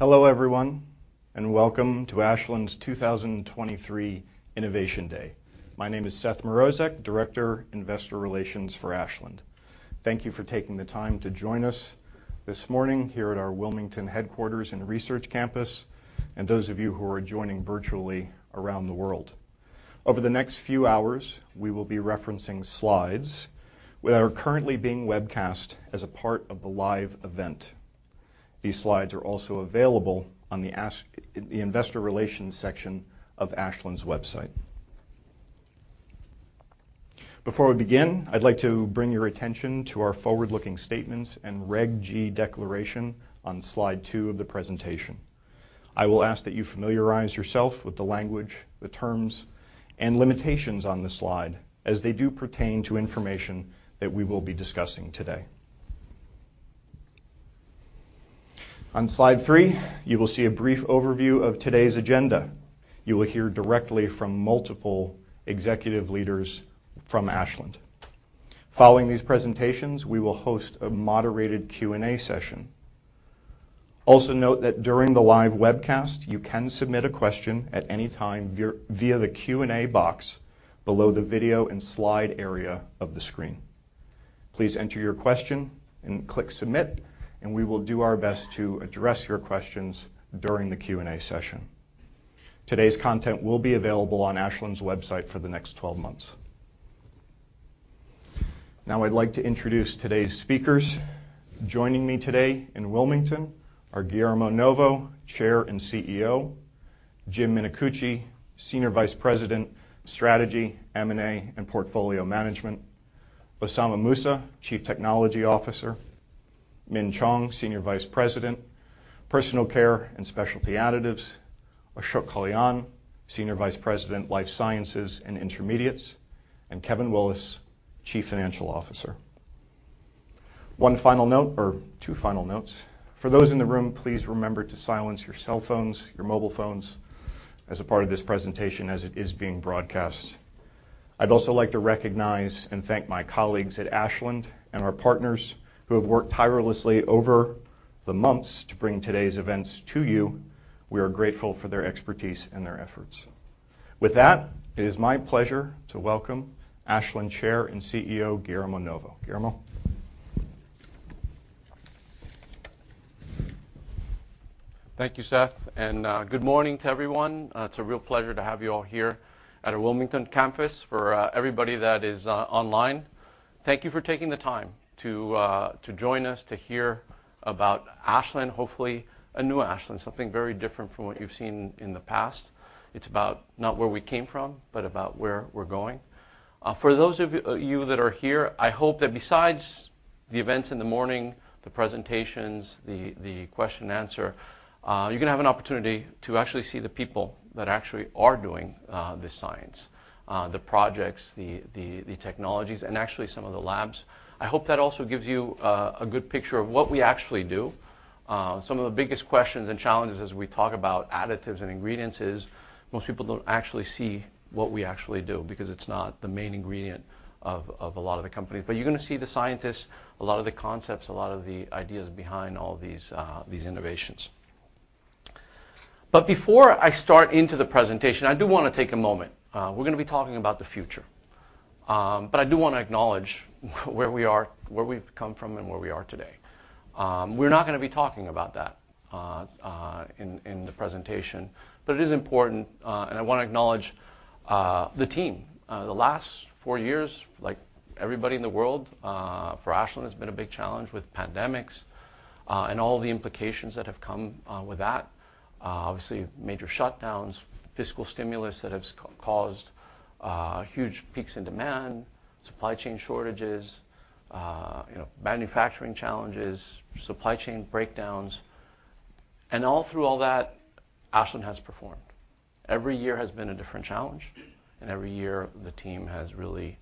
Hello, everyone, and welcome to Ashland's 2023 Innovation Day. My name is Seth Mrozek, Director, Investor Relations for Ashland. Thank you for taking the time to join us this morning here at our Wilmington headquarters and research campus, and those of you who are joining virtually around the world. Over the next few hours, we will be referencing slides that are currently being webcast as a part of the live event. These slides are also available on the Ashland, the Investor Relations section of Ashland's website. Before we begin, I'd like to bring your attention to our forward-looking statements and Reg G declaration on slide two of the presentation. I will ask that you familiarize yourself with the language, the terms, and limitations on this slide, as they do pertain to information that we will be discussing today. On slide three, you will see a brief overview of today's agenda. You will hear directly from multiple executive leaders from Ashland. Following these presentations, we will host a moderated Q&A session. Also note that during the live webcast, you can submit a question at any time via the Q&A box below the video and slide area of the screen. Please enter your question and click submit, and we will do our best to address your questions during the Q&A session. Today's content will be available on Ashland's website for the next 12 months. Now, I'd like to introduce today's speakers. Joining me today in Wilmington are Guillermo Novo, Chair and CEO, Jim Minicucci, Senior Vice President, Strategy, M&A, and Portfolio Management, Osama M. Musa, Chief Technology Officer, Min Chong, Senior Vice President, Personal Care and Specialty Additives, Ashok Kalyana, Senior Vice President, Life Sciences and Intermediates, and Kevin Willis, Chief Financial Officer. One final note or two final notes. For those in the room, please remember to silence your cell phones, your mobile phones, as a part of this presentation as it is being broadcast. I'd also like to recognize and thank my colleagues at Ashland and our partners who have worked tirelessly over the months to bring today's events to you. We are grateful for their expertise and their efforts. With that, it is my pleasure to welcome Ashland Chair and CEO, Guillermo Novo. Guillermo? Thank you, Seth, and good morning to everyone. It's a real pleasure to have you all here at our Wilmington campus. For everybody that is online, thank you for taking the time to join us to hear about Ashland, hopefully a new Ashland, something very different from what you've seen in the past. It's about not where we came from, but about where we're going. For those of you that are here, I hope that besides the events in the morning, the presentations, the question and answer, you're gonna have an opportunity to actually see the people that actually are doing the science, the projects, the technologies, and actually some of the labs. I hope that also gives you a good picture of what we actually do. Some of the biggest questions and challenges as we talk about additives and ingredients is most people don't actually see what we actually do because it's not the main ingredient of a lot of the companies. But you're gonna see the scientists, a lot of the concepts, a lot of the ideas behind all these, these innovations. But before I start into the presentation, I do wanna take a moment. We're gonna be talking about the future, but I do wanna acknowledge where we are, where we've come from, and where we are today. We're not gonna be talking about that in the presentation, but it is important, and I wanna acknowledge the team. The last four years, like everybody in the world, for Ashland, has been a big challenge with pandemics, and all the implications that have come with that. Obviously, major shutdowns, fiscal stimulus that have caused huge peaks in demand, supply chain shortages, you know, manufacturing challenges, supply chain breakdowns. And all through all that, Ashland has performed. Every year has been a different challenge, and every year, the team has really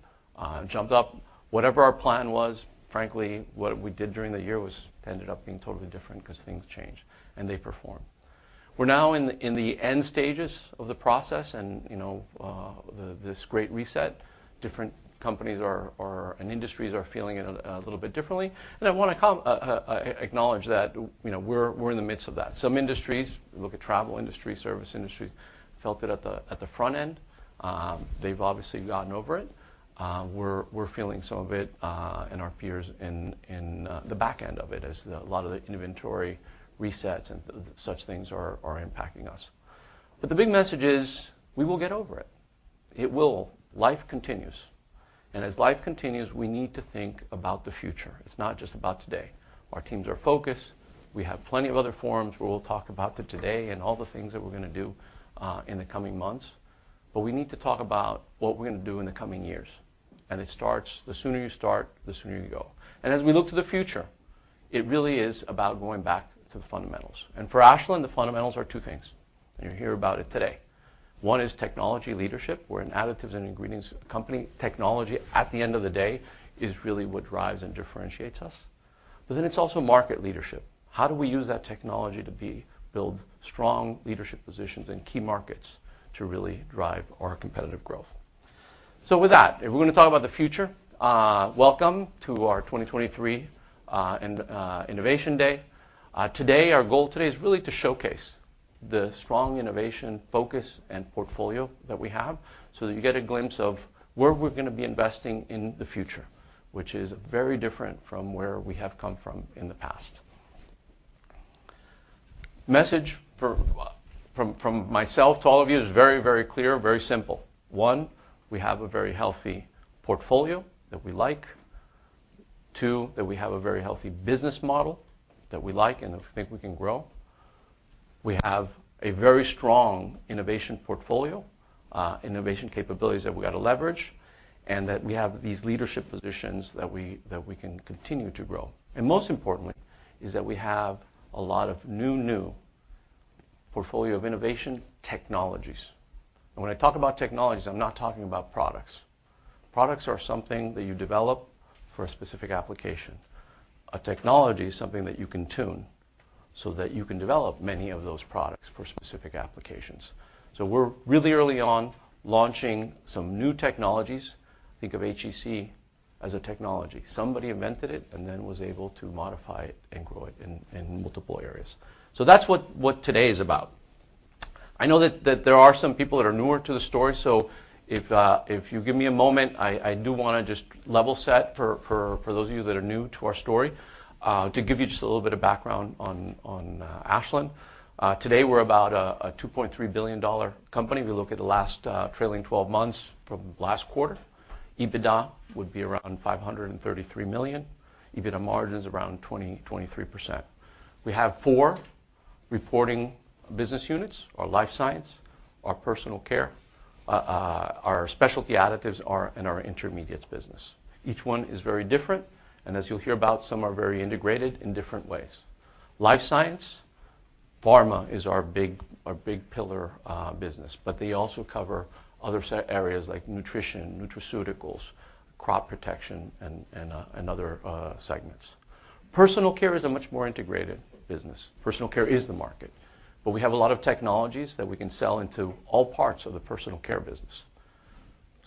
jumped up. Whatever our plan was, frankly, what we did during the year was ended up being totally different 'cause things change, and they performed. We're now in the end stages of the process, and, you know, this great reset, different companies are and industries are feeling it a little bit differently. And I wanna acknowledge that, you know, we're in the midst of that. Some industries, look at travel industry, service industries, felt it at the front end. They've obviously gotten over it. We're feeling some of it, and our peers in the back end of it, as a lot of the inventory resets and such things are impacting us. But the big message is, we will get over it. It will. Life continues, and as life continues, we need to think about the future. It's not just about today. Our teams are focused. We have plenty of other forums where we'll talk about the today and all the things that we're gonna do in the coming months, but we need to talk about what we're gonna do in the coming years, and it starts. The sooner you start, the sooner you go. As we look to the future, it really is about going back to the fundamentals. For Ashland, the fundamentals are two things, and you'll hear about it today. One is technology leadership. We're an additives and ingredients company. Technology, at the end of the day, is really what drives and differentiates us, but then it's also market leadership. How do we use that technology to build strong leadership positions in key markets to really drive our competitive growth? With that, if we're gonna talk about the future, welcome to our 2023 Innovation Day. Today, our goal today is really to showcase the strong innovation focus and portfolio that we have, so that you get a glimpse of where we're gonna be investing in the future, which is very different from where we have come from in the past. Message for, from, from myself to all of you is very, very clear, very simple. One, we have a very healthy portfolio that we like. Two, that we have a very healthy business model that we like and we think we can grow. We have a very strong innovation portfolio, innovation capabilities that we ought to leverage, and that we have these leadership positions that we, that we can continue to grow. And most importantly, is that we have a lot of new, new portfolio of innovation technologies. And when I talk about technologies, I'm not talking about products. Products are something that you develop for a specific application. A technology is something that you can tune so that you can develop many of those products for specific applications. So we're really early on launching some new technologies. Think of HEC as a technology. Somebody invented it and then was able to modify it and grow it in multiple areas. So that's what today is about. I know that there are some people that are newer to the story, so if you give me a moment, I do wanna just level set for those of you that are new to our story, to give you just a little bit of background on Ashland. Today, we're about a $2.3 billion company. We look at the last trailing twelve months from last quarter, EBITDA would be around $533 million. EBITDA margin's around 23%. We have four reporting business units, our Life Sciences, our Personal Care, our Specialty Additives, and our Intermediates business. Each one is very different, and as you'll hear about, some are very integrated in different ways. Life Sciences, pharma is our big, our big pillar business, but they also cover other areas like nutrition, nutraceuticals, crop protection, and other segments. Personal Care is a much more integrated business. Personal Care is the market, but we have a lot of technologies that we can sell into all parts of the Personal Care business: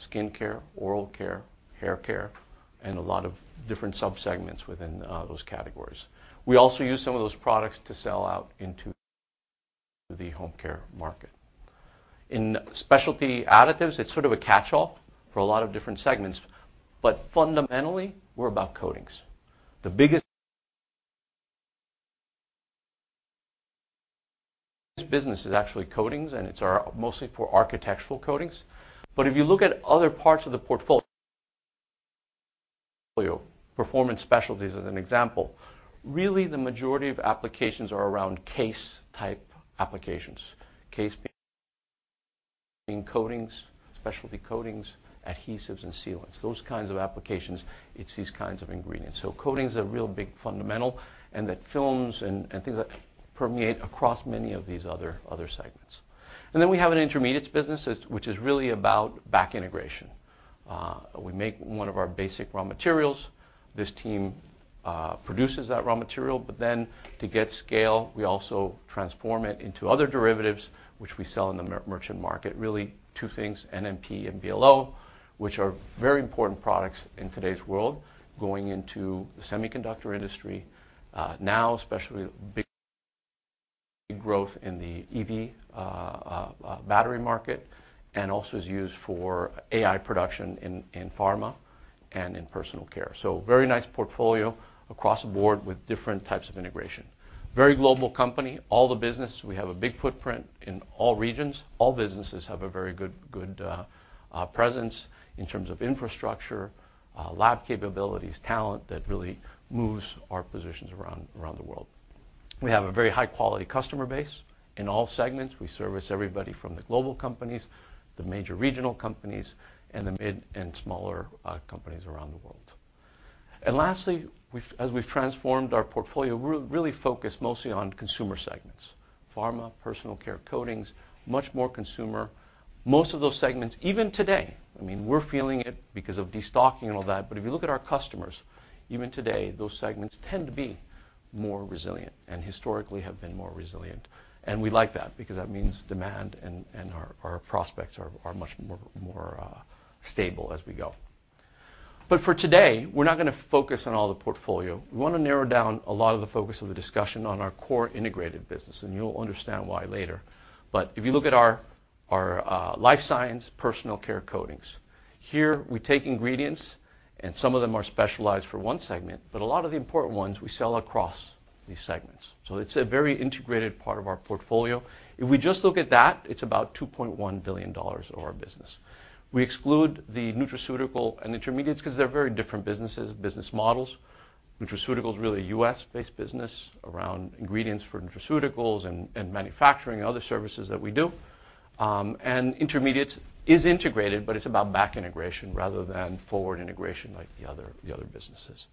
skincare, oral care, hair care, and a lot of different subsegments within those categories. We also use some of those products to sell out into the home care market. In Specialty Additives, it's sort of a catch-all for a lot of different segments, but fundamentally, we're about coatings. The biggest business is actually coatings, and it's our, mostly for architectural coatings. But if you look at other parts of the portfolio, performance specialties as an example, really, the majority of applications are around case-type applications. Case being coatings, specialty coatings, adhesives, and sealants. Those kinds of applications, it's these kinds of ingredients. So coating's a real big fundamental, and that films and, and things like that permeate across many of these other, other segments. And then we have an Intermediates business, which is really about back integration. We make one of our basic raw materials. This team produces that raw material, but then to get scale, we also transform it into other derivatives, which we sell in the merchant market. Really, two things, NMP and VLO, which are very important products in today's world, going into the semiconductor industry, now, especially big growth in the EV battery market, and also is used for API production in pharma and in Personal Care. So very nice portfolio across the board with different types of integration. Very global company. All the business, we have a big footprint in all regions. All businesses have a very good presence in terms of infrastructure, lab capabilities, talent that really moves our positions around the world. We have a very high-quality customer base in all segments. We service everybody from the global companies, the major regional companies, and the mid and smaller companies around the world. And lastly, we've, as we've transformed our portfolio, we're really focused mostly on consumer segments, pharma, personal care, coatings, much more consumer. Most of those segments, even today, I mean, we're feeling it because of destocking and all that, but if you look at our customers, even today, those segments tend to be more resilient and historically have been more resilient, and we like that because that means demand and, and our, our prospects are, are much more, more stable as we go. But for today, we're not gonna focus on all the portfolio. We wanna narrow down a lot of the focus of the discussion on our core integrated business, and you'll understand why later. But if you look at our Life Sciences, Personal Care, coatings, here, we take ingredients, and some of them are specialized for one segment, but a lot of the important ones we sell across these segments. So it's a very integrated part of our portfolio. If we just look at that, it's about $2.1 billion of our business. We exclude the nutraceutical and intermediates 'cause they're very different businesses, business models. Nutraceutical is really a U.S. based business around ingredients for nutraceuticals and manufacturing and other services that we do. And intermediates is integrated, but it's about back integration rather than forward integration like the other businesses.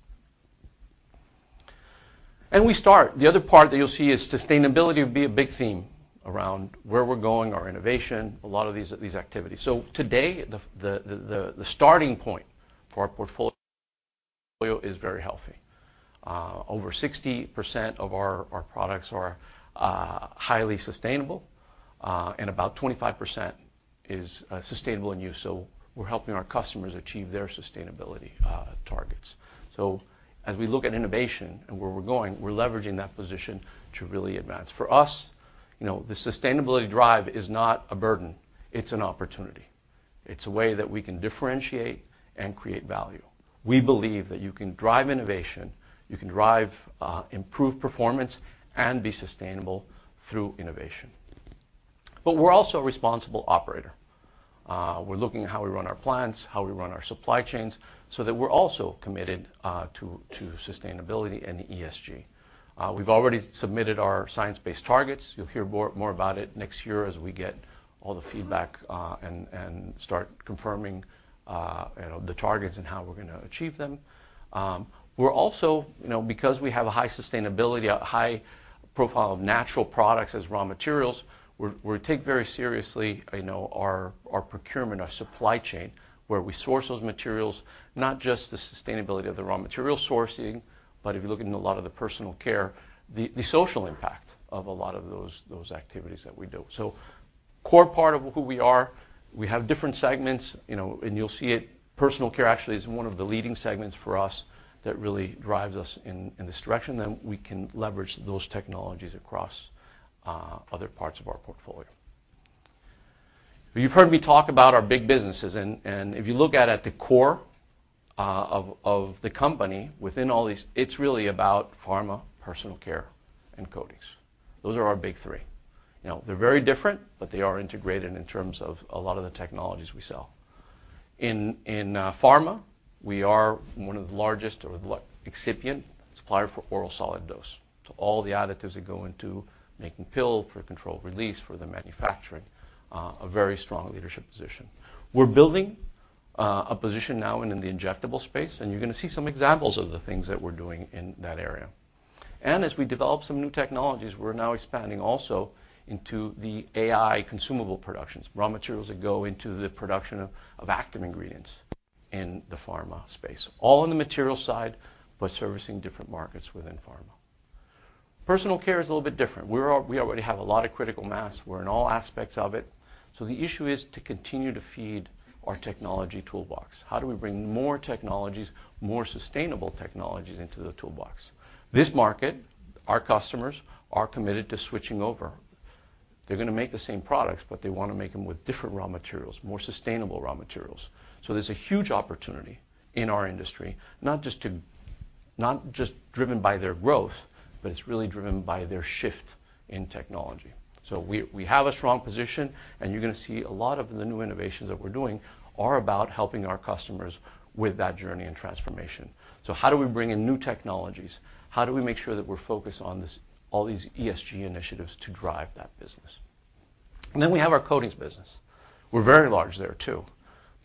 And the other part that you'll see is sustainability will be a big theme around where we're going, our innovation, a lot of these activities. So today, the starting point for our portfolio is very healthy. Over 60% of our products are highly sustainable, and about 25% is sustainable in use, so we're helping our customers achieve their sustainability targets. So as we look at innovation and where we're going, we're leveraging that position to really advance. For us, you know, the sustainability drive is not a burden, it's an opportunity. It's a way that we can differentiate and create value. We believe that you can drive innovation, you can drive improve performance, and be sustainable through innovation. But we're also a responsible operator. We're looking at how we run our plants, how we run our supply chains, so that we're also committed to sustainability and ESG. We've already submitted our science-based targets. You'll hear more about it next year as we get all the feedback and start confirming, you know, the targets and how we're gonna achieve them. We're also, you know, because we have a high sustainability, a high profile of natural products as raw materials, we take very seriously, you know, our procurement, our supply chain, where we source those materials, not just the sustainability of the raw material sourcing, but if you look into a lot of the Personal Care, the social impact of a lot of those activities that we do. So core part of who we are, we have different segments, you know, and you'll see it. Personal Care actually is one of the leading segments for us that really drives us in, in this direction, then we can leverage those technologies across, other parts of our portfolio. You've heard me talk about our big businesses, and, and if you look at it, at the core, of, of the company, within all these, it's really about pharma, personal care, and coatings. Those are our Big Three. You know, they're very different, but they are integrated in terms of a lot of the technologies we sell. In, in, pharma, we are one of the largest or the excipient supplier for oral solid dose. So all the additives that go into making pill for controlled release, for the manufacturing, a very strong leadership position. We're building a position now and in the injectable space, and you're gonna see some examples of the things that we're doing in that area. And as we develop some new technologies, we're now expanding also into the API consumable productions, raw materials that go into the production of active ingredients in the pharma space. All in the material side, but servicing different markets within pharma. Personal care is a little bit different. We're already have a lot of critical mass. We're in all aspects of it, so the issue is to continue to feed our technology toolbox. How do we bring more technologies, more sustainable technologies into the toolbox? This market, our customers, are committed to switching over. They're gonna make the same products, but they wanna make them with different raw materials, more sustainable raw materials. So there's a huge opportunity in our industry, not just driven by their growth, but it's really driven by their shift in technology. So we have a strong position, and you're gonna see a lot of the new innovations that we're doing are about helping our customers with that journey and transformation. So how do we bring in new technologies? How do we make sure that we're focused on this, all these ESG initiatives to drive that business? And then we have our coatings business. We're very large there, too,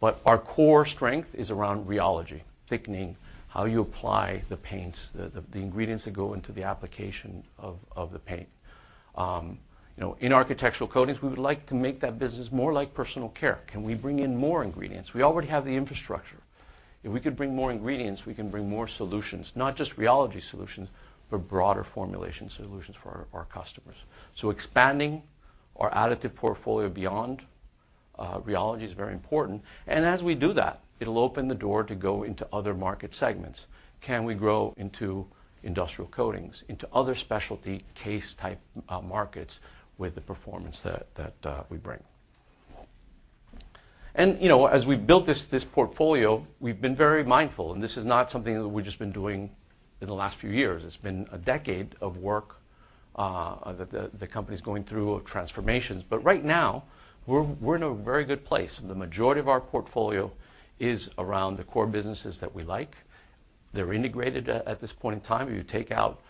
but our core strength is around rheology, thickening, how you apply the paints, the ingredients that go into the application of the paint. You know, in architectural coatings, we would like to make that business more like personal care. Can we bring in more ingredients? We already have the infrastructure. If we could bring more ingredients, we can bring more solutions, not just rheology solutions, but broader formulation solutions for our customers. So expanding our additive portfolio beyond rheology is very important. And as we do that, it'll open the door to go into other market segments. Can we grow into industrial coatings, into other specialty case-type markets with the performance that we bring? And, you know, as we built this portfolio, we've been very mindful, and this is not something that we've just been doing in the last few years. It's been a decade of work that the company's going through of transformations. But right now, we're in a very good place, and the majority of our portfolio is around the core businesses that we like. They're integrated at this point in time. If you take out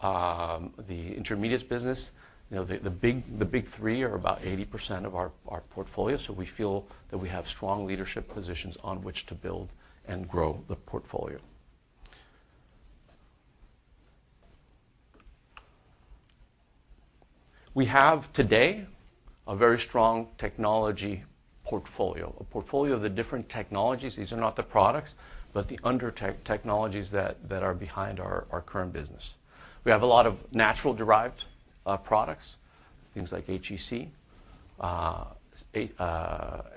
the intermediates business, you know, the big three are about 80% of our portfolio, so we feel that we have strong leadership positions on which to build and grow the portfolio. We have today a very strong technology portfolio, a portfolio of the different technologies. These are not the products, but the underlying technologies that are behind our current business. We have a lot of natural derived products, things like HEC,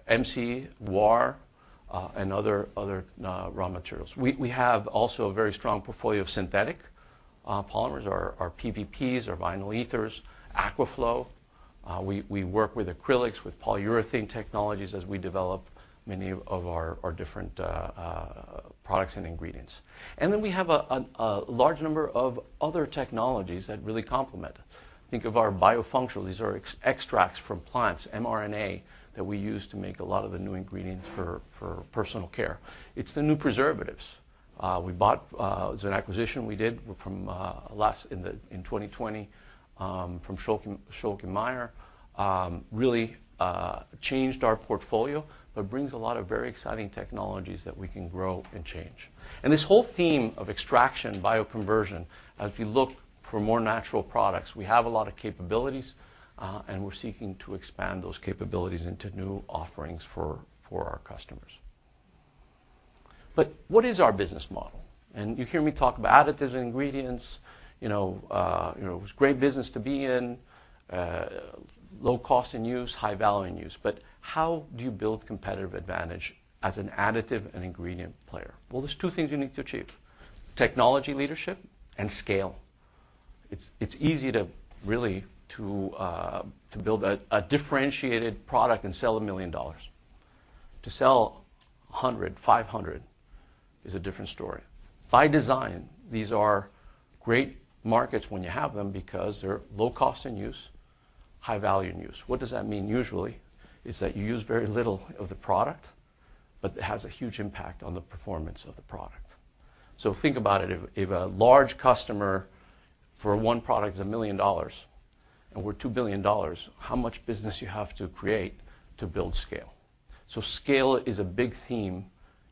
MC, and other raw materials. We have also a very strong portfolio of synthetic polymers, our PVPs, our vinyl ethers, Aquaflow. We work with acrylics, with polyurethane technologies as we develop many of our different products and ingredients. And then we have a large number of other technologies that really complement. Think of our biofunctionals. These are extracts from plants, mRNA, that we use to make a lot of the new ingredients for personal care. It's the new preservatives. We bought it. It was an acquisition we did from Schülke & Mayr in 2020, really changed our portfolio, but brings a lot of very exciting technologies that we can grow and change. And this whole theme of extraction, bioconversion, as we look for more natural products, we have a lot of capabilities, and we're seeking to expand those capabilities into new offerings for our customers. But what is our business model? And you hear me talk about additives and ingredients, you know, you know, it's great business to be in, low cost in use, high value in use. But how do you build competitive advantage as an additive and ingredient player? Well, there's two things you need to achieve: technology leadership and scale. It's easy to really build a differentiated product and sell $1 million. To sell $100 million, $500 million, is a different story. By design, these are great markets when you have them because they're low cost in use, high value in use. What does that mean usually, is that you use very little of the product, but it has a huge impact on the performance of the product. So think about it, if a large customer for one product is $1 million, and we're $2 billion, how much business you have to create to build scale? So scale is a big theme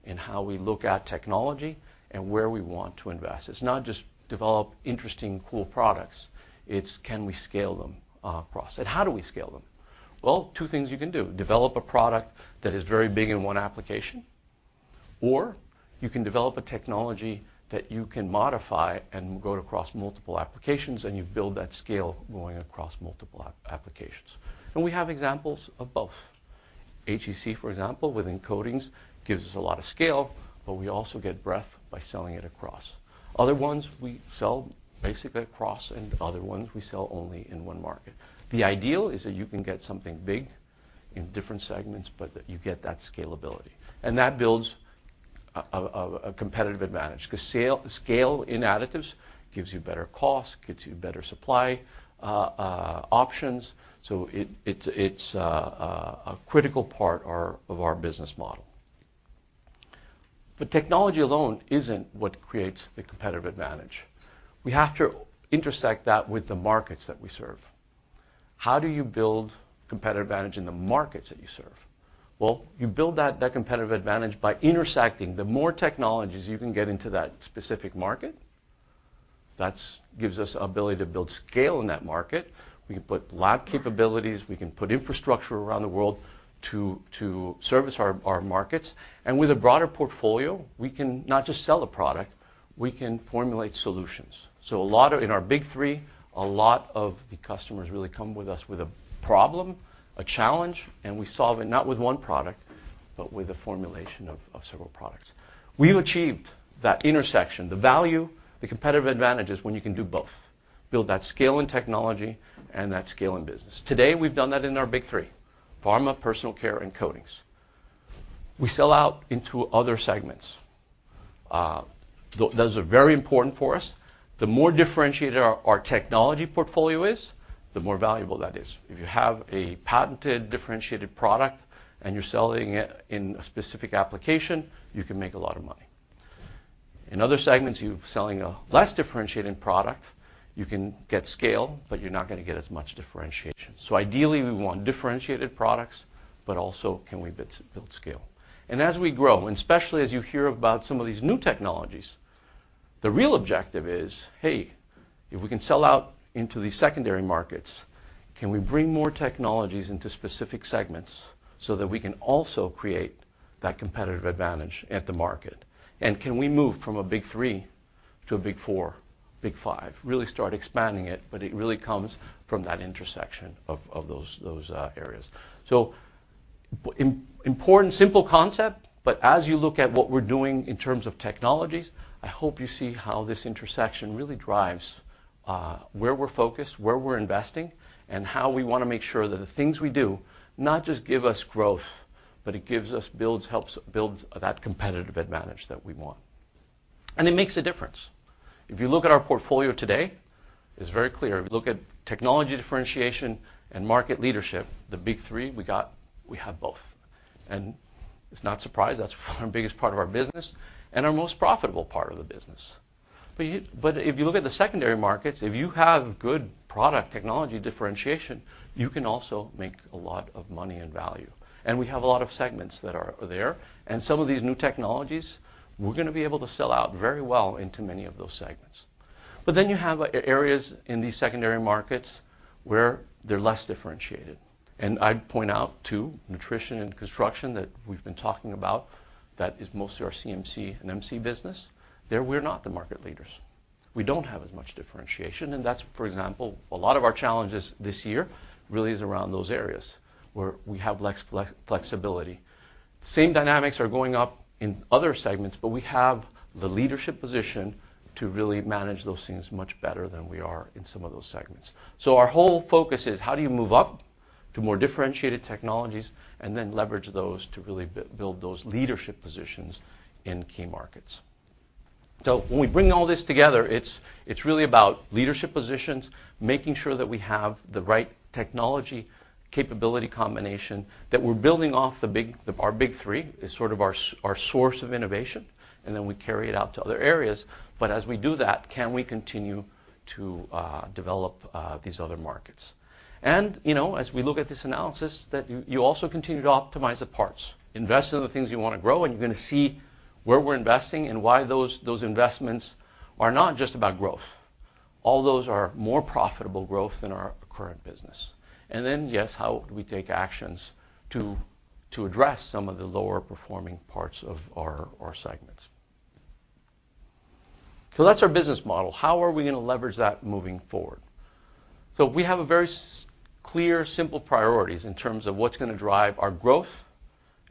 in how we look at technology and where we want to invest. It's not just develop interesting, cool products, it's can we scale them across? And how do we scale them? Well, two things you can do: develop a product that is very big in one application, or you can develop a technology that you can modify and go across multiple applications, and you build that scale going across multiple applications. And we have examples of both. HEC, for example, within coatings, gives us a lot of scale, but we also get breadth by selling it across. Other ones, we sell basically across, and other ones, we sell only in one market. The ideal is that you can get something big in different segments, but that you get that scalability. And that builds a competitive advantage, 'cause scale in additives gives you better cost, gets you better supply options, so it's a critical part of our business model. But technology alone isn't what creates the competitive advantage. We have to intersect that with the markets that we serve. How do you build competitive advantage in the markets that you serve? Well, you build that competitive advantage by intersecting. The more technologies you can get into that specific market, that's gives us ability to build scale in that market. We can put lab capabilities, we can put infrastructure around the world to service our markets. With a broader portfolio, we can not just sell a product, we can formulate solutions. A lot of. In our big three, a lot of the customers really come with us with a problem, a challenge, and we solve it, not with one product, but with a formulation of several products. We've achieved that intersection, the value, the competitive advantage is when you can do both, build that scale in technology and that scale in business. Today, we've done that in our big three: pharma, personal care, and coatings. We sell out into other segments. Those are very important for us. The more differentiated our technology portfolio is, the more valuable that is. If you have a patented, differentiated product, and you're selling it in a specific application, you can make a lot of money. In other segments, you're selling a less differentiated product, you can get scale, but you're not gonna get as much differentiation. So ideally, we want differentiated products, but also, can we build scale? And as we grow, and especially as you hear about some of these new technologies, the real objective is, hey, if we can sell out into these secondary markets, can we bring more technologies into specific segments so that we can also create that competitive advantage at the market? And can we move from a big three to a big four, big five? Really start expanding it, but it really comes from that intersection of those areas. So important, simple concept, but as you look at what we're doing in terms of technologies, I hope you see how this intersection really drives where we're focused, where we're investing, and how we wanna make sure that the things we do not just give us growth, but it helps build that competitive advantage that we want. And it makes a difference. If you look at our portfolio today, it's very clear. If you look at technology differentiation and market leadership, the big three, we have both. And it's no surprise, that's our biggest part of our business and our most profitable part of the business. But if you look at the secondary markets, if you have good product technology differentiation, you can also make a lot of money and value. We have a lot of segments that are there, and some of these new technologies, we're gonna be able to sell out very well into many of those segments. But then you have areas in these secondary markets where they're less differentiated. And I'd point out, too, nutrition and construction that we've been talking about, that is mostly our CMC and MC business, there, we're not the market leaders. We don't have as much differentiation, and that's, for example, a lot of our challenges this year really is around those areas where we have less flexibility. Same dynamics are going up in other segments, but we have the leadership position to really manage those things much better than we are in some of those segments. So our whole focus is how do you move up to more differentiated technologies and then leverage those to really build those leadership positions in key markets? So when we bring all this together, it's, it's really about leadership positions, making sure that we have the right technology-capability combination, that we're building off the big. Our big three is sort of our source of innovation, and then we carry it out to other areas. But as we do that, can we continue to develop these other markets? And, you know, as we look at this analysis, that you, you also continue to optimize the parts, invest in the things you wanna grow, and you're gonna see where we're investing and why those, those investments are not just about growth. All those are more profitable growth than our current business. And then, yes, how do we take actions to address some of the lower performing parts of our segments? So that's our business model. How are we gonna leverage that moving forward? So we have a very clear, simple priorities in terms of what's gonna drive our growth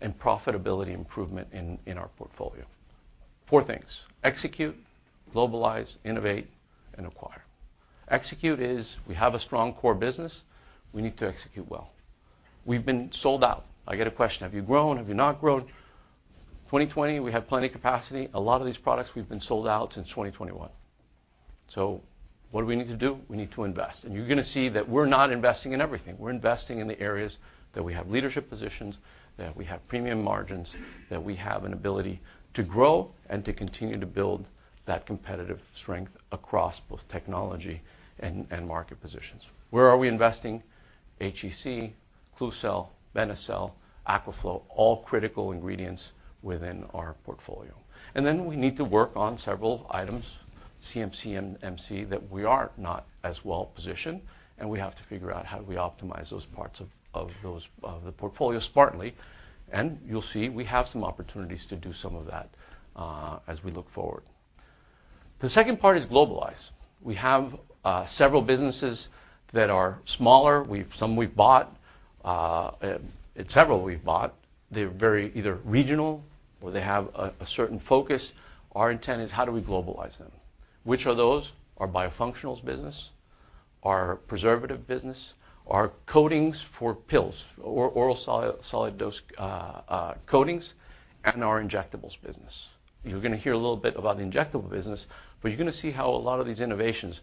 and profitability improvement in our portfolio. Four things: execute, globalize, innovate, and acquire. Execute is, we have a strong core business, we need to execute well. We've been sold out. I get a question: Have you grown? Have you not grown? 2020, we have plenty of capacity. A lot of these products, we've been sold out since 2021. So what do we need to do? We need to invest, and you're gonna see that we're not investing in everything. We're investing in the areas that we have leadership positions, that we have premium margins, that we have an ability to grow and to continue to build that competitive strength across both technology and market positions. Where are we investing? HEC, Klucel, Benecel, Aquaflow, all critical ingredients within our portfolio. And then we need to work on several items, CMC and MC, that we are not as well positioned, and we have to figure out how do we optimize those parts of those of the portfolio smartly, and you'll see, we have some opportunities to do some of that, as we look forward. The second part is globalize. We have several businesses that are smaller. We've some we've bought, and several we've bought. They're very either regional or they have a certain focus. Our intent is how do we globalize them? Which are those? Our biofunctionals business, our preservative business, our coatings for pills, oral solid dose coatings, and our injectables business. You're gonna hear a little bit about the injectable business, but you're gonna see how a lot of these innovations,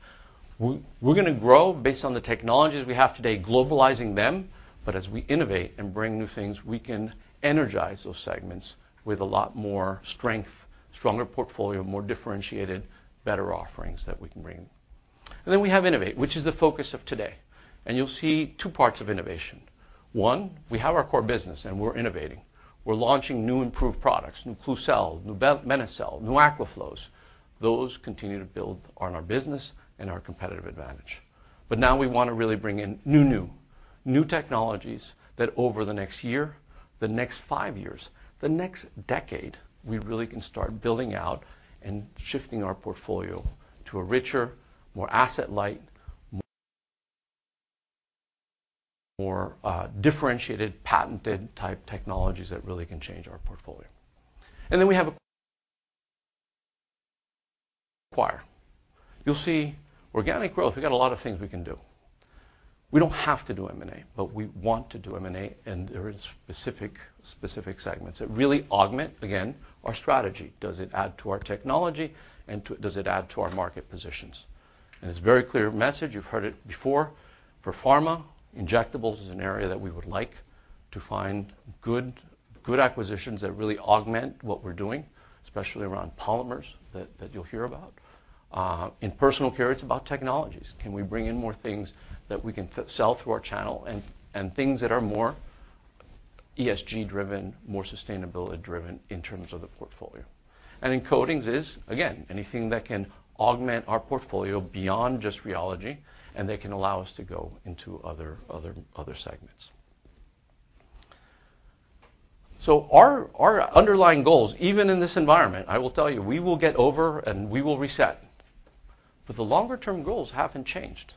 we're gonna grow based on the technologies we have today, globalizing them, but as we innovate and bring new things, we can energize those segments with a lot more strength, stronger portfolio, more differentiated, better offerings that we can bring. And then we have innovate, which is the focus of today, and you'll see two parts of innovation. One, we have our core business, and we're innovating. We're launching new, improved products, new Klucel, new Benecel, new Aquaflows. Those continue to build on our business and our competitive advantage. But now we wanna really bring in new. New technologies that over the next year, the next five years, the next decade, we really can start building out and shifting our portfolio to a richer, more asset light, more differentiated, patented-type technologies that really can change our portfolio. You'll see organic growth, we got a lot of things we can do. We don't have to do M&A, but we want to do M&A, and there are specific, specific segments that really augment, again, our strategy. Does it add to our technology, and does it add to our market positions? And it's a very clear message, you've heard it before. For pharma, injectables is an area that we would like to find good, good acquisitions that really augment what we're doing, especially around polymers, that, that you'll hear about. In Personal Care, it's about technologies. Can we bring in more things that we can sell through our channel and, and things that are more ESG-driven, more sustainability-driven in terms of the portfolio? And in coatings is, again, anything that can augment our portfolio beyond just rheology, and that can allow us to go into other, other, other segments. So our, our underlying goals, even in this environment, I will tell you, we will get over, and we will reset. But the longer term goals haven't changed.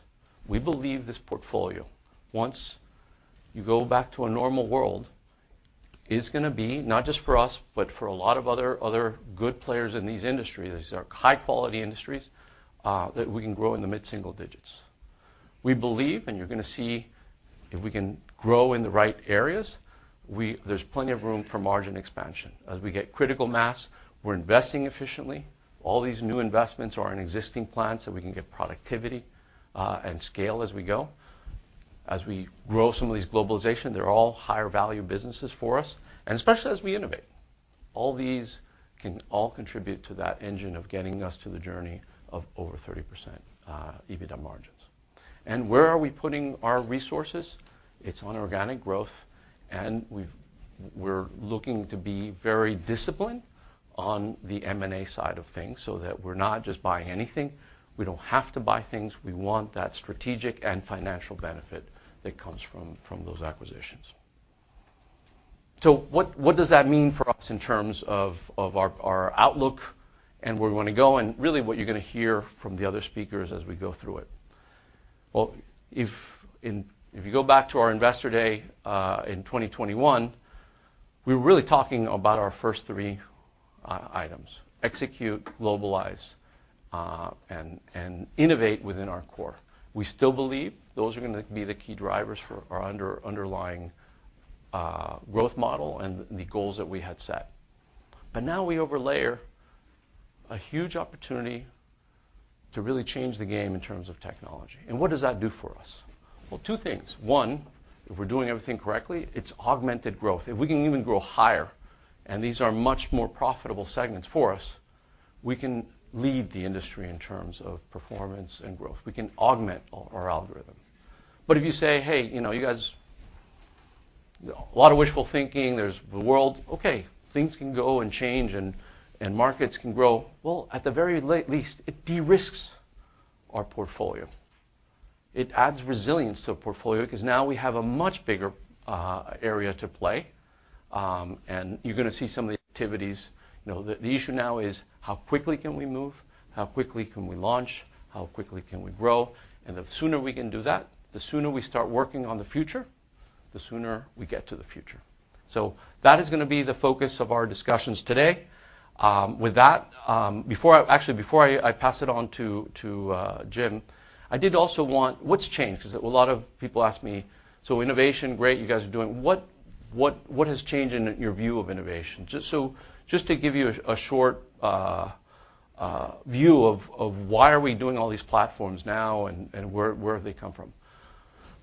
We believe this portfolio, once you go back to a normal world, is gonna be, not just for us, but for a lot of other, other good players in these industries, these are high-quality industries, that we can grow in the mid-single digits. We believe, and you're gonna see, if we can grow in the right areas, we, there's plenty of room for margin expansion. As we get critical mass, we're investing efficiently. All these new investments are in existing plants, so we can get productivity and scale as we go. As we grow some of these globalization, they're all higher value businesses for us, and especially as we innovate. All these can all contribute to that engine of getting us to the journey of over 30% EBITDA margins. And where are we putting our resources? It's on organic growth, and we're looking to be very disciplined on the M&A side of things so that we're not just buying anything. We don't have to buy things. We want that strategic and financial benefit that comes from those acquisitions. So what does that mean for us in terms of our outlook and where we wanna go, and really, what you're gonna hear from the other speakers as we go through it? Well, if you go back to our Investor Day in 2021, we were really talking about our first three items: execute, globalize, and innovate within our core. We still believe those are gonna be the key drivers for our underlying growth model and the goals that we had set. But now we overlay a huge opportunity to really change the game in terms of technology. And what does that do for us? Well, two things. One, if we're doing everything correctly, it's augmented growth. If we can even grow higher, and these are much more profitable segments for us, we can lead the industry in terms of performance and growth. We can augment our algorithm. But if you say, "Hey, you know, you guys." A lot of wishful thinking. There's the world, okay, things can go and change, and markets can grow. Well, at the very least, it de-risks our portfolio. It adds resilience to a portfolio, 'cause now we have a much bigger area to play, and you're gonna see some of the activities. You know, the issue now is: how quickly can we move? How quickly can we launch? How quickly can we grow? And the sooner we can do that, the sooner we start working on the future, the sooner we get to the future. So that is gonna be the focus of our discussions today. With that, before I. Actually, before I pass it on to Jim, I did also want, What's changed? 'Cause a lot of people ask me, "So innovation, great, you guys are doing." What has changed in your view of innovation? Just to give you a short view of why are we doing all these platforms now and where have they come from.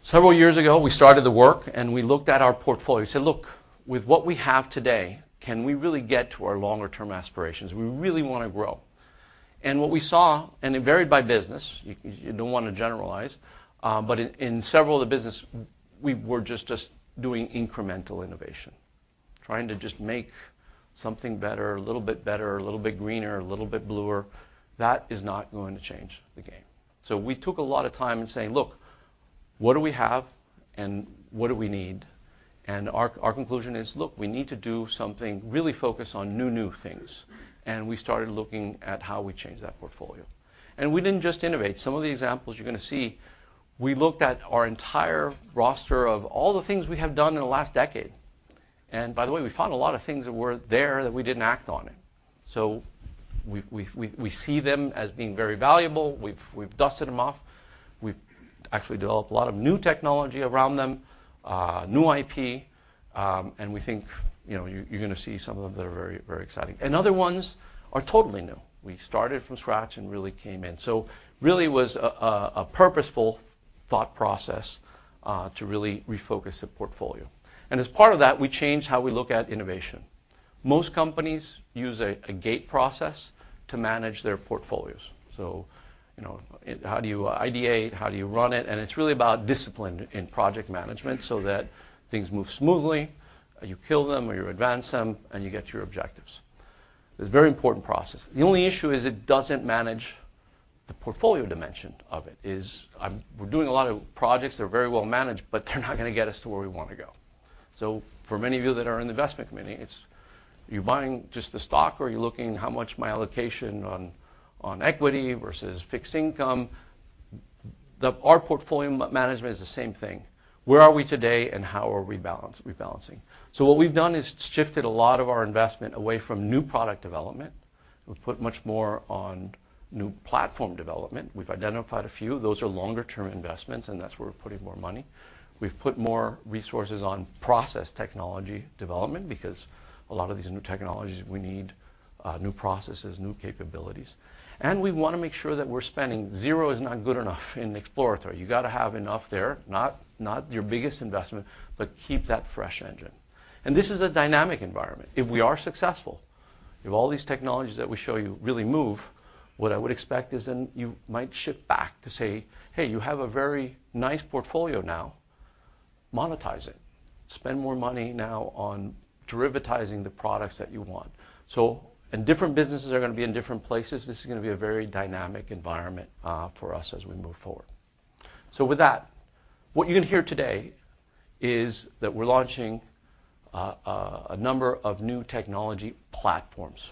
Several years ago, we started the work, and we looked at our portfolio. We said, "Look, with what we have today, can we really get to our longer-term aspirations? We really want to grow." And what we saw, and it varied by business, you don't want to generalize, but in several of the businesses, we were just doing incremental innovation, trying to just make something better, a little bit better, a little bit greener, a little bit bluer. That is not going to change the game. So we took a lot of time in saying, "Look, what do we have, and what do we need?" And our conclusion is, look, we need to do something, really focus on new things, and we started looking at how we change that portfolio. And we didn't just innovate. Some of the examples you're gonna see, we looked at our entire roster of all the things we have done in the last decade, and by the way, we found a lot of things that were there that we didn't act on it. So we see them as being very valuable. We've dusted them off. We've actually developed a lot of new technology around them, new IP, and we think, you know, you're gonna see some of them that are very, very exciting. And other ones are totally new. We started from scratch and really came in. So really was a purposeful thought process to really refocus the portfolio, and as part of that, we changed how we look at innovation. Most companies use a gate process to manage their portfolios. So, you know, it. How do you ideate? How do you run it? And it's really about discipline in project management so that things move smoothly, you kill them, or you advance them, and you get your objectives. It's a very important process. The only issue is it doesn't manage the portfolio dimension of it; is, we're doing a lot of projects that are very well managed, but they're not gonna get us to where we want to go. So for many of you that are in the investment committee, it's you buying just the stock, or are you looking how much my allocation on, on equity versus fixed income? Our portfolio management is the same thing. Where are we today, and how are we rebalancing? So what we've done is shifted a lot of our investment away from new product development. We've put much more on new platform development. We've identified a few. Those are longer-term investments, and that's where we're putting more money. We've put more resources on process technology development because a lot of these new technologies, we need new processes, new capabilities. And we wanna make sure that we're spending. Zero is not good enough in exploratory. You gotta have enough there, not your biggest investment, but keep that fresh engine. And this is a dynamic environment. If we are successful, if all these technologies that we show you really move, what I would expect is then you might shift back to say, "Hey, you have a very nice portfolio now. Monetize it. Spend more money now on derivatizing the products that you want." So, and different businesses are gonna be in different places. This is gonna be a very dynamic environment for us as we move forward. So with that, what you're gonna hear today is that we're launching a number of new vtechnology platforms.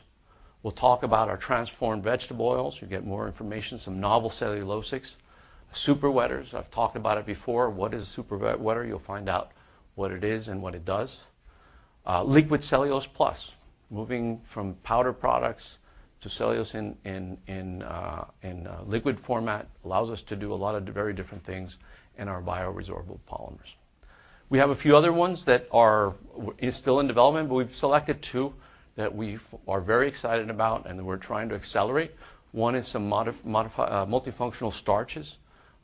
We'll talk about our transformed vegetable oils. You'll get more information, some novel cellulosics. Superwetters, I've talked about it before. What is a superwetter? You'll find out what it is and what it does. Liquid Cellulose Plus, moving from powder products to cellulose in liquid format, allows us to do a lot of very different things in our bioresorbable polymers. We have a few other ones that are still in development, but we've selected two that we are very excited about and that we're trying to accelerate. One is some multifunctional starches,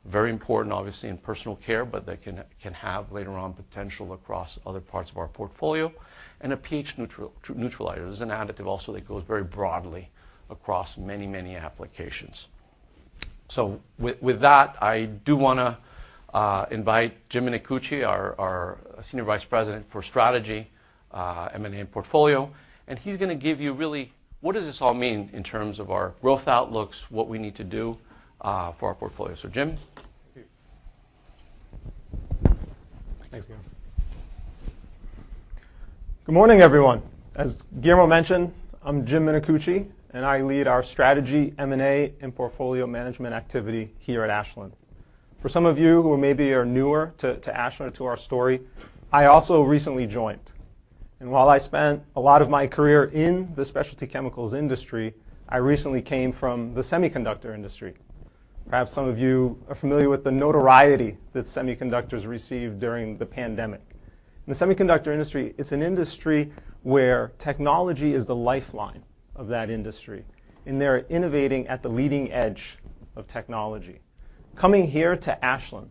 very important, obviously, in Personal Care, but they can have, later on, potential across other parts of our portfolio, and a pH neutralizer. It's an additive also that goes very broadly across many, many applications. So with that, I do wanna invite Jim Minicucci, our Senior Vice President for Strategy, M&A, and Portfolio, and he's gonna give you really what does this all mean in terms of our growth outlooks, what we need to do for our portfolio? So, Jim. Thank you. Thanks, Guillermo. Good morning, everyone. As Guillermo mentioned, I'm Jim Minicucci, and I lead our Strategy, M&A, and Portfolio Management activity here at Ashland. For some of you who maybe are newer to Ashland or to our story, I also recently joined, and while I spent a lot of my career in the specialty chemicals industry, I recently came from the semiconductor industry. Perhaps some of you are familiar with the notoriety that semiconductors received during the pandemic. The semiconductor industry, it's an industry where technology is the lifeline of that industry, and they're innovating at the leading edge of technology. Coming here to Ashland,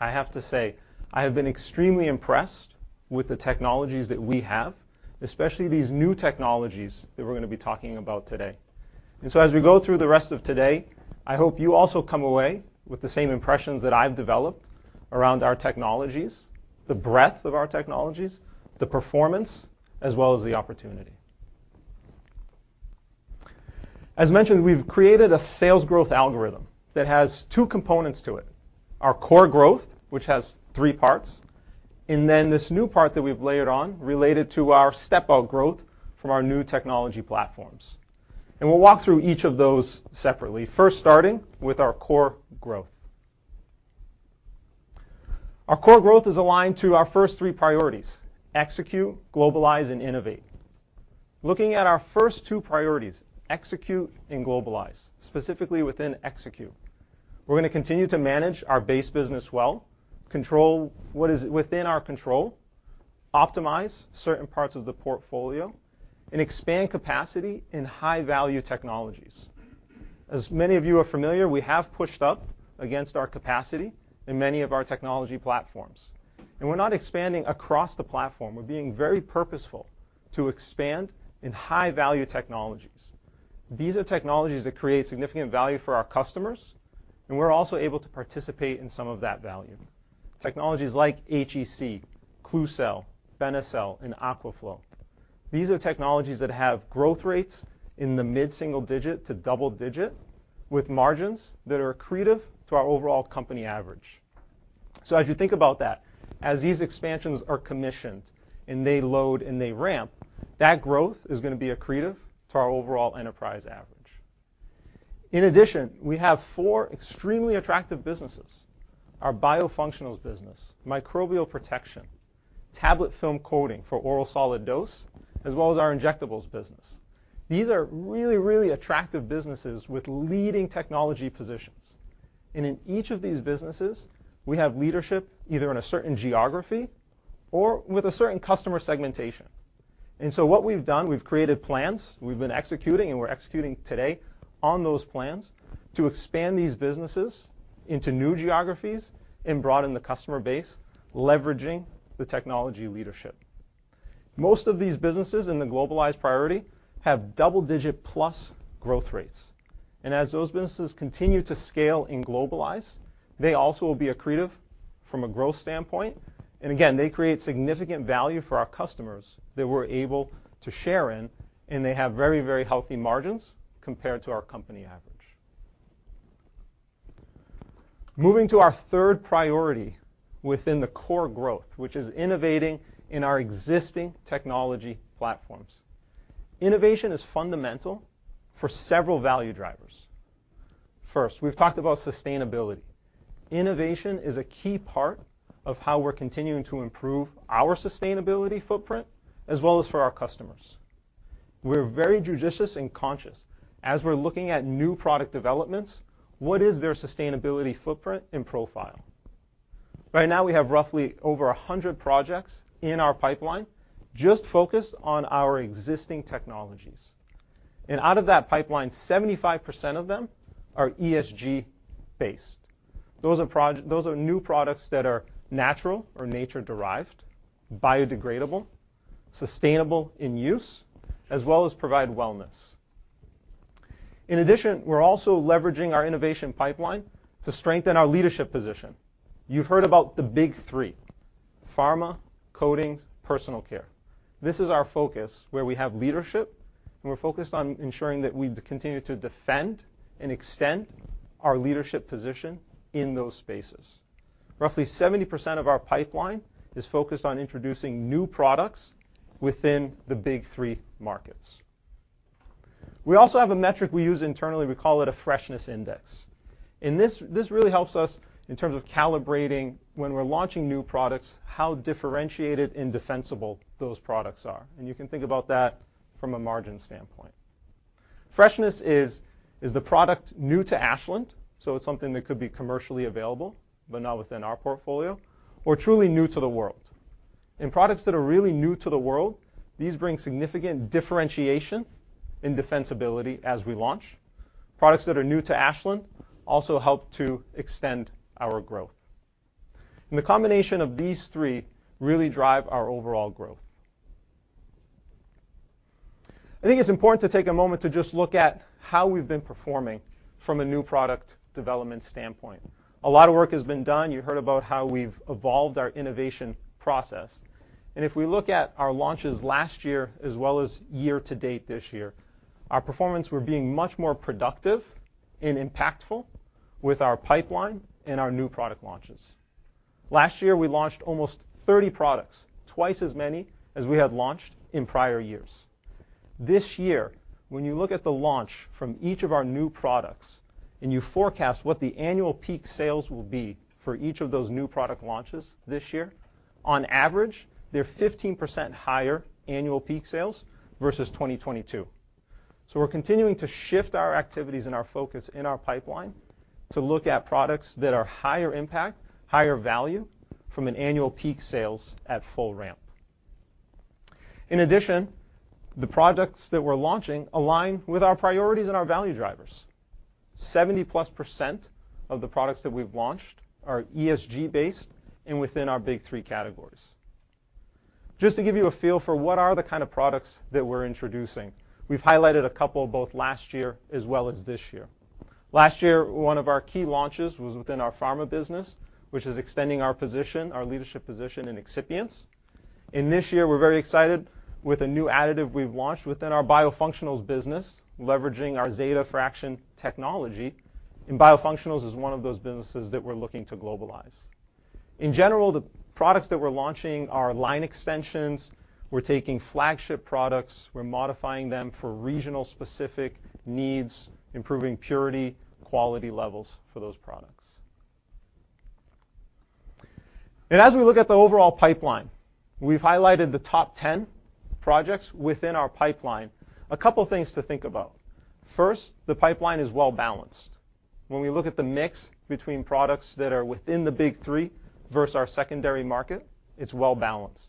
I have to say, I have been extremely impressed with the technologies that we have, especially these new technologies that we're gonna be talking about today. So as we go through the rest of today, I hope you also come away with the same impressions that I've developed around our technologies, the breadth of our technologies, the performance, as well as the opportunity. As mentioned, we've created a sales growth algorithm that has two components to it: our core growth, which has three parts, and then this new part that we've layered on related to our step-out growth from our new technology platforms. We'll walk through each of those separately, first starting with our core growth. Our core growth is aligned to our first three priorities: execute, globalize, and innovate. Looking at our first two priorities, execute and globalize, specifically within execute, we're gonna continue to manage our base business well, control what is within our control, optimize certain parts of the portfolio, and expand capacity in high-value technologies. As many of you are familiar, we have pushed up against our capacity in many of our technology platforms, and we're not expanding across the platform. We're being very purposeful to expand in high-value technologies. These are technologies that create significant value for our customers, and we're also able to participate in some of that value. Technologies like HEC, Klucel, Benecel, and Aquaflow. These are technologies that have growth rates in the mid-single digit to double digit, with margins that are accretive to our overall company average. So as you think about that, as these expansions are commissioned and they load and they ramp, that growth is gonna be accretive to our overall enterprise average. In addition, we have four extremely attractive businesses: our biofunctionals business, microbial protection, tablet film coating for oral solid dose, as well as our injectables business. These are really, really attractive businesses with leading technology positions. In each of these businesses, we have leadership, either in a certain geography or with a certain customer segmentation. So what we've done, we've created plans. We've been executing, and we're executing today on those plans to expand these businesses into new geographies and broaden the customer base, leveraging the technology leadership. Most of these businesses in the Globalize priority have double-digit+ growth rates, and as those businesses continue to scale and globalize, they also will be accretive from a growth standpoint. Again, they create significant value for our customers that we're able to share in, and they have very, very healthy margins compared to our company average. Moving to our third priority within the core growth, which is innovating in our existing technology platforms. Innovation is fundamental for several value drivers. First, we've talked about sustainability. Innovation is a key part of how we're continuing to improve our sustainability footprint, as well as for our customers. We're very judicious and conscious as we're looking at new product developments, what is their sustainability footprint and profile? Right now, we have roughly over 100 projects in our pipeline, just focused on our existing technologies. Out of that pipeline, 75% of them are ESG-based. Those are new products that are natural or nature-derived, biodegradable, sustainable in use, as well as provide wellness. In addition, we're also leveraging our innovation pipeline to strengthen our leadership position. You've heard about the big three: pharma, coatings, personal care. This is our focus, where we have leadership, and we're focused on ensuring that we continue to defend and extend our leadership position in those spaces. Roughly 70% of our pipeline is focused on introducing new products within the big three markets. We also have a metric we use internally. We call it a Freshness Index. And this, this really helps us in terms of calibrating when we're launching new products, how differentiated and defensible those products are, and you can think about that from a margin standpoint. Freshness is, is the product new to Ashland? So it's something that could be commercially available but not within our portfolio, or truly new to the world. And products that are really new to the world, these bring significant differentiation and defensibility as we launch. Products that are new to Ashland also help to extend our growth. And the combination of these three really drive our overall growth. I think it's important to take a moment to just look at how we've been performing from a new product development standpoint. A lot of work has been done. You heard about how we've evolved our innovation process, and if we look at our launches last year, as well as year to date this year, our performance, we're being much more productive and impactful with our pipeline and our new product launches. Last year, we launched almost 30 products, twice as many as we had launched in prior years. This year, when you look at the launch from each of our new products, and you forecast what the annual peak sales will be for each of those new product launches this year, on average, they're 15% higher annual peak sales versus 2022. So we're continuing to shift our activities and our focus in our pipeline to look at products that are higher impact, higher value from an annual peak sales at full ramp. In addition, the products that we're launching align with our priorities and our value drivers. 70%+ of the products that we've launched are ESG-based and within our big three categories. Just to give you a feel for what are the kind of products that we're introducing, we've highlighted a couple, both last year as well as this year. Last year, one of our key launches was within our pharma business, which is extending our position, our leadership position in excipients. And this year, we're very excited with a new additive we've launched within our Biofunctionals business, leveraging our Zeta Fraction technology, and Biofunctionals is one of those businesses that we're looking to globalize. In general, the products that we're launching are line extensions. We're taking flagship products, we're modifying them for regional specific needs, improving purity, quality levels for those products. As we look at the overall pipeline, we've highlighted the top 10 projects within our pipeline. A couple things to think about. First, the pipeline is well-balanced. When we look at the mix between products that are within the big three versus our secondary market, it's well balanced.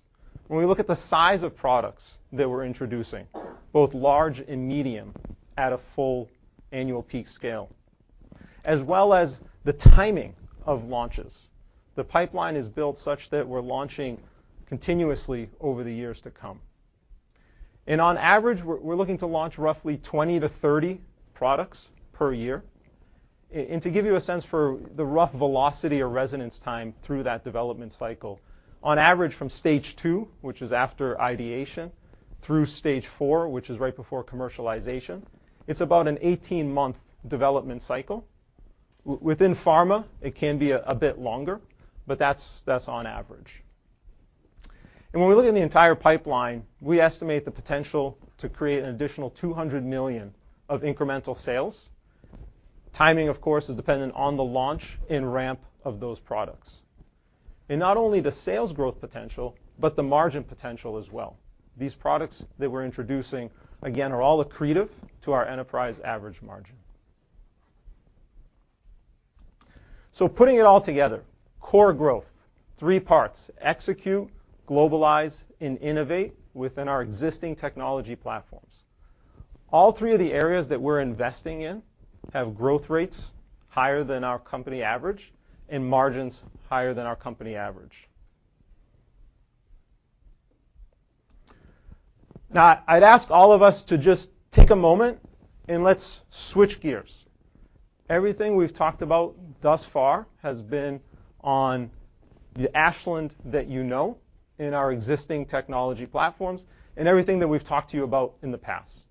When we look at the size of products that we're introducing, both large and medium, at a full annual peak scale, as well as the timing of launches, the pipeline is built such that we're launching continuously over the years to come. On average, we're looking to launch roughly 20-30 products per year. And to give you a sense for the rough velocity or residence time through that development cycle, on average from stage two, which is after ideation, through stage four, which is right before commercialization, it's about an 18 month development cycle. Within pharma, it can be a bit longer, but that's on average. And when we look at the entire pipeline, we estimate the potential to create an additional $200 million of incremental sales. Timing, of course, is dependent on the launch and ramp of those products. And not only the sales growth potential, but the margin potential as well. These products that we're introducing, again, are all accretive to our enterprise average margin. So putting it all together, core growth, three parts: execute, globalize, and innovate within our existing technology platforms. All three of the areas that we're investing in have growth rates higher than our company average and margins higher than our company average. Now, I'd ask all of us to just take a moment and let's switch gears. Everything we've talked about thus far has been on the Ashland that you know, in our existing technology platforms, and everything that we've talked to you about in the past.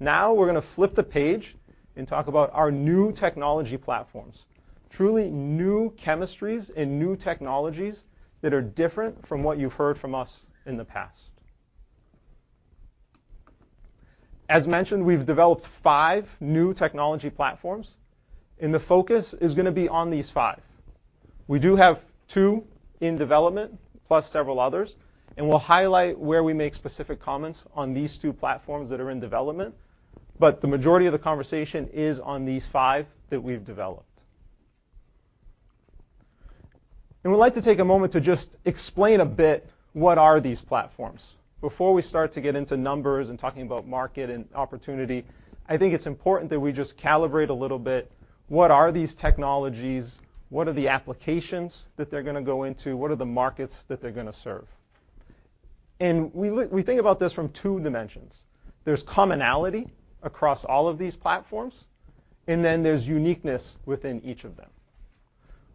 Now, we're gonna flip the page and talk about our new technology platforms. Truly new chemistries and new technologies that are different from what you've heard from us in the past. As mentioned, we've developed five new technology platforms, and the focus is gonna be on these five. We do have two in development, plus several others, and we'll highlight where we make specific comments on these two platforms that are in development, but the majority of the conversation is on these five that we've developed. We'd like to take a moment to just explain a bit, what are these platforms? Before we start to get into numbers and talking about market and opportunity, I think it's important that we just calibrate a little bit, what are these technologies? What are the applications that they're gonna go into? What are the markets that they're gonna serve? We think about this from two dimensions. There's commonality across all of these platforms, and then there's uniqueness within each of them.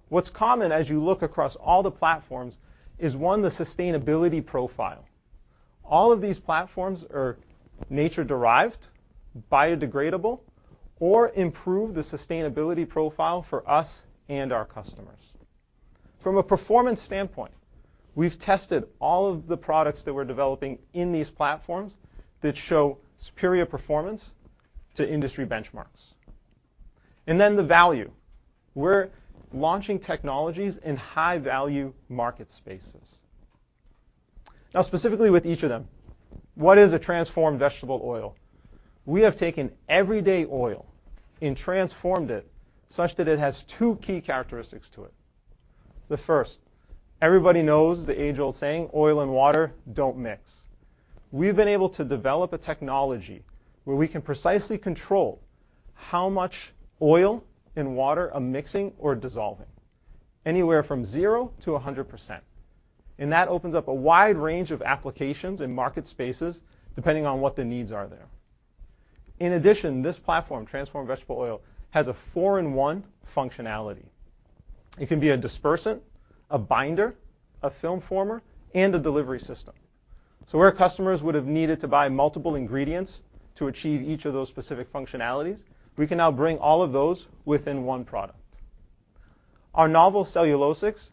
What's common as you look across all the platforms is, one, the sustainability profile. All of these platforms are nature-derived, biodegradable, or improve the sustainability profile for us and our customers. From a performance standpoint, we've tested all of the products that we're developing in these platforms that show superior performance to industry benchmarks. And then the value. We're launching technologies in high-value market spaces. Now, specifically with each of them, what is a transformed vegetable oil? We have taken everyday oil and transformed it such that it has two key characteristics to it. The first, everybody knows the age-old saying, "Oil and water don't mix." We've been able to develop a technology where we can precisely control how much oil and water are mixing or dissolving, anywhere from zeto to 100%. And that opens up a wide range of applications and market spaces, depending on what the needs are there. In addition, this platform, transformed vegetable oil, has a four in one functionality. It can be a dispersant, a binder, a film former, and a delivery system. So where customers would have needed to buy multiple ingredients to achieve each of those specific functionalities, we can now bring all of those within one product. Our Novel Cellulosics,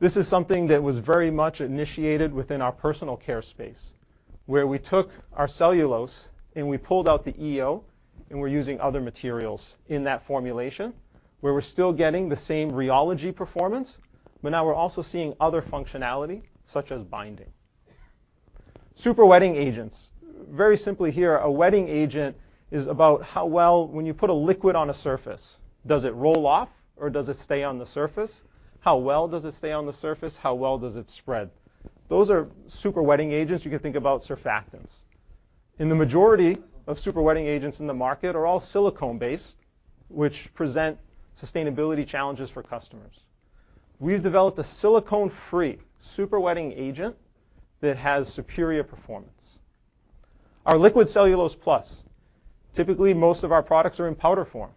this is something that was very much initiated within our Personal Care space, where we took our cellulose, and we pulled out the EO, and we're using other materials in that formulation, where we're still getting the same rheology performance, but now we're also seeing other functionality, such as binding. Super Wetting Agents. Very simply here, a wetting agent is about how well. when you put a liquid on a surface, does it roll off, or does it stay on the surface? How well does it stay on the surface? How well does it spread? Those are Super Wetting Agents. You can think about surfactants. The majority of super wetting agents in the market are all silicone-based, which present sustainability challenges for customers. We've developed a silicone-free super wetting agent that has superior performance. Our Liquid Cellulose Plus. Typically, most of our products are in powder form.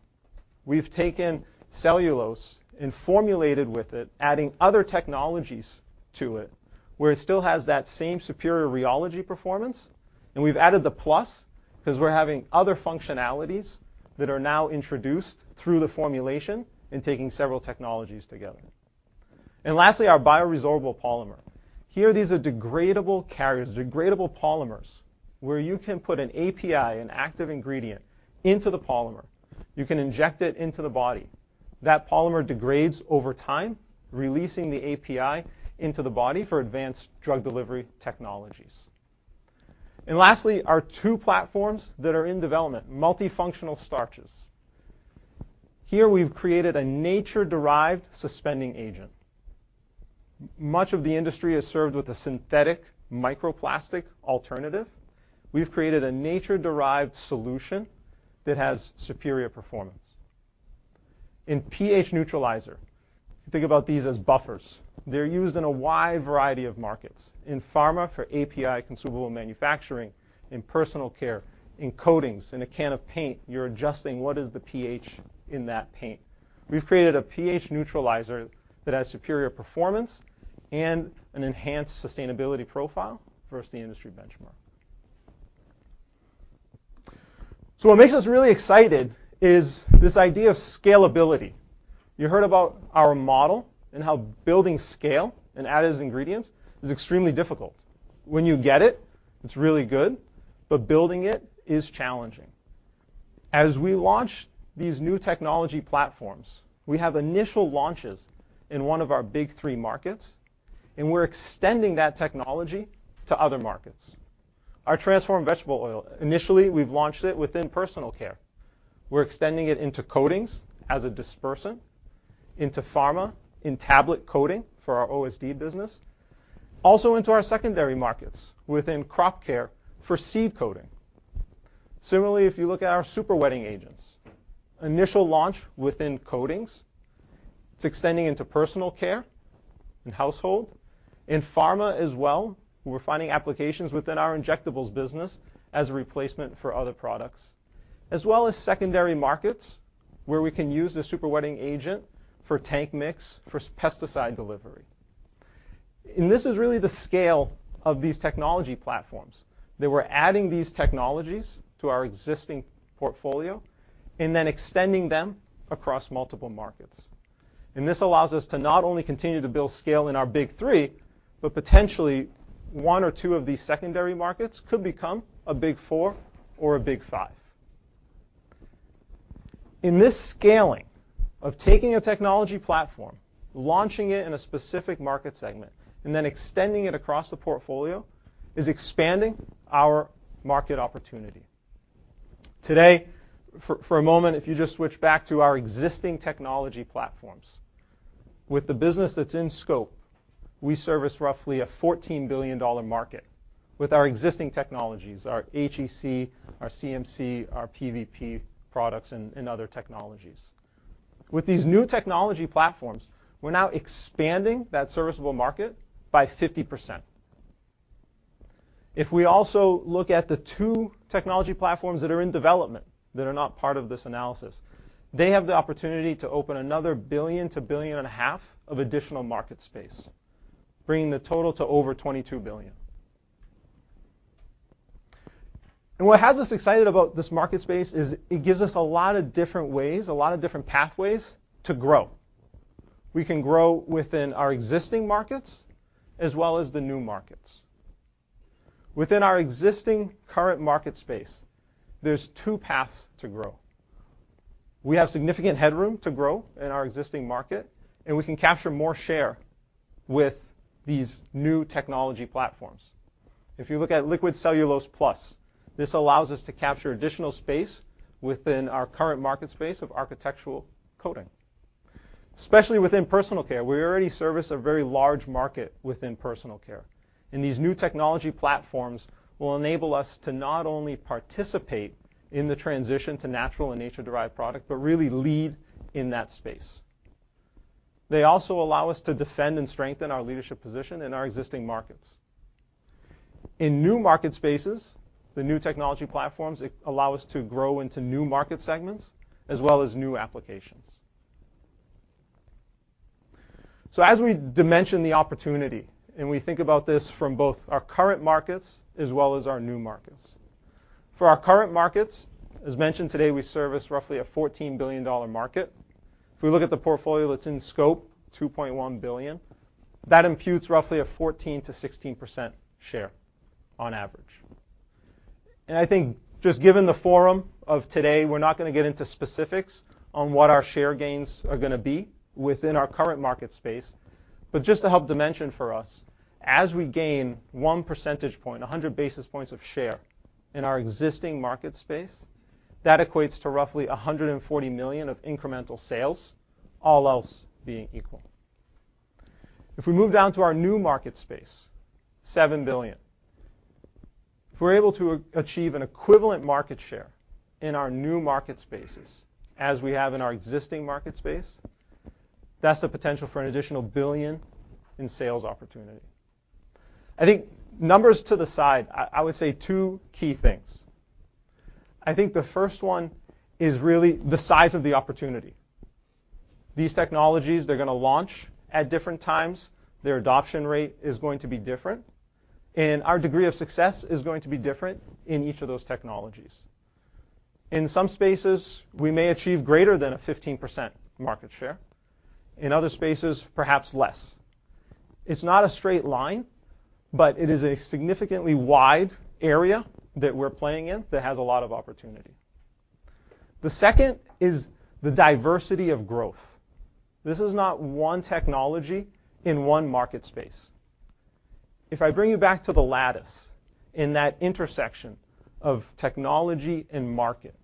We've taken cellulose and formulated with it, adding other technologies to it, where it still has that same superior rheology performance, and we've added the plus 'cause we're having other functionalities that are now introduced through the formulation and taking several technologies together. And lastly, our bioresorbable polymer. Here, these are degradable carriers, degradable polymers, where you can put an API, an active ingredient, into the polymer. You can inject it into the body. That polymer degrades over time, releasing the API into the body for advanced drug delivery technologies. And lastly, our two platforms that are in development: multifunctional starches. Here we've created a nature-derived suspending agent. Much of the industry is served with a synthetic microplastic alternative. We've created a nature-derived solution that has superior performance. In pH neutralizer, think about these as buffers. They're used in a wide variety of markets, in pharma for API consumable manufacturing, in Personal Care, in coatings. In a can of paint, you're adjusting what is the pH in that paint. We've created a pH neutralizer that has superior performance and an enhanced sustainability profile versus the industry benchmark. So what makes us really excited is this idea of scalability. You heard about our model and how building scale in added ingredients is extremely difficult. When you get it, it's really good, but building it is challenging. As we launch these new technology platforms, we have initial launches in one of our big three markets, and we're extending that technology to other markets. Ourtransformed vegetable oil, initially, we've launched it within Personal Care. We're extending it into coatings as a dispersant, into pharma, in tablet coating for our OSD business, also into our secondary markets within crop care for seed coating. Similarly, if you look at our Super Wetting Agents, initial launch within coatings, it's extending into Personal Care and household. In pharma as well, we're finding applications within our injectables business as a replacement for other products, as well as secondary markets, where we can use the Super Wetting Agent for tank mix for pesticide delivery. And this is really the scale of these technology platforms, that we're adding these technologies to our existing portfolio and then extending them across multiple markets. This allows us to not only continue to build scale in our big three, but potentially one or two of these secondary markets could become a big four or a big five. In this scaling of taking a technology platform, launching it in a specific market segment, and then extending it across the portfolio, is expanding our market opportunity. Today, for a moment, if you just switch back to our existing technology platforms. With the business that's in scope, we service roughly a $14 billion market with our existing technologies, our HEC, our CMC, our PVP products, and other technologies. With these new technology platforms, we're now expanding that serviceable market by 50%. If we also look at the two technology platforms that are in development, that are not part of this analysis, they have the opportunity to open another $1 billion-$1.5 billion of additional market space, bringing the total to over $22 billion. What has us excited about this market space is it gives us a lot of different ways, a lot of different pathways to grow. We can grow within our existing markets as well as the new markets. Within our existing current market space, there's two paths to grow. We have significant headroom to grow in our existing market, and we can capture more share with these new technology platforms. If you look at Liquid Cellulose Plus, this allows us to capture additional space within our current market space of architectural coating. Especially within personal care, we already service a very large market within personal care, and these new technology platforms will enable us to not only participate in the transition to natural and nature-derived product, but really lead in that space. They also allow us to defend and strengthen our leadership position in our existing markets. In new market spaces, the new technology platforms allow us to grow into new market segments as well as new applications. So as we dimension the opportunity and we think about this from both our current markets as well as our new markets, for our current markets, as mentioned today, we service roughly a $14 billion market. If we look at the portfolio that's in scope, $2.1 billion, that imputes roughly a 14%-16% share on average. I think just given the forum of today, we're not going to get into specifics on what our share gains are gonna be within our current market space, but just to help dimension for us, as we gain 1 percentage point, 100 basis points of share in our existing market space, that equates to roughly $140 million of incremental sales, all else being equal. If we move down to our new market space, $7 billion. If we're able to achieve an equivalent market share in our new market spaces, as we have in our existing market space, that's the potential for an additional $1 billion in sales opportunity. I think numbers to the side, I, I would say two key things. I think the first one is really the size of the opportunity. These technologies, they're gonna launch at different times, their adoption rate is going to be different, and our degree of success is going to be different in each of those technologies. In some spaces, we may achieve greater than 15% market share, in other spaces, perhaps less. It's not a straight line, but it is a significantly wide area that we're playing in that has a lot of opportunity. The second is the diversity of growth. This is not one technology in one market space. If I bring you back to the lattice, in that intersection of technology and market,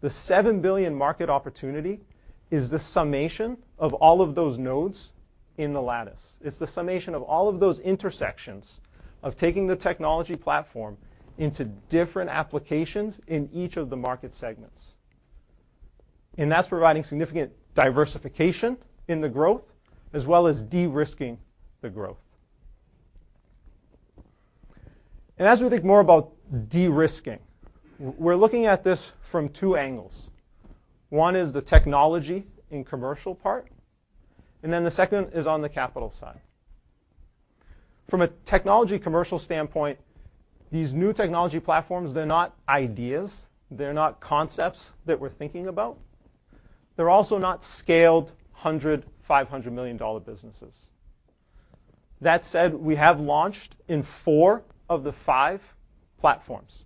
the $7 billion market opportunity is the summation of all of those nodes in the lattice. It's the summation of all of those intersections of taking the technology platform into different applications in each of the market segments. And that's providing significant diversification in the growth, as well as de-risking the growth. And as we think more about de-risking, we're looking at this from two angles. One is the technology and commercial part, and then the second is on the capital side. From a technology commercial standpoint, these new technology platforms, they're not ideas, they're not concepts that we're thinking about, they're also not scaled $100 or $500 million businesses. That said, we have launched in four of the five platforms,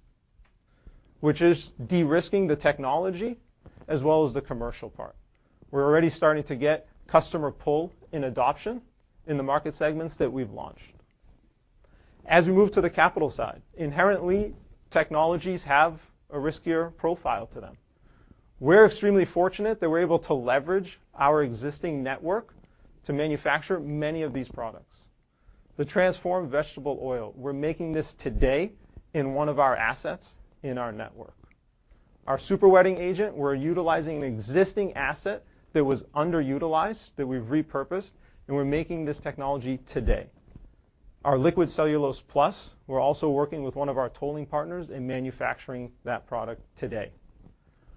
which is de-risking the technology as well as the commercial part. We're already starting to get customer pull in adoption in the market segments that we've launched. As we move to the capital side, inherently, technologies have a riskier profile to them. We're extremely fortunate that we're able to leverage our existing network to manufacture many of these products. The transformed vegetable oil, we're making this today in one of our assets in our network. Our super wetting agent, we're utilizing an existing asset that was underutilized, that we've repurposed, and we're making this technology today. Our Liquid Cellulose Plus, we're also working with one of our tolling partners in manufacturing that product today.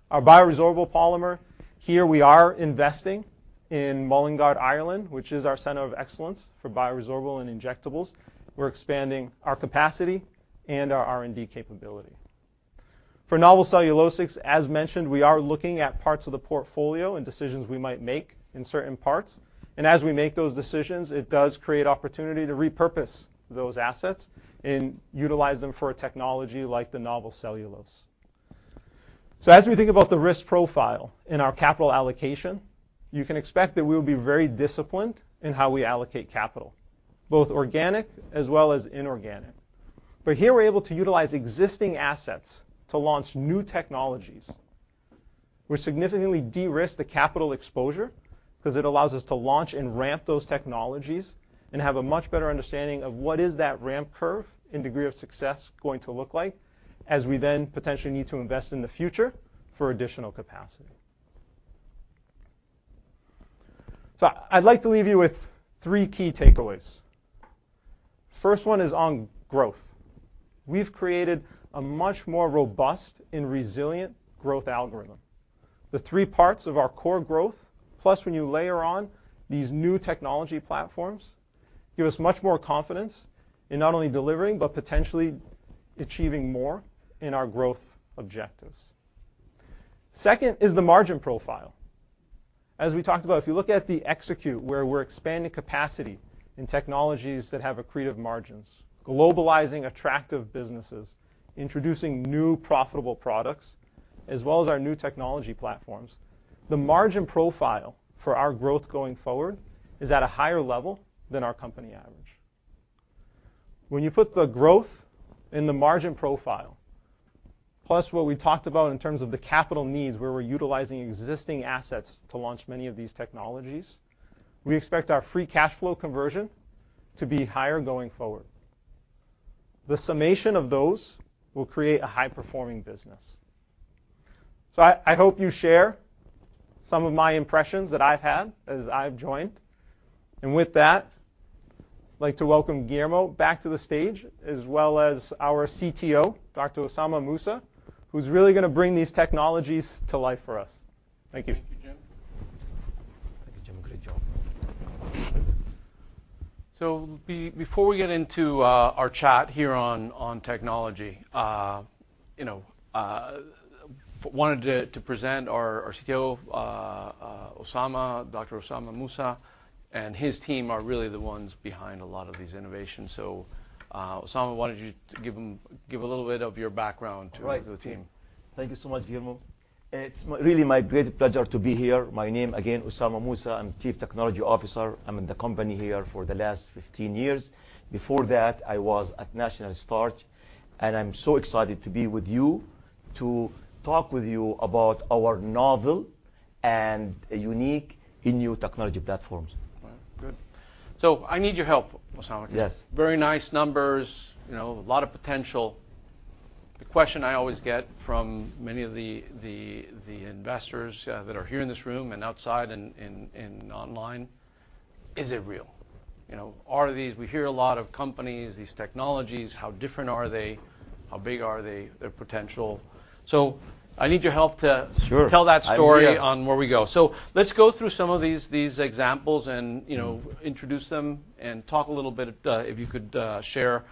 Our bioresorbable polymer, here we are investing in Mullingar, Ireland, which is our center of excellence for bioresorbable and injectables. We're expanding our capacity and our R&D capability. For novel cellulosics, as mentioned, we are looking at parts of the portfolio and decisions we might make in certain parts, and as we make those decisions, it does create opportunity to repurpose those assets and utilize them for a technology like the novel cellulose. So as we think about the risk profile in our capital allocation, you can expect that we will be very disciplined in how we allocate capital, both organic as well as inorganic. But here we're able to utilize existing assets to launch new technologies, which significantly de-risk the capital exposure, 'cause it allows us to launch and ramp those technologies and have a much better understanding of what is that ramp curve and degree of success going to look like, as we then potentially need to invest in the future for additional capacity. So I'd like to leave you with three key takeaways. First one is on growth. We've created a much more robust and resilient growth algorithm. The three parts of our core growth, plus when you layer on these new technology platforms, give us much more confidence in not only delivering, but potentially achieving more in our growth objectives. Second is the margin profile. As we talked about, if you look at the execution, where we're expanding capacity in technologies that have accretive margins, globalizing attractive businesses, introducing new profitable products, as well as our new technology platforms, the margin profile for our growth going forward is at a higher level than our company average. When you put the growth and the margin profile, plus what we talked about in terms of the capital needs, where we're utilizing existing assets to launch many of these technologies, we expect our Free Cash Flow conversion to be higher going forward. The summation of those will create a high-performing business. So I hope you share some of my impressions that I've had as I've joined, and with that, I'd like to welcome Guillermo back to the stage, as well as our CTO, Dr. Osama M. Musa, who's really gonna bring these technologies to life for us. Thank you. Thank you, Jim. Thank you, Jim. Great job. So before we get into our chat here on technology, you know, wanted to present our CTO, Osama, Dr. Osama M. Musa, and his team are really the ones behind a lot of these innovations. So, Osama, why don't you give them a little bit of your background to the team? Right. Thank you so much, Guillermo. It's really my great pleasure to be here. My name again, Osama Musa, I'm Chief Technology Officer. I'm in the company here for the last 15 years. Before that, I was at National Starch, and I'm so excited to be with you. To talk with you about our novel and unique innovative new technology platforms. Right. Good. So I need your help, Osama. Yes. Very nice numbers, you know, a lot of potential. The question I always get from many of the investors that are here in this room and outside and online: Is it real? You know, are these, we hear a lot of companies, these technologies, how different are they? How big are they, their potential? So I need your help to. Sure. Tell that story on where we go. Idea. So let's go through some of these examples and, you know, introduce them and talk a little bit if you could share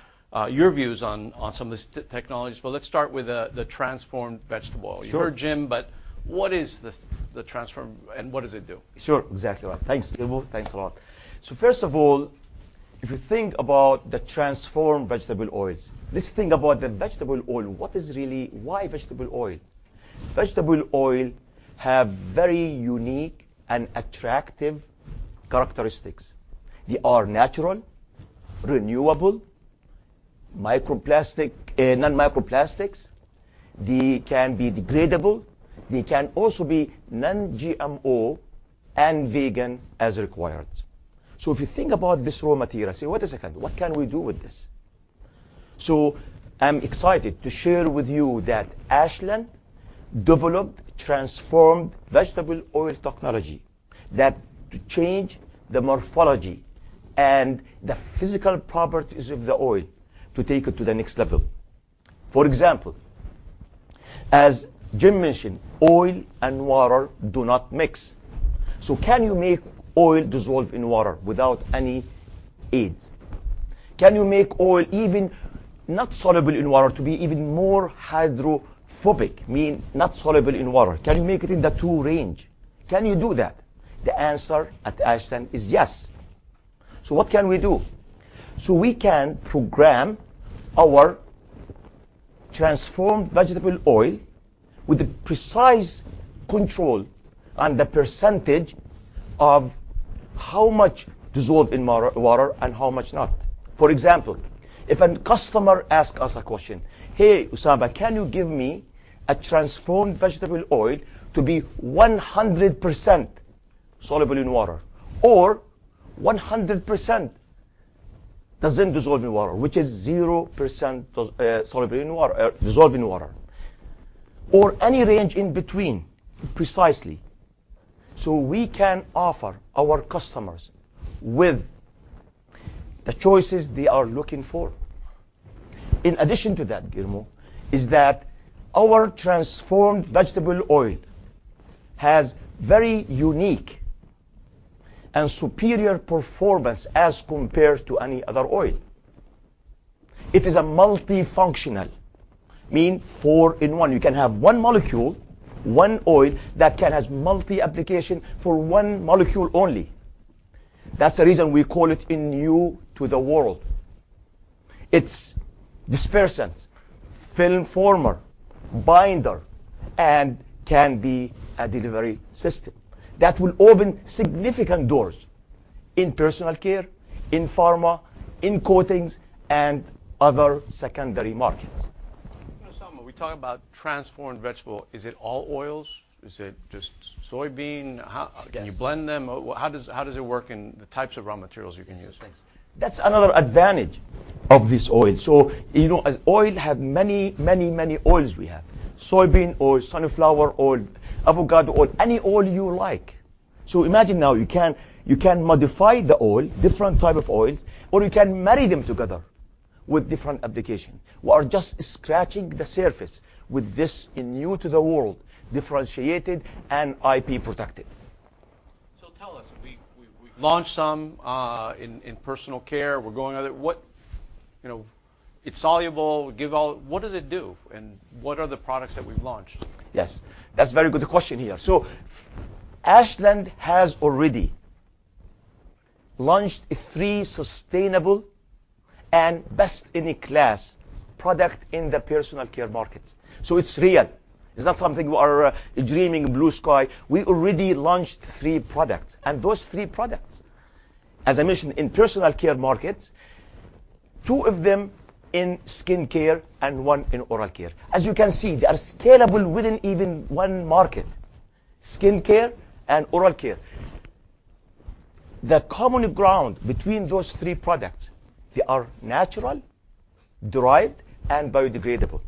your views on some of these technologies. But let's start with the transformed vegetable oil. Sure. You heard Jim, but what is the transform and what does it do? Sure, exactly right. Thanks, Guillermo. Thanks a lot. So first of all, if you think about the transformed vegetable oils, let's think about the vegetable oil. What is really. Why vegetable oil? Vegetable oil have very unique and attractive characteristics. They are natural, renewable, microplastic, non-microplastics. They can be degradable. They can also be non-GMO and vegan as required. So if you think about this raw material, say, "what can we do with this?" So I'm excited to share with you that Ashland developed transformed vegetable oil technology that change the morphology and the physical properties of the oil to take it to the next level. For example, as Jim mentioned, oil and water do not mix. So can you make oil dissolve in water without any aid? Can you make oil even not soluble in water to be even more hydrophobic, mean not soluble in water? Can you make it in the two range? Can you do that? The answer at Ashland is yes. So what can we do? So we can program our transformed vegetable oil with precise control on the percentage of how much dissolve in water, water and how much not. For example, if a customer asks us a question, "Hey, Osama, can you give me a transformed vegetable oil to be 100% soluble in water or 100% doesn't dissolve in water, which is 0%, soluble in water, dissolve in water, or any range in between, precisely?" So we can offer our customers with the choices they are looking for. In addition to that, Guillermo, is that our transformed vegetable oil has very unique and superior performance as compared to any other oil. It is a multifunctional, I mean four in one. You can have one molecule, one oil, that can has multi application for one molecule only. That's the reason we call it in new to the world. It's dispersant, film former, binder, and can be a delivery system. That will open significant doors in personal care, in pharma, in coatings, and other secondary markets. Osama, we talk about transformed vegetable. Is it all oils? Is it just soybean? How. Yes. Can you blend them? How does it work in the types of raw materials you can use? Yes, thanks. That's another advantage of this oil. So, you know, as oil have many, many, many oils we have: soybean oil, sunflower oil, avocado oil, any oil you like. So imagine now, you can, you can modify the oil, different type of oils, or you can marry them together with different application. We are just scratching the surface with this in new to the world, differentiated and IP protected. So tell us, we launched some in Personal Care. We're going other. What, You know, it's soluble, give all. What does it do, and what are the products that we've launched? Yes, that's very good question here. So Ashland has already launched three sustainable and best-in-class product in the Personal Care market. So it's real. It's not something we are dreaming, blue sky. We already launched three products, and those three products, as I mentioned, in Personal Care markets, two of them in skincare and one in oral care. As you can see, they are scalable within even one market, skincare and oral care. The common ground between those three products, they are natural, derived, and biodegradable.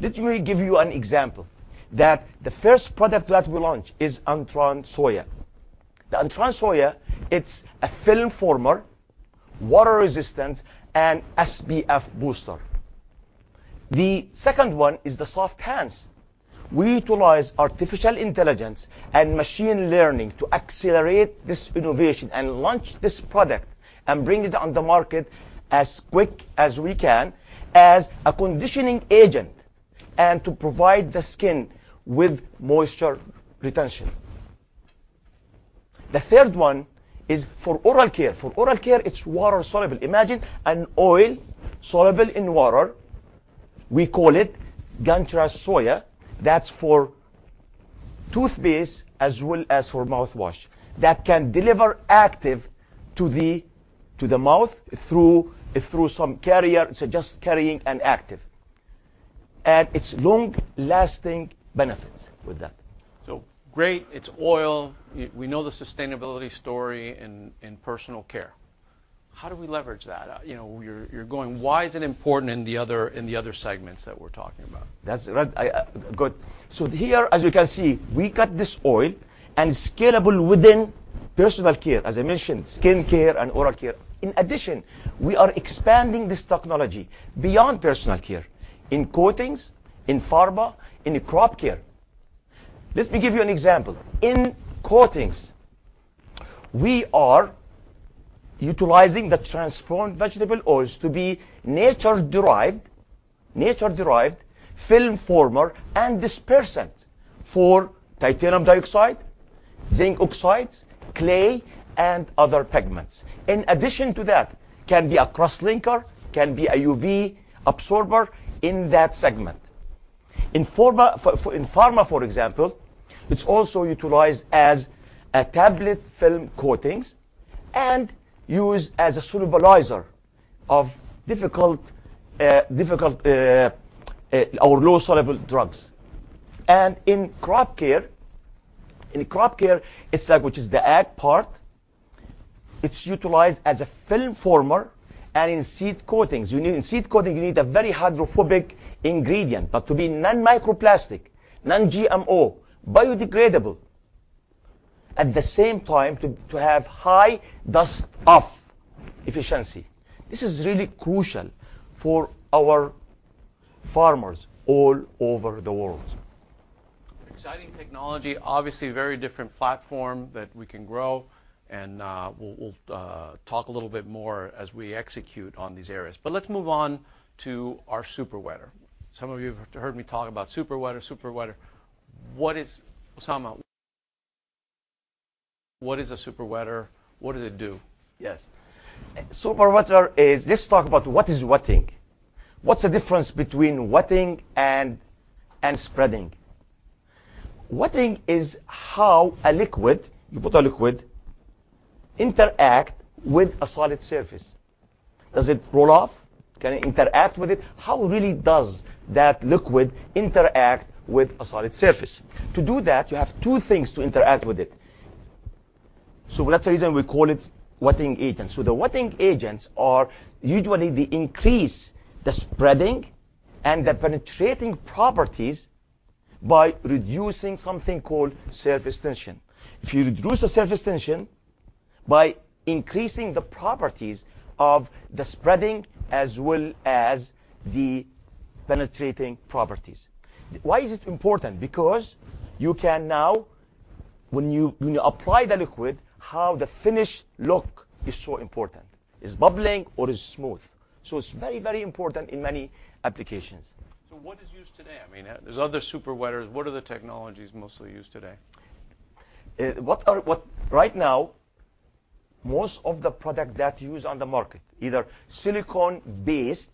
Let me give you an example, that the first product that we launched is antaron soya. The antaron soya, it's a film former, water-resistant, and SPF booster. The second one is the softhance. We utilize artificial intelligence and machine learning to accelerate this innovation and launch this product and bring it on the market as quick as we can, as a conditioning agent and to provide the skin with moisture retention. The third one is for oral care. For oral care, it's water soluble. Imagine an oil soluble in water, we call it Gantrez Soya. That's for toothpaste as well as for mouthwash, that can deliver active to the mouth through some carrier, so just carrying an active. And it's long-lasting benefits with that. So great, it's oil. Yeah, we know the sustainability story in Personal Care. How do we leverage that? You know, you're going, why is it important in the other segments that we're talking about? That's right. So here, as you can see, we got this oil and scalable within Personal Care, as I mentioned, skin care and oral care. In addition, we are expanding this technology beyond personal care, in coatings, in pharma, in crop care. Let me give you an example. In coatings, we are utilizing the transformed vegetable oils to be nature-derived, nature-derived film former and dispersant for titanium dioxide, zinc oxides, clay, and other pigments. In addition to that, can be a crosslinker, can be a UV absorber in that segment. In pharma, for example, it's also utilized as a tablet film coatings and used as a solubilizer of difficult, or low-soluble drugs. And in crop care, it's like, which is the ag part, it's utilized as a film former and in seed coatings. You need. In seed coating, you need a very hydrophobic ingredient, but to be non-microplastic, non-GMO, biodegradable, at the same time, to have high dust-off efficiency. This is really crucial for our farmers all over the world. Exciting technology. Obviously, a very different platform that we can grow, and we'll talk a little bit more as we execute on these areas. But let's move on to our super wetter. Some of you have heard me talk about super wetter, super wetter. What is. Osama, what is a super wetter? What does it do? Yes. Super wetting is. Let's talk about what is wetting. What's the difference between wetting and spreading? Wetting is how a liquid, you put a liquid, interact with a solid surface. Does it roll off? Can it interact with it? How really does that liquid interact with a solid surface? To do that, you have two things to interact with it. So that's the reason we call it wetting agent. So the wetting agents are usually they increase the spreading and the penetrating properties by reducing something called surface tension. If you reduce the surface tension by increasing the properties of the spreading as well as the penetrating properties. Why is it important? Because you can now, when you apply the liquid, how the finish look is so important. It's bubbling or it's smooth. So it's very, very important in many applications. What is used today? I mean, there's other super wetters. What are the technologies mostly used today? Right now, most of the product that use on the market, either silicone-based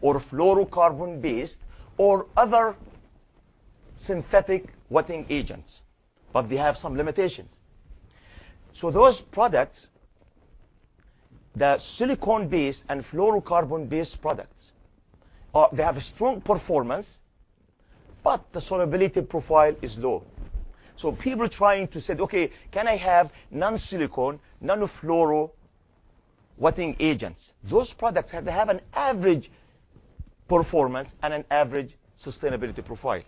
or fluorocarbon-based or other synthetic wetting agents, but they have some limitations. So those products, the silicone-based and fluorocarbon-based products, they have a strong performance, but the solubility profile is low. So people trying to say, "Okay, can I have non-silicone, non-fluoro wetting agents?" Those products, they have an average performance and an average sustainability profile.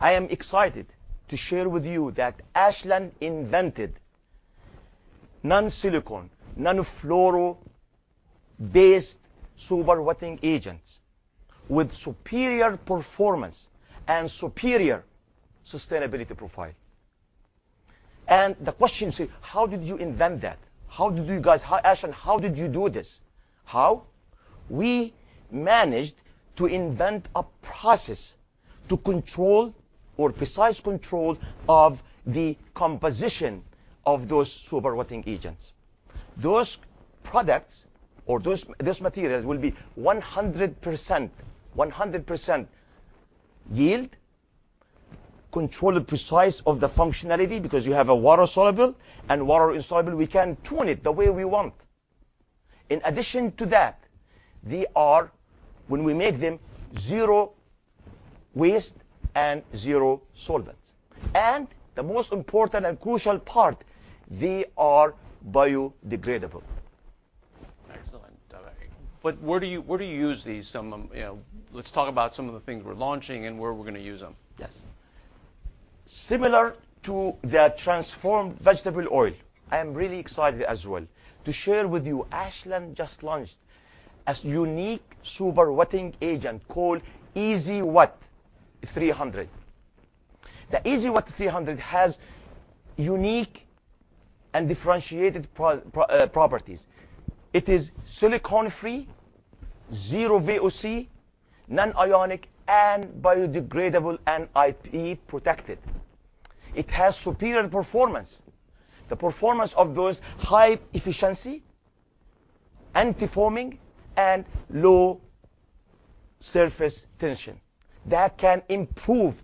I am excited to share with you that Ashland invented non-silicone, non-fluoro-based super wetting agents with superior performance and superior sustainability profile. And the question is, how did you invent that? How did you guys, how, Ashland, how did you do this? How? We managed to invent a process to control or precise control of the composition of those super wetting agents. Those products or those materials will be 100%, 100% yield, controlled precise of the functionality, because you have a water-soluble and water-insoluble, we can tune it the way we want. In addition to that, they are, when we make them, zero waste and zero solvents. And the most important and crucial part, they are biodegradable. Excellent. All right. But where do you use these, some of them. You know, let's talk about some of the things we're launching and where we're going to use them. Yes. Similar to the transformed vegetable oil, I am really excited as well to share with you, Ashland just launched a unique super wetting agent called easy-wet 300. The easy-wet 300 has unique and differentiated properties. It is silicone-free, zero VOC, non-ionic, and biodegradable, and IP protected. It has superior performance. The performance of those high efficiency, antifoaming, and low surface tension. That can improve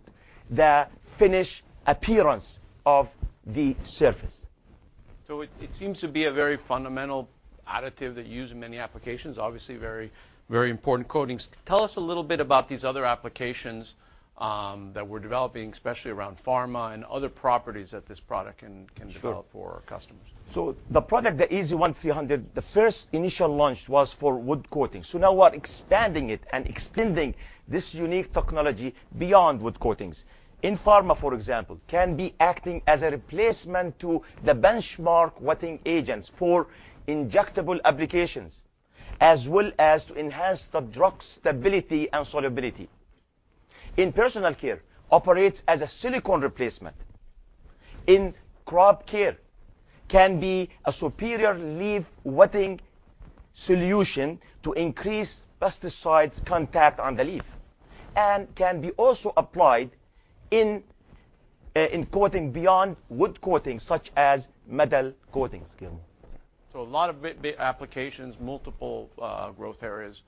the finish appearance of the surface. So it seems to be a very fundamental additive that you use in many applications. Obviously, very, very important coatings. Tell us a little bit about these other applications that we're developing, especially around pharma and other properties that this product can develop. Sure. For our customers. So the product, the easy-wet 300, the first initial launch was for wood coatings. So now we're expanding it and extending this unique technology beyond wood coatings. In pharma, for example, can be acting as a replacement to the benchmark wetting agents for injectable applications, as well as to enhance the drug stability and solubility. In personal care, operates as a silicone replacement. In crop care, can be a superior leaf wetting solution to increase pesticides contact on the leaf, and can be also applied in, in coating beyond wood coatings, such as metal coatings, [Guillermo]. So a lot of applications, multiple growth areas,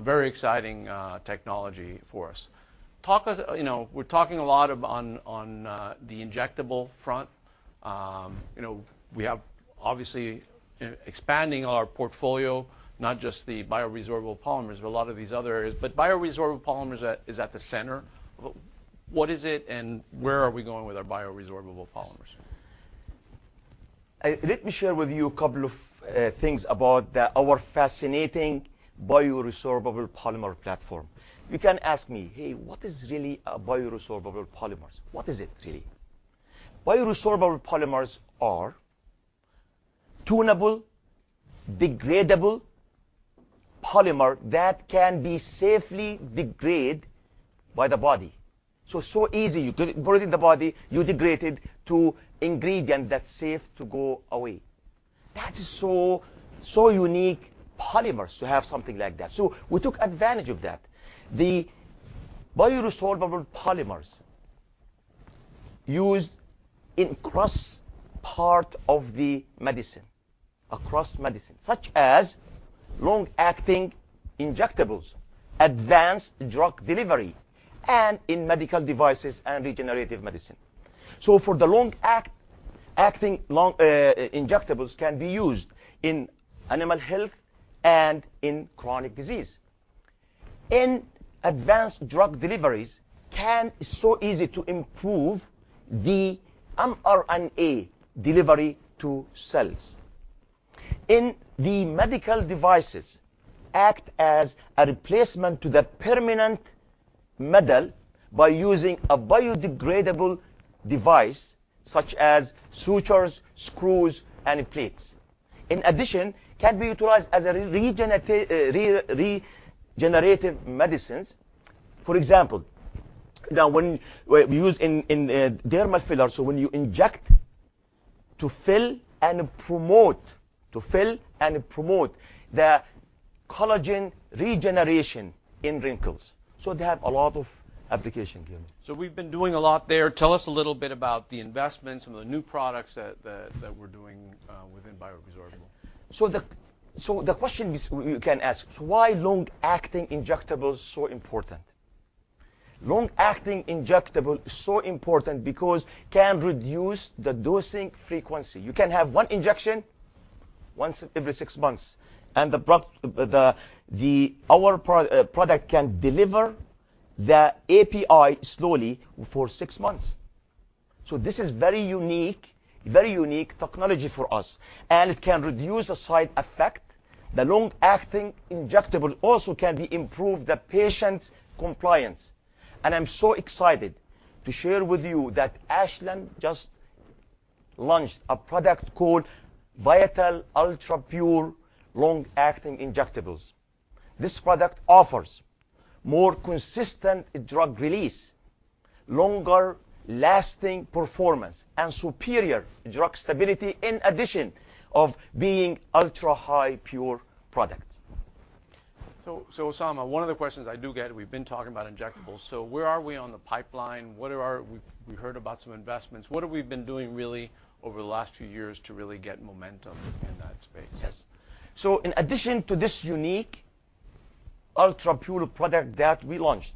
very exciting technology for us. Talk us. You know, we're talking a lot of on, on the injectable front. You know, we have obviously expanding our portfolio, not just the bioresorbable polymers, but a lot of these other areas. But bioresorbable polymers is at the center. What is it, and where are we going with our bioresorbable polymers? Let me share with you a couple of things about our fascinating bioresorbable polymer platform. You can ask me, "Hey, what is really a bioresorbable polymers? What is it really?" Bioresorbable polymers are tunable, degradable polymer that can be safely degrade by the body. So, so easy, you put it in the body, you degrade it to ingredient that's safe to go away. That is so, so unique polymers to have something like that, so we took advantage of that. The bioresorbable polymers used across medicine, such as long-acting injectables, advanced drug delivery, and in medical devices and regenerative medicine. So for the long-acting injectables can be used in animal health and in chronic disease. In advanced drug deliveries, can so easy to improve the mRNA delivery to cells. In the medical devices, act as a replacement to the permanent metal by using a biodegradable device, such as sutures, screws, and plates. In addition, can be utilized as a regenerative medicines. For example, when used in dermal fillers, so when you inject to fill and promote the collagen regeneration in wrinkles. So they have a lot of application, [Guillermo]. So we've been doing a lot there. Tell us a little bit about the investments and the new products that we're doing within bioresorbable. The question is, you can ask, "So why long-acting injectable is so important?" Long-acting injectable is so important because can reduce the dosing frequency. You can have one injection once every six months, and our product can deliver the API slowly for 6 months. So this is very unique, very unique technology for us, and it can reduce the side effect. The long-acting injectable also can be improved the patient's compliance. And I'm so excited to share with you that Ashland just launched a product called viatel ultrapure long-acting injectables. This product offers more consistent drug release, longer lasting performance, and superior drug stability, in addition of being ultra-high pure product. So, Osama, one of the questions I do get, we've been talking about injectables. So where are we on the pipeline? What are our. We heard about some investments. What have we been doing really over the last few years to really get momentum in that space? Yes. So in addition to this unique ultrapure product that we launched,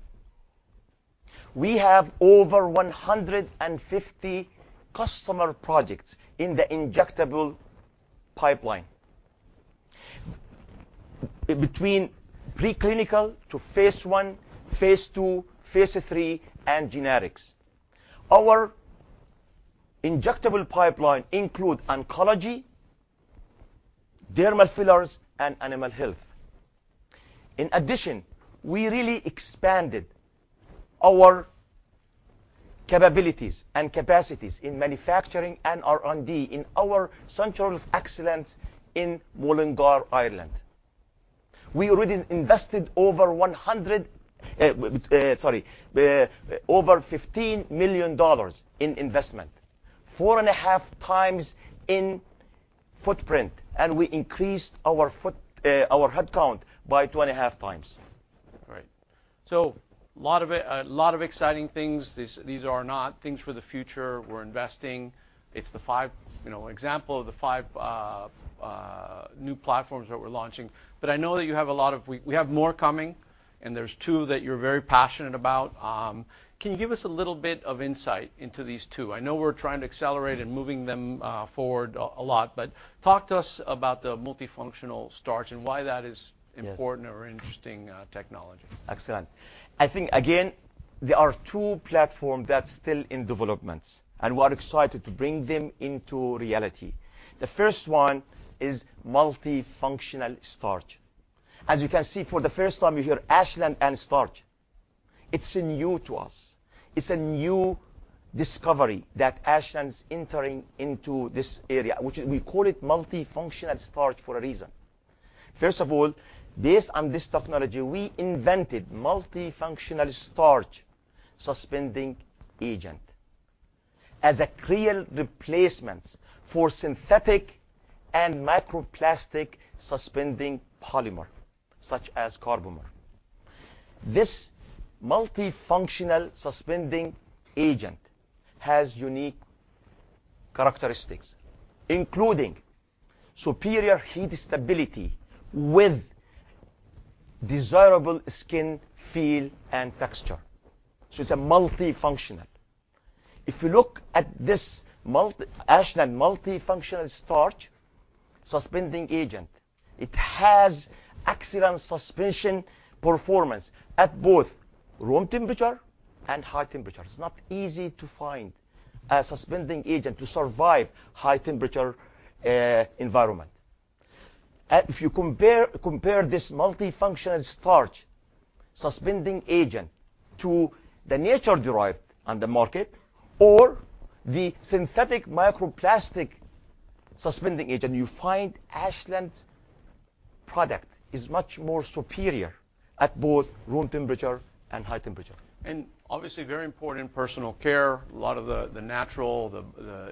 we have over 150 customer projects in the injectable pipeline. Between preclinical to phase I, phase II, phase III, and generics. Our injectable pipeline include oncology, dermal fillers, and animal health. In addition, we really expanded our capabilities and capacities in manufacturing and R&D in our Center of Excellence in Mullingar, Ireland. We already invested over 100, over $15 million in investment, 4.5x in footprint, and we increased our foot, our headcount by 2.5x. Right. So, a lot of it, a lot of exciting things. These, these are not things for the future. We're investing. It's the five, you know, example of the five new platforms that we're launching. But I know that you have a lot of, we have more coming, and there's two that you're very passionate about. Can you give us a little bit of insight into these two? I know we're trying to accelerate and moving them forward a lot, but talk to us about the multifunctional starch and why that is. Yes. Important or interesting, technology. Excellent. I think, again, there are two platform that's still in developments, and we are excited to bring them into reality. The first one is multifunctional starch. As you can see, for the first time, you hear Ashland and starch. It's new to us. It's a new discovery that Ashland's entering into this area, which we call it multifunctional starch for a reason. First of all, based on this technology, we invented multifunctional starch suspending agent as a clear replacement for synthetic and microplastic suspending polymer, such as carbomer. This multifunctional suspending agent has unique characteristics, including superior heat stability with desirable skin feel and texture. So it's a multifunctional. If you look at Ashland multifunctional starch suspending agent, it has excellent suspension performance at both room temperature and high temperature. It's not easy to find a suspending agent to survive high temperature environment. If you compare this multifunctional starch suspending agent to the nature-derived on the market or the synthetic microplastic suspending agent, you find Ashland's product is much more superior at both room temperature and high temperature. Obviously, very important personal care, a lot of the natural,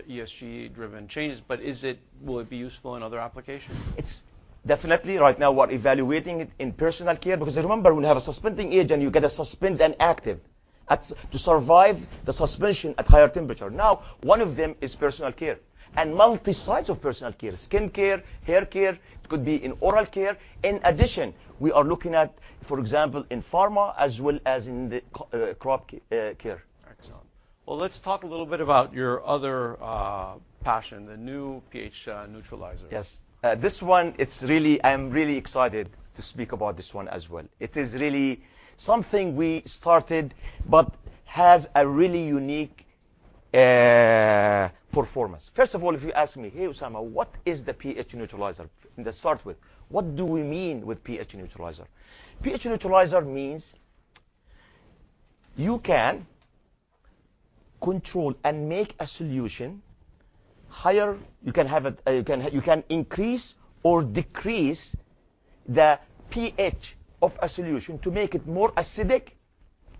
ESG-driven changes, but is it... will it be useful in other applications? It's definitely. Right now, we're evaluating it in personal care, because remember, when you have a suspending agent, you get a suspend and active at to survive the suspension at higher temperature. Now, one of them is personal care and multi-sites of personal care, skincare, haircare, it could be in oral care. In addition, we are looking at, for example, in pharma as well as in the crop care. Excellent. Well, let's talk a little bit about your other, passion, the new pH neutralizer. Yes. This one, it's really. I'm really excited to speak about this one as well. It is really something we started but has a really unique performance. First of all, if you ask me, "Hey, Osama, what is the pH neutralizer?" Let's start with, what do we mean with pH neutralizer? pH neutralizer means you can control and make a solution higher. You can have a, you can, you can increase or decrease the pH of a solution to make it more acidic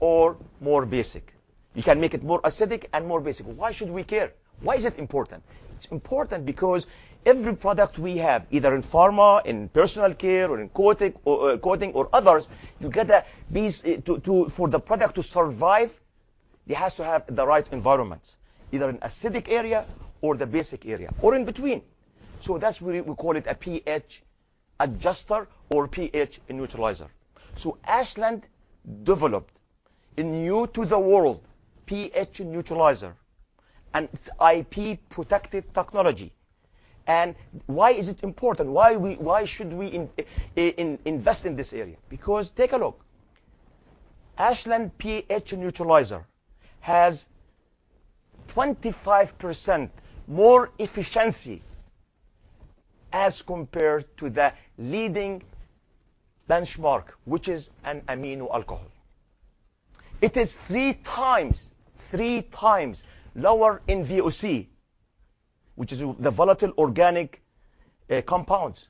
or more basic. You can make it more acidic and more basic. Why should we care? Why is it important? It's important because every product we have, either in pharma, in personal care, or in coating, or coating, or others. You get that these for the product to survive, it has to have the right environment, either an acidic area or the basic area, or in between. That's why we call it a pH adjuster or pH neutralizer. Ashland developed a new to the world pH neutralizer, and it's IP-protected technology. Why is it important? Why should we invest in this area? Because take a look. Ashland pH neutralizer has 25% more efficiency as compared to the leading benchmark, which is an amino alcohol. It is three times lower in VOC, which is the volatile organic compounds.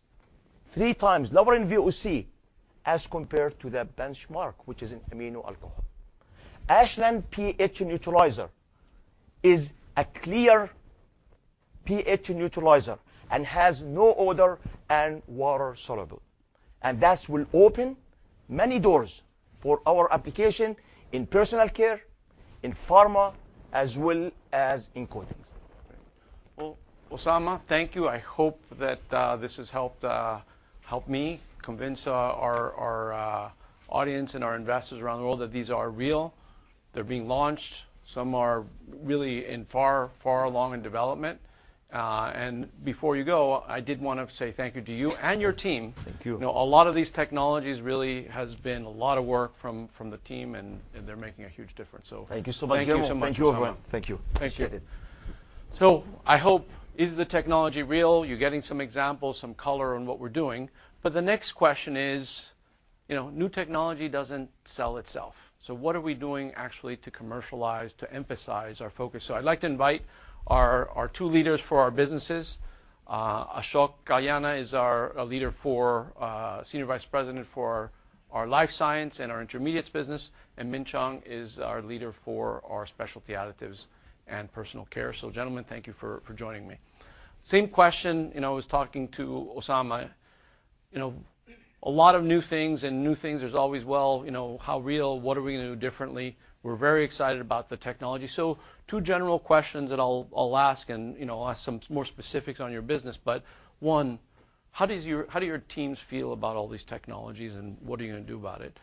Three times lower in VOC as compared to the benchmark, which is an amino alcohol. Ashland pH neutralizer is a clear pH neutralizer and has no odor and water soluble, and that will open many doors for our application in personal care, in pharma, as well as in coatings. Well, Osama, thank you. I hope that this has helped me convince our audience and our investors around the world that these are real. They're being launched. Some are really far, far along in development. And before you go, I did want to say thank you to you and your team. Thank you. You know, a lot of these technologies really has been a lot of work from the team, and they're making a huge difference, so. Thank you so much, Guillermo. Thank you so much. Thank you, Osama. Thank you. Thank you. Appreciate it. So I hope, is the technology real? You're getting some examples, some color on what we're doing. But the next question is, you know, new technology doesn't sell itself. So what are we doing actually to commercialize, to emphasize our focus? So I'd like to invite our two leaders for our businesses. Ashok Kalyan is our Senior Vice President for our Life Sciences and our Intermediates business, and Min Chong is our leader for our Specialty Additives and Personal Care. So, gentlemen, thank you for joining me. Same question, you know, I was talking to Osama. you know, a lot of new things, and new things, there's always, well, you know, how real? What are we gonna do differently? We're very excited about the technology. So two general questions that I'll ask, and, you know, I'll ask some more specifics on your business, but one: How does your, how do your teams feel about all these technologies, and what are you gonna do about it?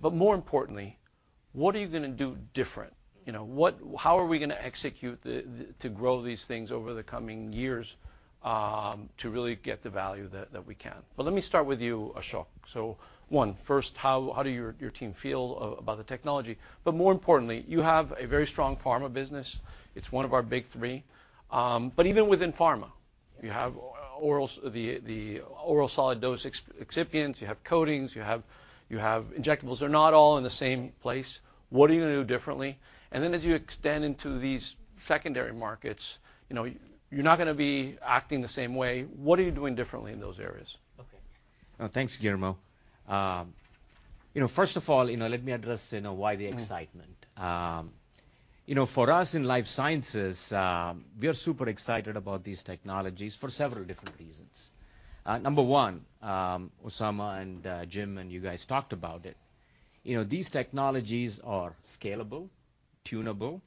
But more importantly, what are you gonna do different? You know, what, how are we gonna execute the, the, to grow these things over the coming years, to really get the value that, that we can? But let me start with you, Ashok. So one, first, how, how do your, your team feel about the technology? But more importantly, you have a very strong pharma business. It's one of our big three. But even within pharma, you have orals, the, the oral solid dose excipients, you have coatings, you have, you have injectables. They're not all in the same place. What are you gonna do differently? And then, as you extend into these secondary markets, you know, you're not gonna be acting the same way. What are you doing differently in those areas? Okay. Thanks, Guillermo. You know, first of all, you know, let me address, you know, why the excitement. Mm-hmm. You know, for us in Life Sciences, we are super excited about these technologies for several different reasons. Number one, Osama and Jim, and you guys talked about it, you know, these technologies are scalable, tunable,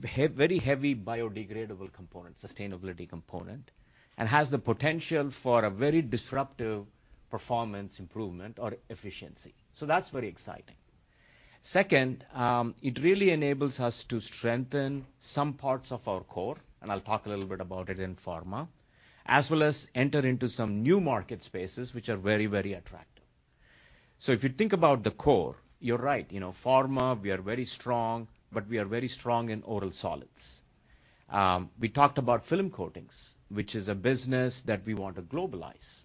very heavy biodegradable component, sustainability component, and has the potential for a very disruptive performance improvement or efficiency, so that's very exciting. Second, it really enables us to strengthen some parts of our core, and I'll talk a little bit about it in pharma, as well as enter into some new market spaces, which are very, very attractive. So if you think about the core, you're right, you know, pharma, we are very strong, but we are very strong in oral solids. We talked about film coatings, which is a business that we want to globalize,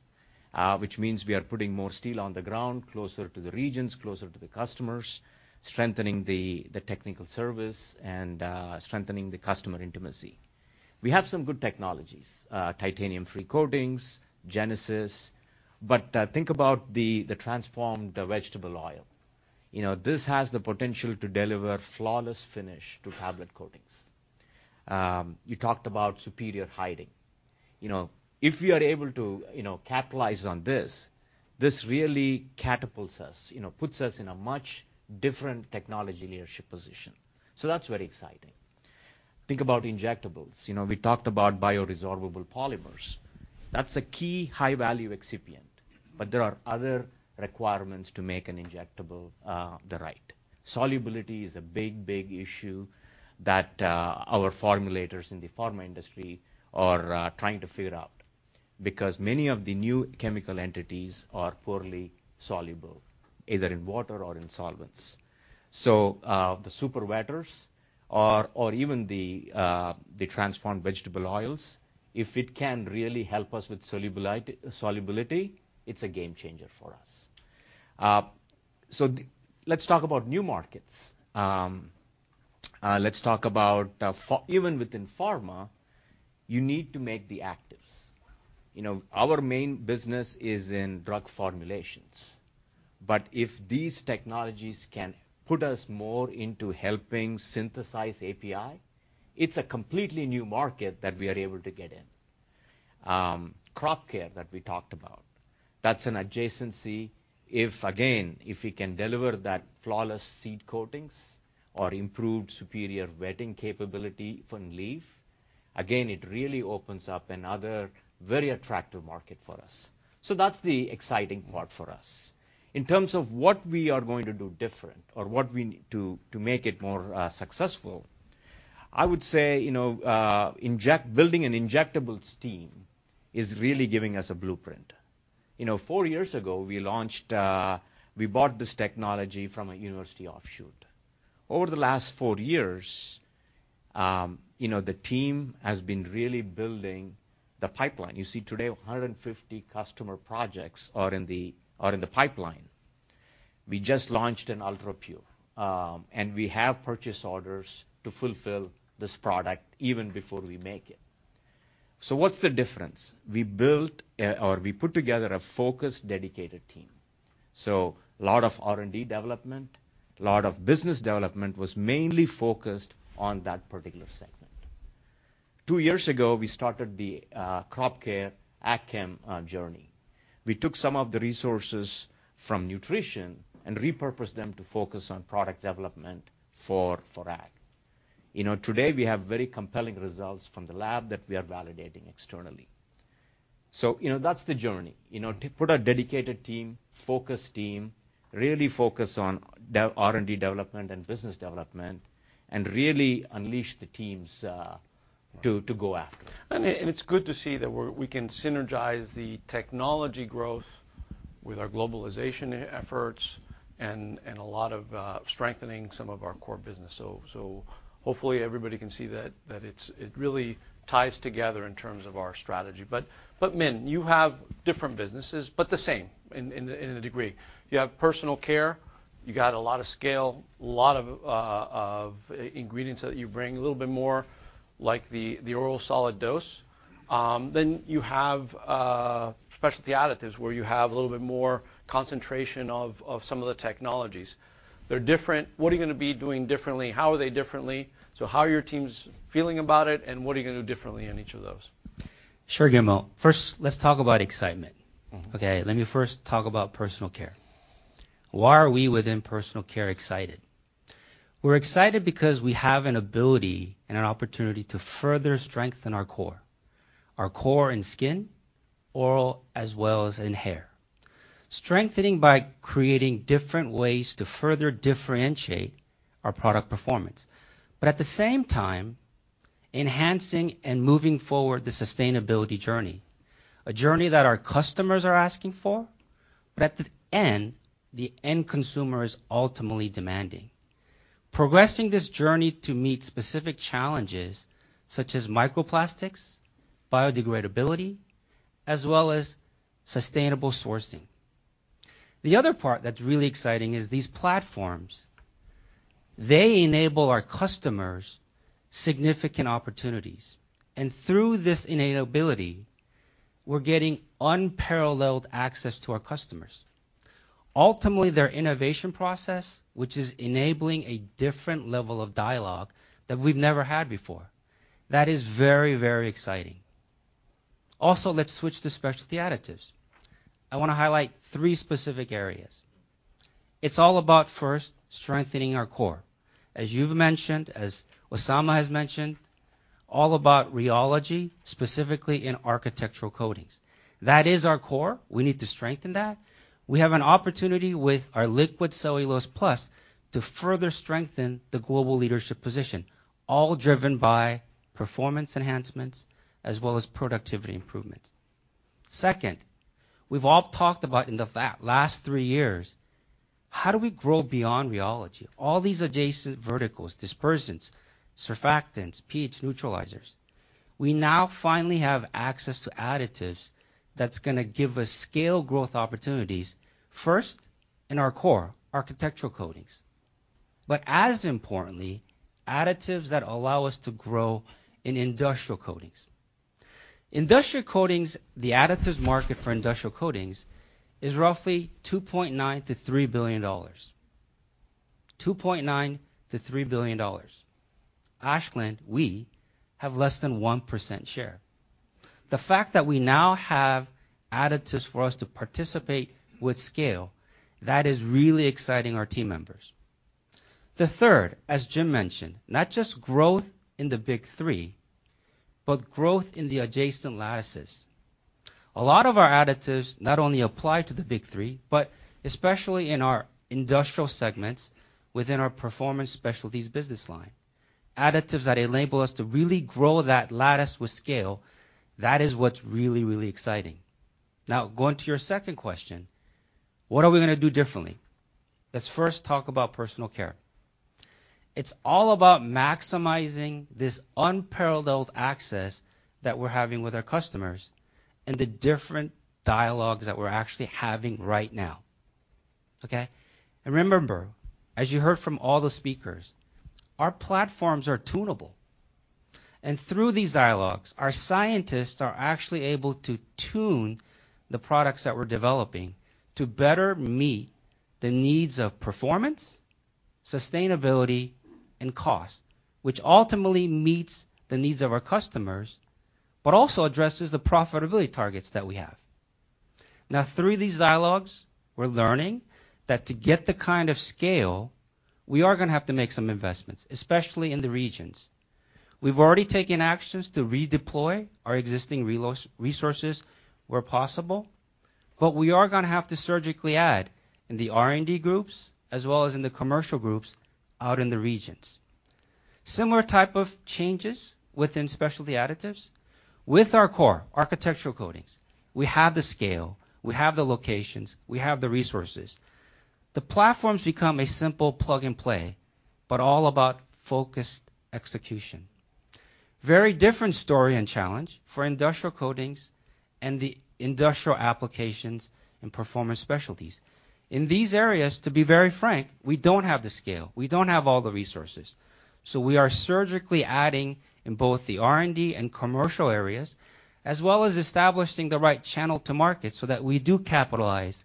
which means we are putting more steel on the ground, closer to the regions, closer to the customers, strengthening the technical service and strengthening the customer intimacy. We have some good technologies, titanium-free coatings, Genesis, but think about the transformed vegetable oil. You know, this has the potential to deliver flawless finish to tablet coatings. You talked about superior hiding. You know, if we are able to, you know, capitalize on this, this really catapults us, you know, puts us in a much different technology leadership position, so that's very exciting. Think about injectables. You know, we talked about bioresorbable polymers. That's a key high-value excipient, but there are other requirements to make an injectable, the right. Solubility is a big, big issue that our formulators in the pharma industry are trying to figure out because many of the new chemical entities are poorly soluble, either in water or in solvents. So, the superwetters or even the transformed vegetable oils, if it can really help us with solubility, it's a game changer for us. So, let's talk about new markets. Let's talk about even within pharma, you need to make the actives. You know, our main business is in drug formulations, but if these technologies can put us more into helping synthesize API, it's a completely new market that we are able to get in. Crop care that we talked about, that's an adjacency if, again, if we can deliver that flawless seed coatings or improved superior wetting capability from leaf, again, it really opens up another very attractive market for us. So that's the exciting part for us. In terms of what we are going to do different or what we need to, to make it more, successful, I would say, you know, building an injectables team is really giving us a blueprint. You know, four years ago, we launched, we bought this technology from a university offshoot. Over the last four years, you know, the team has been really building the pipeline. You see today, 150 customer projects are in the, are in the pipeline. We just launched an ultra pure, and we have purchase orders to fulfill this product even before we make it. So what's the difference? We built or we put together a focused, dedicated team, so a lot of R&D development, a lot of business development was mainly focused on that particular segment. Two years ago, we started the crop care ag chem journey. We took some of the resources from nutrition and repurposed them to focus on product development for ag. You know, today, we have very compelling results from the lab that we are validating externally. So, you know, that's the journey. You know, to put a dedicated team, focused team, really focus on R&D development and business development and really unleash the teams to go after it. It's good to see that we can synergize the technology growth with our globalization efforts and a lot of strengthening some of our core business. Hopefully, everybody can see that it's it really ties together in terms of our strategy. But Min, you have different businesses, but the same to a degree. You have Personal Care. You got a lot of scale, a lot of ingredients that you bring, a little bit more like the oral solid dose. Then you have Specialty Additives, where you have a little bit more concentration of some of the technologies. They're different. What are you gonna be doing differently? How are they differently? How are your teams feeling about it, and what are you gonna do differently on each of those? Sure, Guillermo. First, let's talk about excitement. Mm-hmm. Okay, let me first talk about Personal Care. Why are we within Personal Care excited? We're excited because we have an ability and an opportunity to further strengthen our core, our core in skin, oral, as well as in hair. Strengthening by creating different ways to further differentiate our product performance, but at the same time, enhancing and moving forward the sustainability journey, a journey that our customers are asking for, but at the end, the end consumer is ultimately demanding. Progressing this journey to meet specific challenges such as microplastics, biodegradability, as well as sustainable sourcing. The other part that's really exciting is these platforms. They enable our customers significant opportunities, and through this enable ability, we're getting unparalleled access to our customers. Ultimately, their innovation process, which is enabling a different level of dialogue that we've never had before, that is very, very exciting. Also, let's switch to Specialty Additives. I wanna highlight three specific areas. It's all about, first, strengthening our core. As you've mentioned, as Osama has mentioned, all about rheology, specifically in architectural coatings. That is our core. We need to strengthen that. We have an opportunity with our Liquid Cellulose Plus to further strengthen the global leadership position, all driven by performance enhancements as well as productivity improvements. Second, we've all talked about in the last three years, how do we grow beyond rheology? All these adjacent verticals, dispersions, surfactants, pH neutralizers, we now finally have access to additives that's gonna give us scale growth opportunities, first, in our core, architectural coatings, but as importantly, additives that allow us to grow in industrial coatings. Industrial coatings, the additives market for industrial coatings is roughly $2.9 billion-$3 billion. $2.9 billion-$3 billion. Ashland, we have less than 1% share. The fact that we now have additives for us to participate with scale, that is really exciting our team members. The third, as Jim mentioned, not just growth in the big three, but growth in the adjacent lattices. A lot of our additives not only apply to the big three, but especially in our industrial segments within our Performance Specialties business line, additives that enable us to really grow that lattice with scale, that is what's really, really exciting. Now, going to your second question, what are we gonna do differently? Let's first talk about Personal Care. It's all about maximizing this unparalleled access that we're having with our customers and the different dialogues that we're actually having right now, okay? And remember, as you heard from all the speakers, our platforms are tunable. Through these dialogues, our scientists are actually able to tune the products that we're developing to better meet the needs of performance, sustainability, and cost, which ultimately meets the needs of our customers, but also addresses the profitability targets that we have. Now, through these dialogues, we're learning that to get the kind of scale, we are gonna have to make some investments, especially in the regions. We've already taken actions to redeploy our existing resources where possible, but we are gonna have to surgically add in the R&D groups as well as in the commercial groups out in the regions. Similar type of changes within Specialty Additives. With our core, architectural coatings, we have the scale, we have the locations, we have the resources. The platforms become a simple plug-and-play, but all about focused execution. Very different story and challenge for industrial coatings and the industrial applications and performance specialties. In these areas, to be very frank, we don't have the scale, we don't have all the resources. So we are surgically adding in both the R&D and commercial areas, as well as establishing the right channel to market so that we do capitalize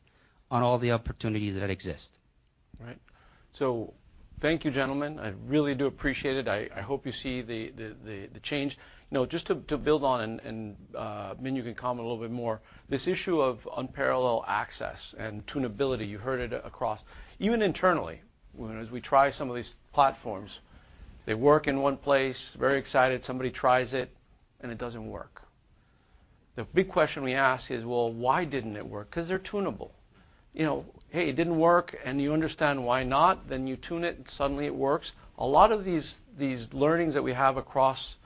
on all the opportunities that exist. Right. So thank you, gentlemen. I really do appreciate it. I hope you see the change. You know, just to build on, Min, you can comment a little bit more, this issue of unparalleled access and tunability, you heard it across. Even internally, when as we try some of these platforms, they work in one place, very excited, somebody tries it, and it doesn't work. The big question we ask is, "Well, why didn't it work?" 'Cause they're tunable. You know, "Hey, it didn't work," and you understand why not, then you tune it, and suddenly it works. A lot of these learnings that we have across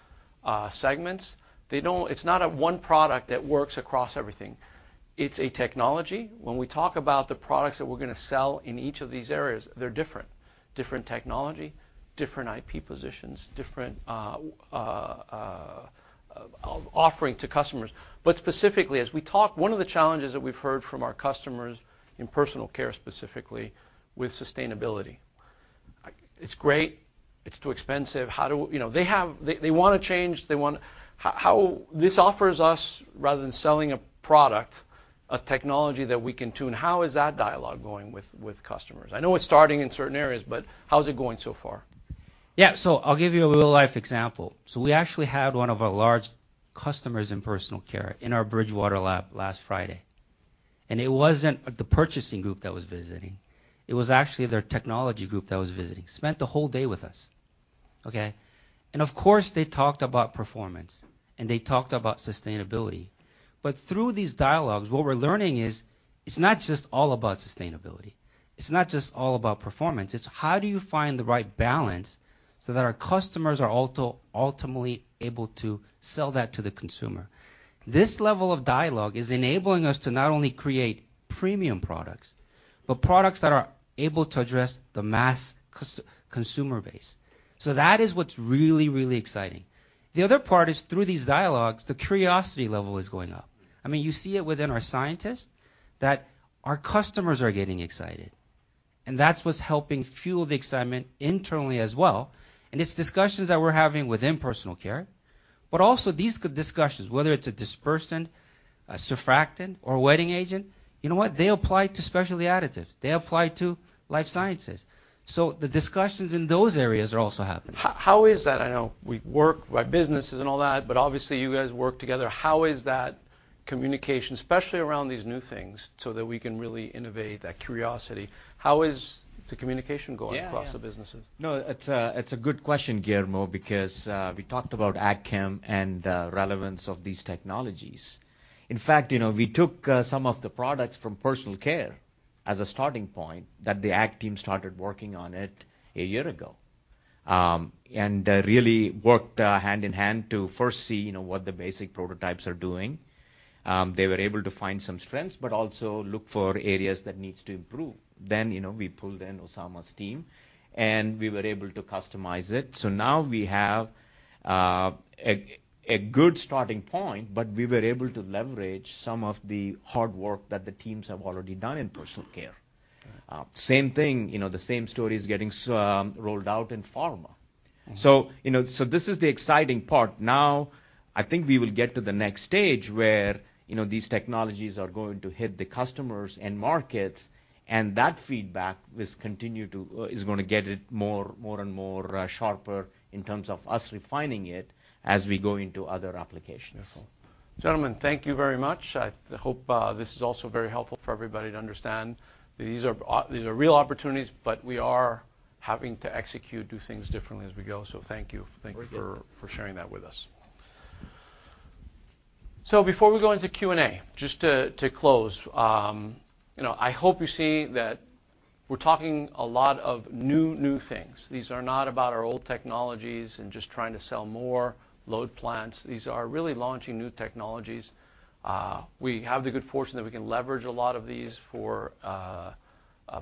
segments, they don't, it's not a one product that works across everything. It's a technology. When we talk about the products that we're gonna sell in each of these areas, they're different. Different technology, different IP positions, different offering to customers. But specifically, as we talk, one of the challenges that we've heard from our customers in Personal Care, specifically, with sustainability. I, “It's great. It's too expensive. How do.” You know, they have, they wanna change, they want. How. This offers us, rather than selling a product, a technology that we can tune. How is that dialogue going with customers? I know it's starting in certain areas, but how is it going so far? Yeah, so I'll give you a real-life example. So we actually had one of our large customers in Personal Care in our Bridgewater lab last Friday, and it wasn't the purchasing group that was visiting, it was actually their technology group that was visiting. Spent the whole day with us, okay? And of course, they talked about performance, and they talked about sustainability. But through these dialogues, what we're learning is, it's not just all about sustainability, it's not just all about performance, it's how do you find the right balance so that our customers are also ultimately able to sell that to the consumer? This level of dialogue is enabling us to not only create premium products, but products that are able to address the mass consumer base. So that is what's really, really exciting. The other part is, through these dialogues, the curiosity level is going up. I mean, you see it within our scientists, that our customers are getting excited, and that's what's helping fuel the excitement internally as well, and it's discussions that we're having within personal care, but also these good discussions, whether it's a dispersant, a surfactant, or a wetting agent, you know what? They apply to specialty additives. They apply to Life Sciences. So the discussions in those areas are also happening. How is that? I know we work by businesses and all that, but obviously, you guys work together. How is that communication, especially around these new things, so that we can really innovate that curiosity? How is the communication goingA Yeah. Across the businesses? No, it's a, it's a good question, Guillermo, because we talked about AgChem and relevance of these technologies. In fact, you know, we took some of the products from Personal Care as a starting point, that the Ag team started working on it a year ago, and really worked hand in hand to first see, you know, what the basic prototypes are doing. They were able to find some strengths, but also look for areas that needs to improve. Then, you know, we pulled in Osama's team, and we were able to customize it. So now we have a good starting point, but we were able to leverage some of the hard work that the teams have already done in Personal Care. Right. Same thing, you know, the same story is getting rolled out in pharma. Mm-hmm. So, you know, so this is the exciting part. Now, I think we will get to the next stage where, you know, these technologies are going to hit the customers and markets, and that feedback will continue to. Is gonna get it more, more and more, sharper in terms of us refining it as we go into other applications. Yes. Gentlemen, thank you very much. I hope, this is also very helpful for everybody to understand that these are real opportunities, but we are having to execute, do things differently as we go, so thank you. Thank you. Thank you for sharing that with us. So before we go into Q&A, just to close, you know, I hope you see that we're talking a lot of new things. These are not about our old technologies and just trying to sell more load plants. These are really launching new technologies. We have the good fortune that we can leverage a lot of these for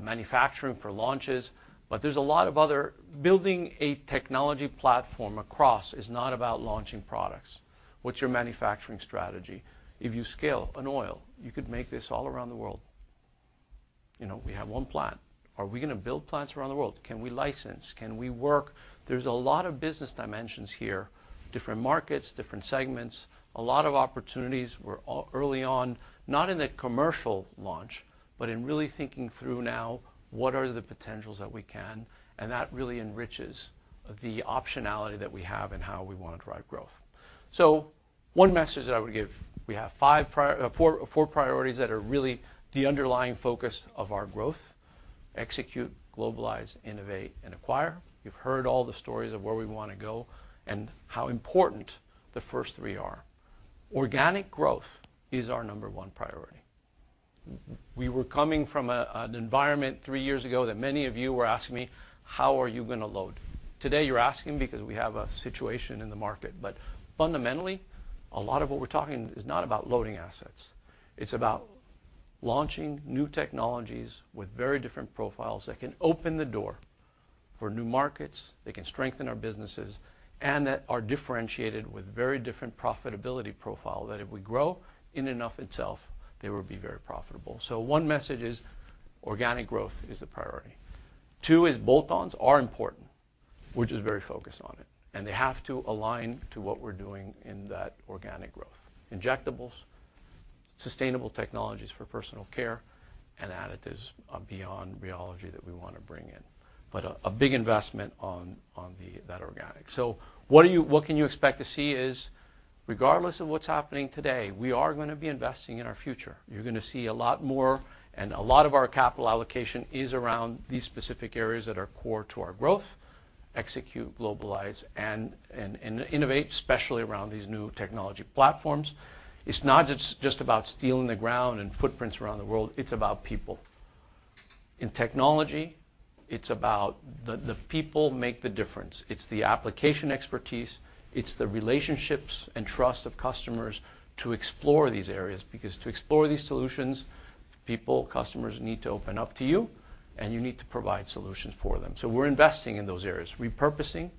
manufacturing, for launches, but there's a lot of other... Building a technology platform across is not about launching products. What's your manufacturing strategy? If you scale an oil, you could make this all around the world. You know, we have one plant. Are we gonna build plants around the world? Can we license? Can we work? There's a lot of business dimensions here, different markets, different segments, a lot of opportunities. We're all early on, not in the commercial launch, but in really thinking through now what are the potentials that we can, and that really enriches the optionality that we have and how we want to drive growth. So one message that I would give: we have four priorities that are really the underlying focus of our growth: execute, globalize, innovate, and acquire. You've heard all the stories of where we wanna go and how important the first three are. Organic growth is our number one priority. We were coming from an environment three years ago that many of you were asking me, "How are you gonna load?" Today, you're asking because we have a situation in the market. But fundamentally, a lot of what we're talking is not about loading assets. It's about launching new technologies with very different profiles that can open the door for new markets, that can strengthen our businesses, and that are differentiated with very different profitability profile, that if we grow in and of itself, they will be very profitable. So one message is, organic growth is the priority. Two is, bolt-ons are important, which is very focused on it, and they have to align to what we're doing in that organic growth. Injectables, sustainable technologies for personal care, and additives beyond rheology that we wanna bring in, but a big investment on that organic. So what can you expect to see is, regardless of what's happening today, we are gonna be investing in our future. You're gonna see a lot more, and a lot of our capital allocation is around these specific areas that are core to our growth: execute, globalize, and innovate, especially around these new technology platforms. It's not just about stealing the ground and footprints around the world, it's about people. In technology, it's about. The people make the difference. It's the application expertise, it's the relationships and trust of customers to explore these areas, because to explore these solutions, people, customers need to open up to you, and you need to provide solutions for them. So we're investing in those areas. Repurposing,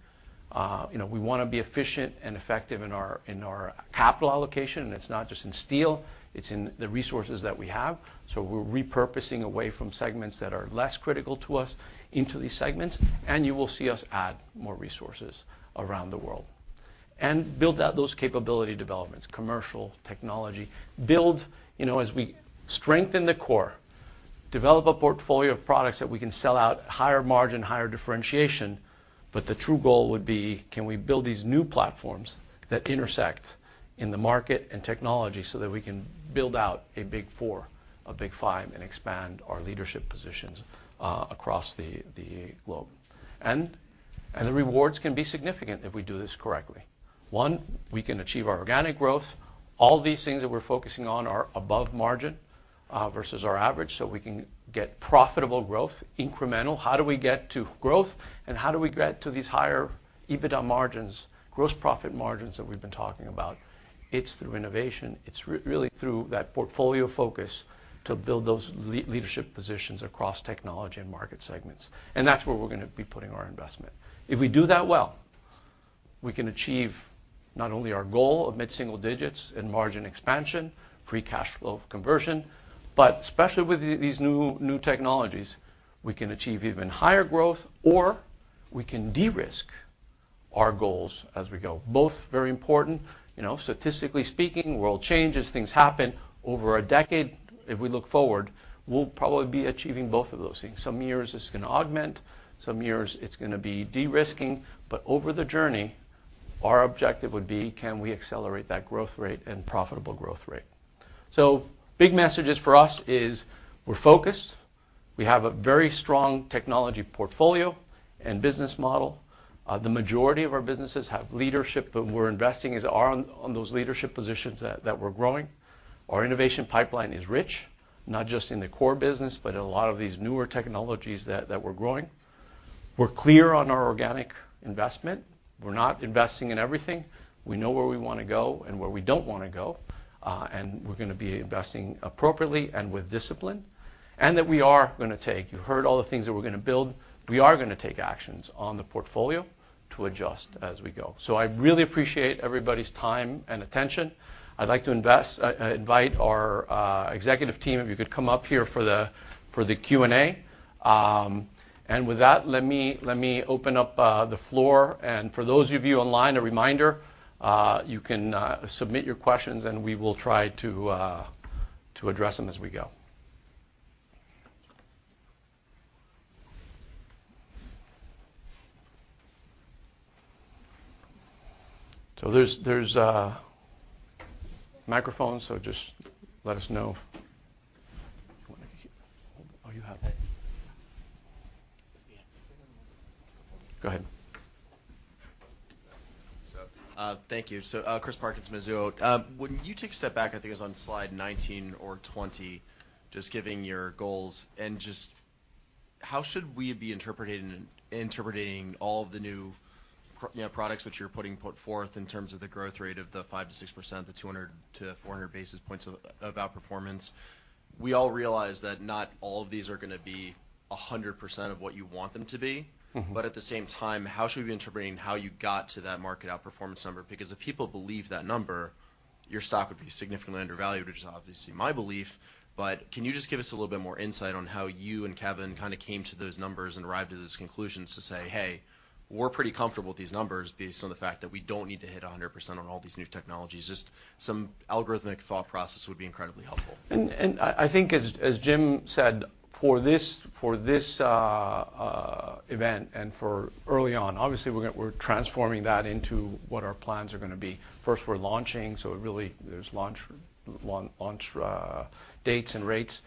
you know, we wanna be efficient and effective in our capital allocation, and it's not just in steel, it's in the resources that we have. So we're repurposing away from segments that are less critical to us into these segments, and you will see us add more resources around the world. Build out those capability developments, commercial, technology. Build, you know, develop a portfolio of products that we can sell out at higher margin, higher differentiation, but the true goal would be: can we build these new platforms that intersect in the market and technology so that we can build out a big four, a big five, and expand our leadership positions across the globe? The rewards can be significant if we do this correctly. One, we can achieve our organic growth. All these things that we're focusing on are above margin versus our average, so we can get profitable growth, incremental. How do we get to growth, and how do we get to these higher EBITDA margins, gross profit margins that we've been talking about? It's through innovation. It's really through that portfolio focus to build those leadership positions across technology and market segments, and that's where we're gonna be putting our investment. If we do that well, we can achieve not only our goal of mid-single digits and margin expansion, Free Cash Flow conversion, but especially with these new technologies, we can achieve even higher growth, or we can de-risk our goals as we go. Both very important. You know, statistically speaking, world changes, things happen over a decade. If we look forward, we'll probably be achieving both of those things. Some years it's gonna augment, some years it's gonna be de-risking, but over the journey, our objective would be: can we accelerate that growth rate and profitable growth rate? So big messages for us is we're focused, we have a very strong technology portfolio and business model. The majority of our businesses have leadership, but we're investing in those leadership positions that we're growing. Our innovation pipeline is rich, not just in the core business, but in a lot of these newer technologies that we're growing. We're clear on our organic investment. We're not investing in everything. We know where we wanna go and where we don't wanna go, and we're gonna be investing appropriately and with discipline, and that we are gonna take. You heard all the things that we're gonna build. We are gonna take actions on the portfolio to adjust as we go. So I really appreciate everybody's time and attention. I'd like to invite our executive team, if you could come up here for the Q&A. And with that, let me open up the floor. And for those of you online, a reminder, you can submit your questions, and we will try to address them as we go. So there's a microphone, so just let us know. Oh, you have it. Go ahead. Thank you. Chris Parks, Mizuho. When you take a step back, I think it was on slide 19 or 20, just giving your goals and just how should we be interpreting all of the new, you know, products which you're putting forth in terms of the growth rate of the 5%-6%, the 200-400 basis points of outperformance? We all realize that not all of these are gonna be 100% of what you want them to be. Mm-hmm. But at the same time, how should we be interpreting how you got to that market outperformance number? Because if people believe that number, your stock would be significantly undervalued, which is obviously my belief. But can you just give us a little bit more insight on how you and Kevin kinda came to those numbers and arrived at those conclusions to say, "Hey, we're pretty comfortable with these numbers based on the fact that we don't need to hit 100% on all these new technologies"? Just some algorithmic thought process would be incredibly helpful. I think as Jim said, for this event and for early on, obviously, we're transforming that into what our plans are gonna be. First, we're launching, so it really, there's launch dates and rates.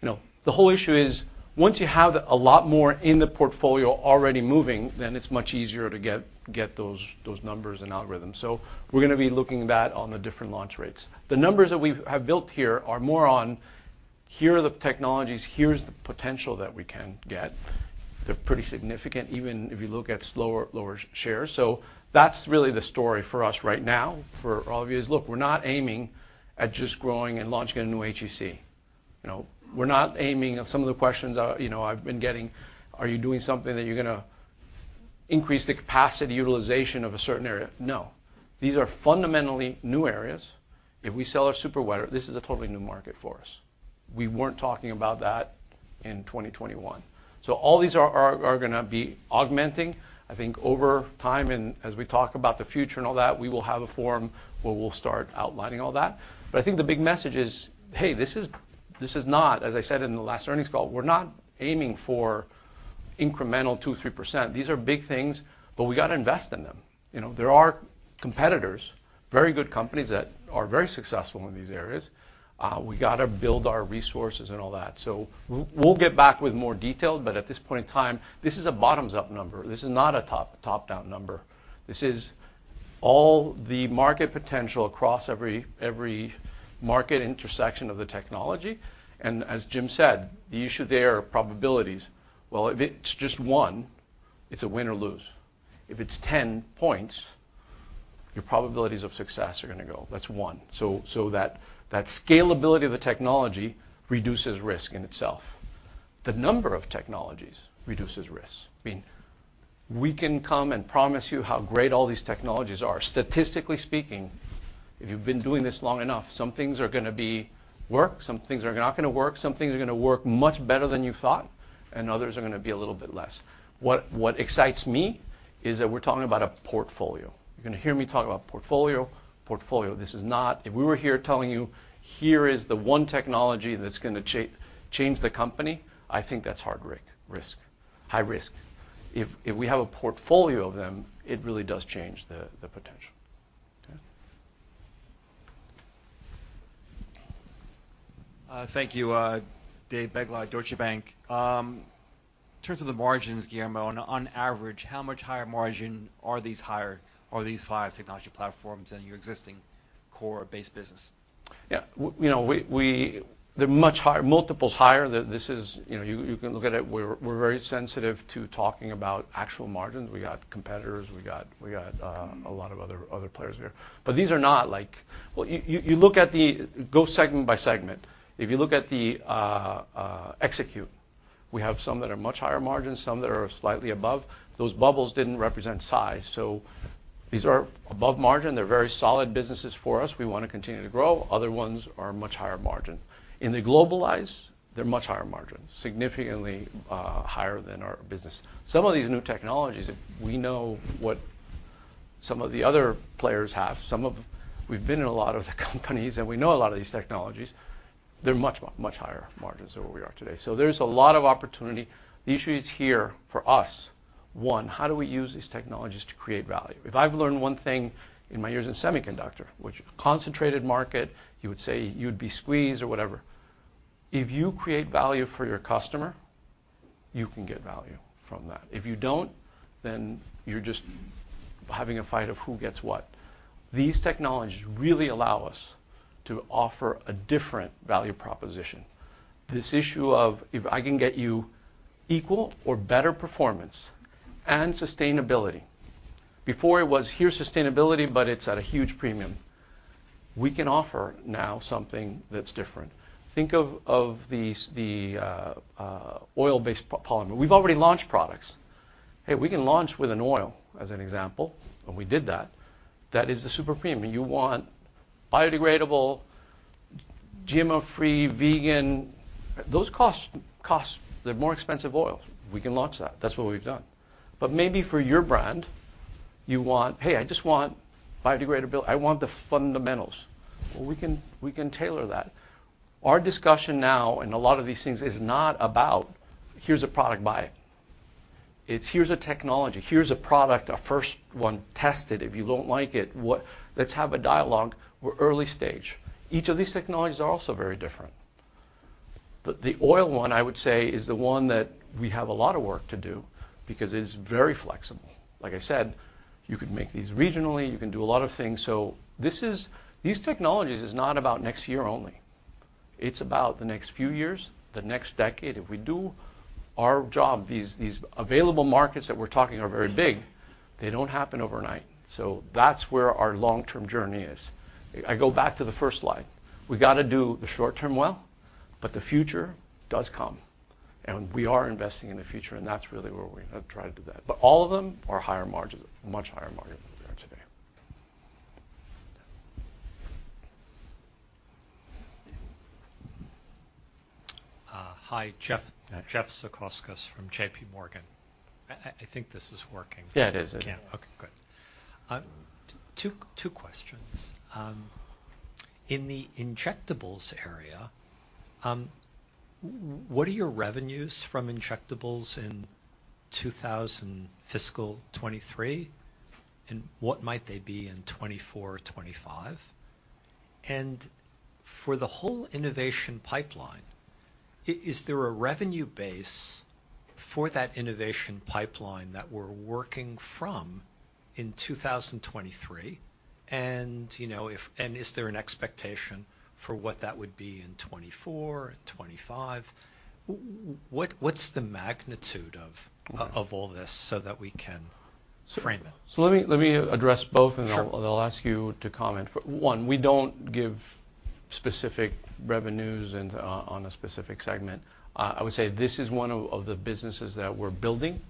You know, the whole issue is once you have a lot more in the portfolio already moving, then it's much easier to get those numbers and algorithms. So we're gonna be looking at that on the different launch rates. The numbers that we've built here are more on, here are the technologies, here's the potential that we can get. They're pretty significant, even if you look at slower, lower shares. So that's really the story for us right now, for all of you is, look, we're not aiming at just growing and launching a new HEC. You know, we're not aiming. Some of the questions, you know, I've been getting: Are you doing something that you're gonna increase the capacity utilization of a certain area? No. These are fundamentally new areas. If we sell our superwetter, this is a totally new market for us. We weren't talking about that in 2021. So all these are gonna be augmenting. I think over time, and as we talk about the future and all that, we will have a forum where we'll start outlining all that. But I think the big message is, hey, this is not, as I said in the last earnings call, we're not aiming for incremental 2%-3%. These are big things, but we gotta invest in them. You know, there are competitors, very good companies that are very successful in these areas. We gotta build our resources and all that. So we'll get back with more detail, but at this point in time, this is a bottoms-up number. This is not a top down number. This is all the market potential across every market intersection of the technology, and as Jim said, the issue there are probabilities. Well, if it's just one, it's a win or lose. If it's ten points, your probabilities of success are gonna go. That's one. So that scalability of the technology reduces risk in itself. The number of technologies reduces risk. I mean, we can come and promise you how great all these technologies are. Statistically speaking, if you've been doing this long enough, some things are gonna work, some things are not gonna work, some things are gonna work much better than you thought. and others are gonna be a little bit less. What excites me is that we're talking about a portfolio. You're gonna hear me talk about portfolio, portfolio. This is not. If we were here telling you, "Here is the one technology that's gonna change the company," I think that's hard risk, high risk. If we have a portfolio of them, it really does change the potential. Okay? Thank you, Dave Begleiter, Deutsche Bank. In terms of the margins, Guillermo, on average, how much higher margin are these higher. Are these five technology platforms than your existing core base business? Yeah. You know, we. They're much higher, multiples higher. This is, you know, you can look at it. We're very sensitive to talking about actual margins. We got competitors, we got a lot of other players here. But these are not like. Well, you look at the, go segment by segment. If you look at the excipients, we have some that are much higher margins, some that are slightly above. Those bubbles didn't represent size, so these are above margin. They're very solid businesses for us. We wanna continue to grow. Other ones are much higher margin. In the global ingredients, they're much higher margin, significantly higher than our business. Some of these new technologies, if we know what some of the other players have, some of. We've been in a lot of the companies, and we know a lot of these technologies; they're much, much higher margins than where we are today. So there's a lot of opportunity. The issue is here for us, one, how do we use these technologies to create value? If I've learned one thing in my years in semiconductor, which concentrated market, you would say you'd be squeezed or whatever. If you create value for your customer, you can get value from that. If you don't, then you're just having a fight of who gets what. These technologies really allow us to offer a different value proposition. This issue of if I can get you equal or better performance and sustainability, before it was, "Here's sustainability, but it's at a huge premium," we can offer now something that's different. Think of these, the oil-based polymer. We've already launched products. Hey, we can launch with an oil, as an example, and we did that. That is the super premium. You want biodegradable, GMO-free, vegan. Those cost, costs, they're more expensive oils. We can launch that. That's what we've done. But maybe for your brand, you want, "Hey, I just want biodegradability. I want the fundamentals." Well, we can, we can tailor that. Our discussion now, and a lot of these things, is not about, "Here's a product, buy it." It's, "Here's a technology. Here's a product, a first one. Test it. If you don't like it, what. Let's have a dialogue. We're early stage." Each of these technologies are also very different. But the oil one, I would say, is the one that we have a lot of work to do because it is very flexible. Like I said, you could make these regionally, you can do a lot of things. So this is. These technologies is not about next year only. It's about the next few years, the next decade. If we do our job, these available markets that we're talking are very big, they don't happen overnight. So that's where our long-term journey is. I go back to the first slide. We've got to do the short term well, but the future does come, and we are investing in the future, and that's really where we have tried to do that. But all of them are higher margin, much higher margin than we are today. Hi, Jeff. Hi. Jeff Zekauskas from JPMorgan. I think this is working. Yeah, it is. Okay, good. Two questions. In the injectables area, what are your revenues from injectables in fiscal 2023, and what might they be in 2024, 2025? And for the whole innovation pipeline, is there a revenue base for that innovation pipeline that we're working from in 2023? And, you know, is there an expectation for what that would be in 2024 and 2025? What, what's the magnitude of. Okay. Of all this so that we can frame it? Let me address both. Sure. And then I'll ask you to comment. For one, we don't give specific revenues and on a specific segment. I would say this is one of the businesses that we're building.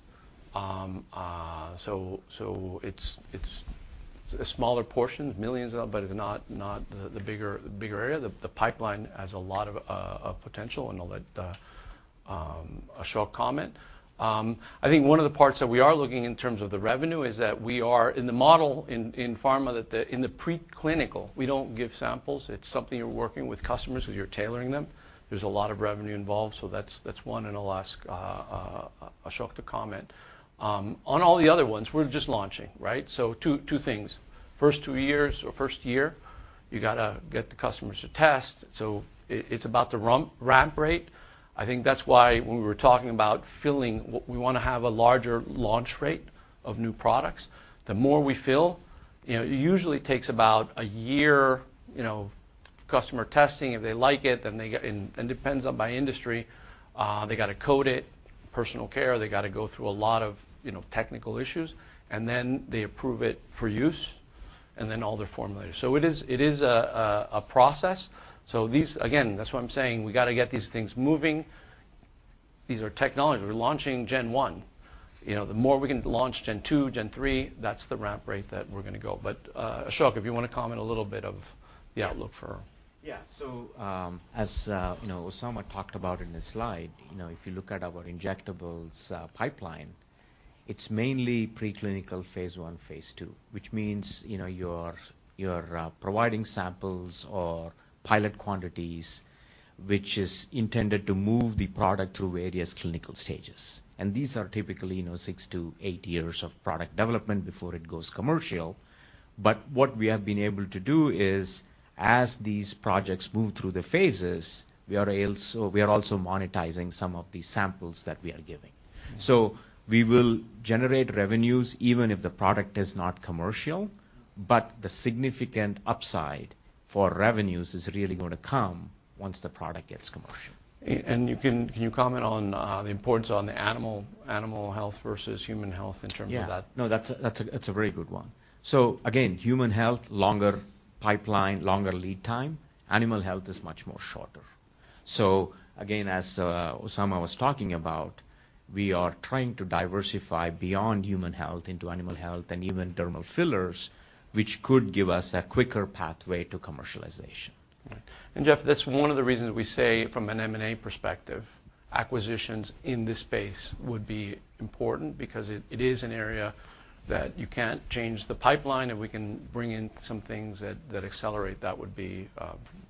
It's a smaller portion, millions, but it's not the bigger area. The pipeline has a lot of potential, and I'll let Ashok comment. I think one of the parts that we are looking in terms of the revenue is that we are in the model in pharma, that in the preclinical, we don't give samples. It's something you're working with customers because you're tailoring them. There's a lot of revenue involved, so that's one, and I'll ask Ashok to comment. On all the other ones, we're just launching, right? So two things. First two years or first year, you got to get the customers to test, so it, it's about the ramp rate. I think that's why when we were talking about filling, we wanna have a larger launch rate of new products. The more we fill, you know, it usually takes about a year, you know, customer testing. If they like it, then they get. And, and depends on by industry, they got to code it. Personal Care, they got to go through a lot of, you know, technical issues, and then they approve it for use, and then all their formulators. So it is, it is a process. So these, again, that's why I'm saying we got to get these things moving. These are technologies. We're launching gen one. You know, the more we can launch Gen 2, Gen 3, that's the ramp rate that we're gonna go. But, Ashok, if you wanna comment a little bit of the outlook for. Yeah. So, as you know, Osama talked about in his slide, you know, if you look at our injectables pipeline, it's mainly preclinical phase I, phase II, which means, you know, you're providing samples or pilot quantities, which is intended to move the product through various clinical stages. And these are typically, you know, six-eight years of product development before it goes commercial. But what we have been able to do is, as these projects move through the phases, we are also monetizing some of the samples that we are giving. So we will generate revenues even if the product is not commercial, but the significant upside for revenues is really gonna come once the product gets commercial. And can you comment on the importance of the animal health versus human health in terms of that? Yeah. No, that's a very good one. So again, human health, longer pipeline, longer lead time. Animal health is much more shorter. So again, as Osama was talking about, we are trying to diversify beyond human health into animal health and even dermal fillers, which could give us a quicker pathway to commercialization. Right. And Jeff, that's one of the reasons we say from an M&A perspective, acquisitions in this space would be important because it is an area that you can't change the pipeline, and we can bring in some things that accelerate that would be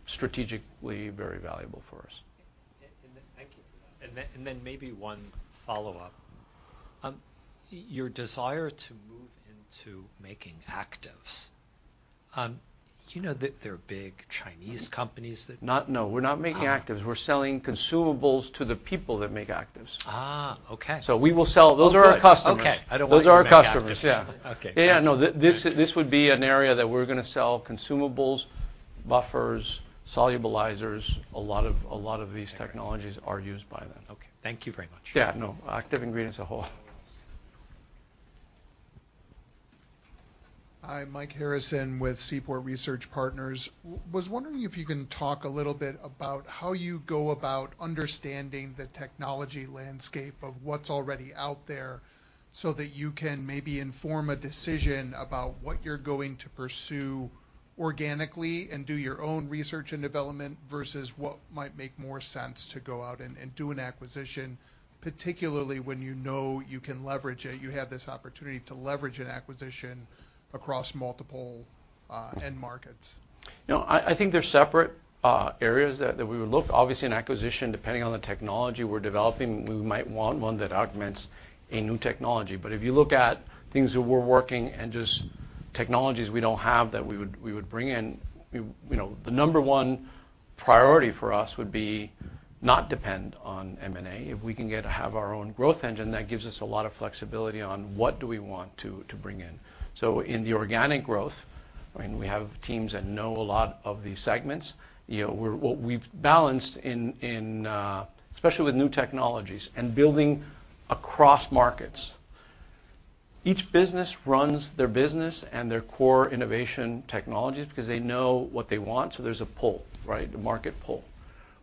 strategically very valuable for us. Thank you. And then, and then maybe one follow-up. Your desire to move into making actives, you know that there are big Chinese companies that. No, we're not making actives. Ah. We're selling consumables to the people that make actives. Ah, okay. So we will sell. Oh, good. Those are our customers. Okay, I don't want. Those are our customers. Yeah. Okay. Yeah, no. This, this would be an area that we're gonna sell consumables, buffers, solubilizers. A lot of, a lot of these technologies are used by them. Okay. Thank you very much. Yeah, no, active ingredients as a whole. Hi, Mike Harrison with Seaport Research Partners. I was wondering if you can talk a little bit about how you go about understanding the technology landscape of what's already out there, so that you can maybe inform a decision about what you're going to pursue organically, and do your own research and development, versus what might make more sense to go out and do an acquisition, particularly when you know you can leverage it, you have this opportunity to leverage an acquisition across multiple end markets? You know, I think they're separate areas that we would look. Obviously, an acquisition, depending on the technology we're developing, we might want one that augments a new technology. But if you look at things that we're working and just technologies we don't have that we would bring in, you know, the number one priority for us would be not depend on M&A. If we can get to have our own growth engine, that gives us a lot of flexibility on what do we want to bring in. So in the organic growth, I mean, we have teams that know a lot of these segments. You know, we've balanced in, especially with new technologies and building across markets. Each business runs their business and their core innovation technologies because they know what they want, so there's a pull, right? A market pull.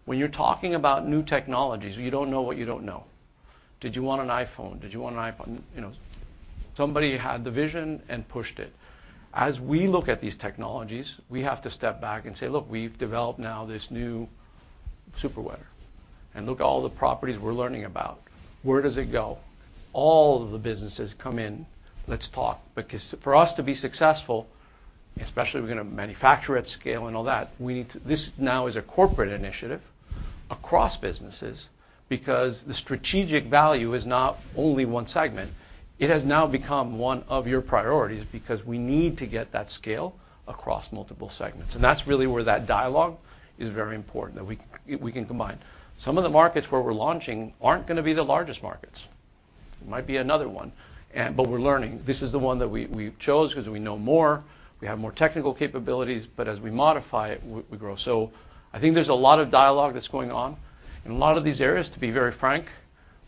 When you're talking about new technologies, you don't know what you don't know. Did you want an iPhone? Did you want an iPhone? You know, somebody had the vision and pushed it. As we look at these technologies, we have to step back and say, "Look, we've developed now this new super wetter, and look at all the properties we're learning about. Where does it go?" All of the businesses come in, let's talk. Because for us to be successful, especially we're gonna manufacture at scale and all that, we need to, this now is a corporate initiative across businesses because the strategic value is not only one segment. It has now become one of your priorities because we need to get that scale across multiple segments, and that's really where that dialogue is very important, that we, we can combine. Some of the markets where we're launching aren't gonna be the largest markets. It might be another one, and, but we're learning. This is the one that we chose because we know more, we have more technical capabilities, but as we modify it, we grow. So I think there's a lot of dialogue that's going on. In a lot of these areas, to be very frank,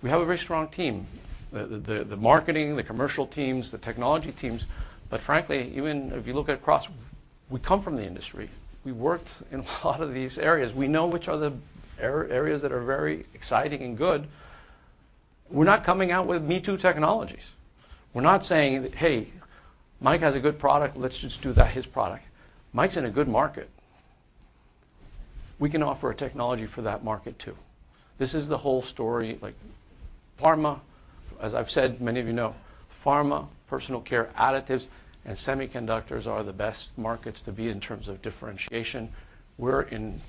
we have a very strong team. The marketing, the commercial teams, the technology teams. But frankly, even if you look at cross, we come from the industry. We've worked in a lot of these areas. We know which are the areas that are very exciting and good. We're not coming out with me-too technologies. We're not saying, "Hey, Mike has a good product. Let's just do that, his product." Mike's in a good market. We can offer a technology for that market, too. This is the whole story, like pharma, as I've said, many of you know, pharma, personal care additives, and semiconductors are the best markets to be in terms of differentiation. We're in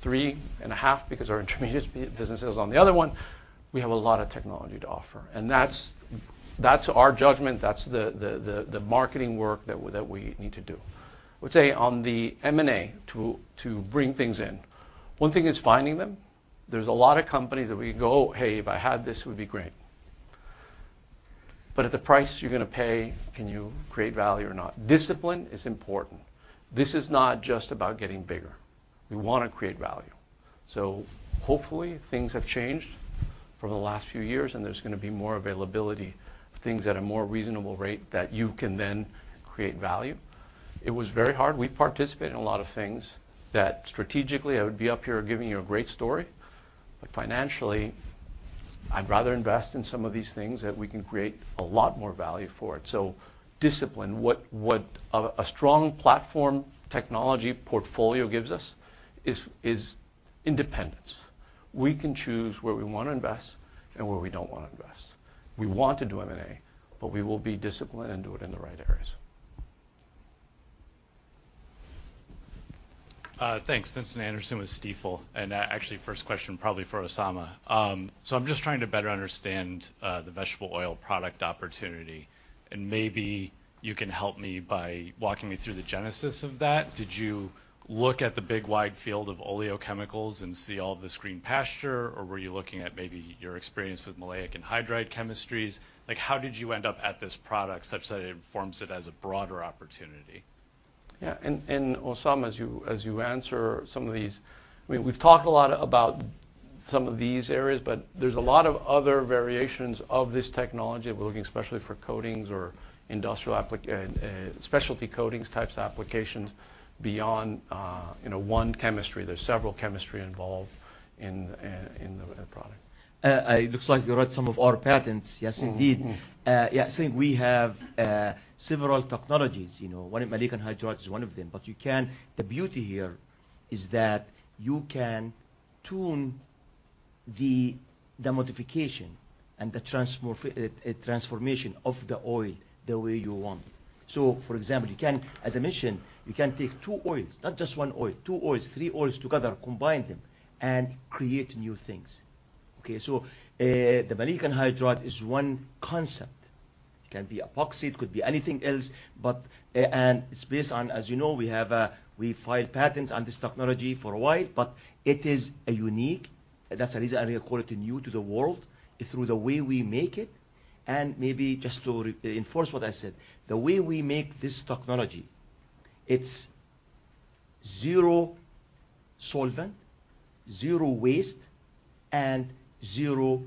three and a half because our intermediate business is on the other one. We have a lot of technology to offer, and that's, that's our judgment, that's the, the, the, the marketing work that we need to do. I would say on the M&A, to, to bring things in, one thing is finding them. There's a lot of companies that we go, "Hey, if I had this, it would be great." But at the price you're gonna pay, can you create value or not? Discipline is important. This is not just about getting bigger. We wanna create value. So hopefully, things have changed from the last few years, and there's gonna be more availability of things at a more reasonable rate that you can then create value. It was very hard. We participated in a lot of things that strategically, I would be up here giving you a great story, but financially, I'd rather invest in some of these things that we can create a lot more value for it. So discipline, what a strong platform technology portfolio gives us is independence. We can choose where we wanna invest and where we don't wanna invest. We want to do M&A, but we will be disciplined and do it in the right areas. Thanks. Vincent Anderson with Stifel, and actually, first question probably for Osama. So I'm just trying to better understand the vegetable oil product opportunity, and maybe you can help me by walking me through the genesis of that. Did you look at the big wide field of oleochemicals and see all this green pasture, or were you looking at maybe your experience with maleic anhydride chemistries? Like, how did you end up at this product, such that it informs it as a broader opportunity? Yeah, and Osama, as you answer some of these, we've talked a lot about some of these areas, but there's a lot of other variations of this technology. We're looking especially for coatings or industrial applications, specialty coatings types of applications beyond, you know, one chemistry. There's several chemistries involved in the product. It looks like you read some of our patents. Yes, indeed. Mm-hmm. Yeah, so we have several technologies, you know. One, maleic anhydride is one of them, but you can. The beauty here is that you can tune the modification and the transformation of the oil the way you want. So, for example, you can, as I mentioned, you can take two oils, not just one oil, two oils, three oils together, combine them, and create new things. Okay, so the maleic anhydride is one concept. It can be epoxy, it could be anything else, but and it's based on, as you know, we have we filed patents on this technology for a while, but it is a unique, that's the reason I call it new to the world, through the way we make it. Maybe just to reinforce what I said, the way we make this technology, it's zero solvent, zero waste, and zero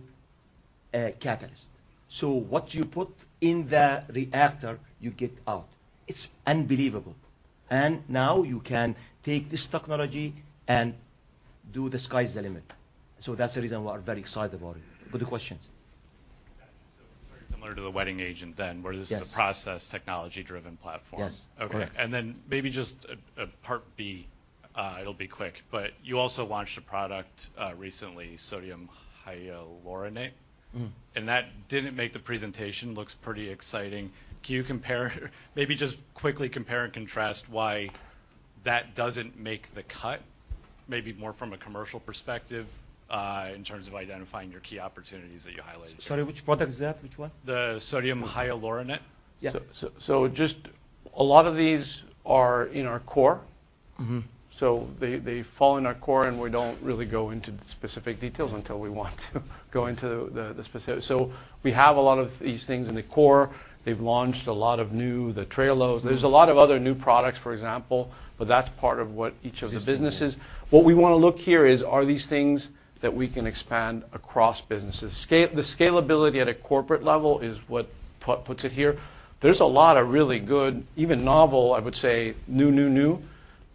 catalyst. So what you put in the reactor, you get out. It's unbelievable. Now you can take this technology and do the sky's the limit. So that's the reason we are very excited about it. Good questions. Yeah. So very similar to the wetting agent then. Yes. Where this is a process technology-driven platform. Yes. Correct. Okay, and then maybe just a part B, it'll be quick, but you also launched a product recently, sodium hyaluronate. Mm. That didn't make the presentation. Looks pretty exciting. Can you compare? Maybe just quickly compare and contrast why that doesn't make the cut, maybe more from a commercial perspective, in terms of identifying your key opportunities that you highlighted. Sorry, which product is that? Which one? The sodium hyaluronate. Yeah. So, just a lot of these are in our core. Mm-hmm. So they fall in our core, and we don't really go into the specific details until we want to go into the specifics. So we have a lot of these things in the core. They've launched a lot of new, the [Trailhead]. Mm. There's a lot of other new products, for example, but that's part of what each of the businesses. Yes. What we wanna look here is, are these things that we can expand across businesses? Scale, the scalability at a corporate level is what puts it here. There's a lot of really good, even novel, I would say, new, new, new,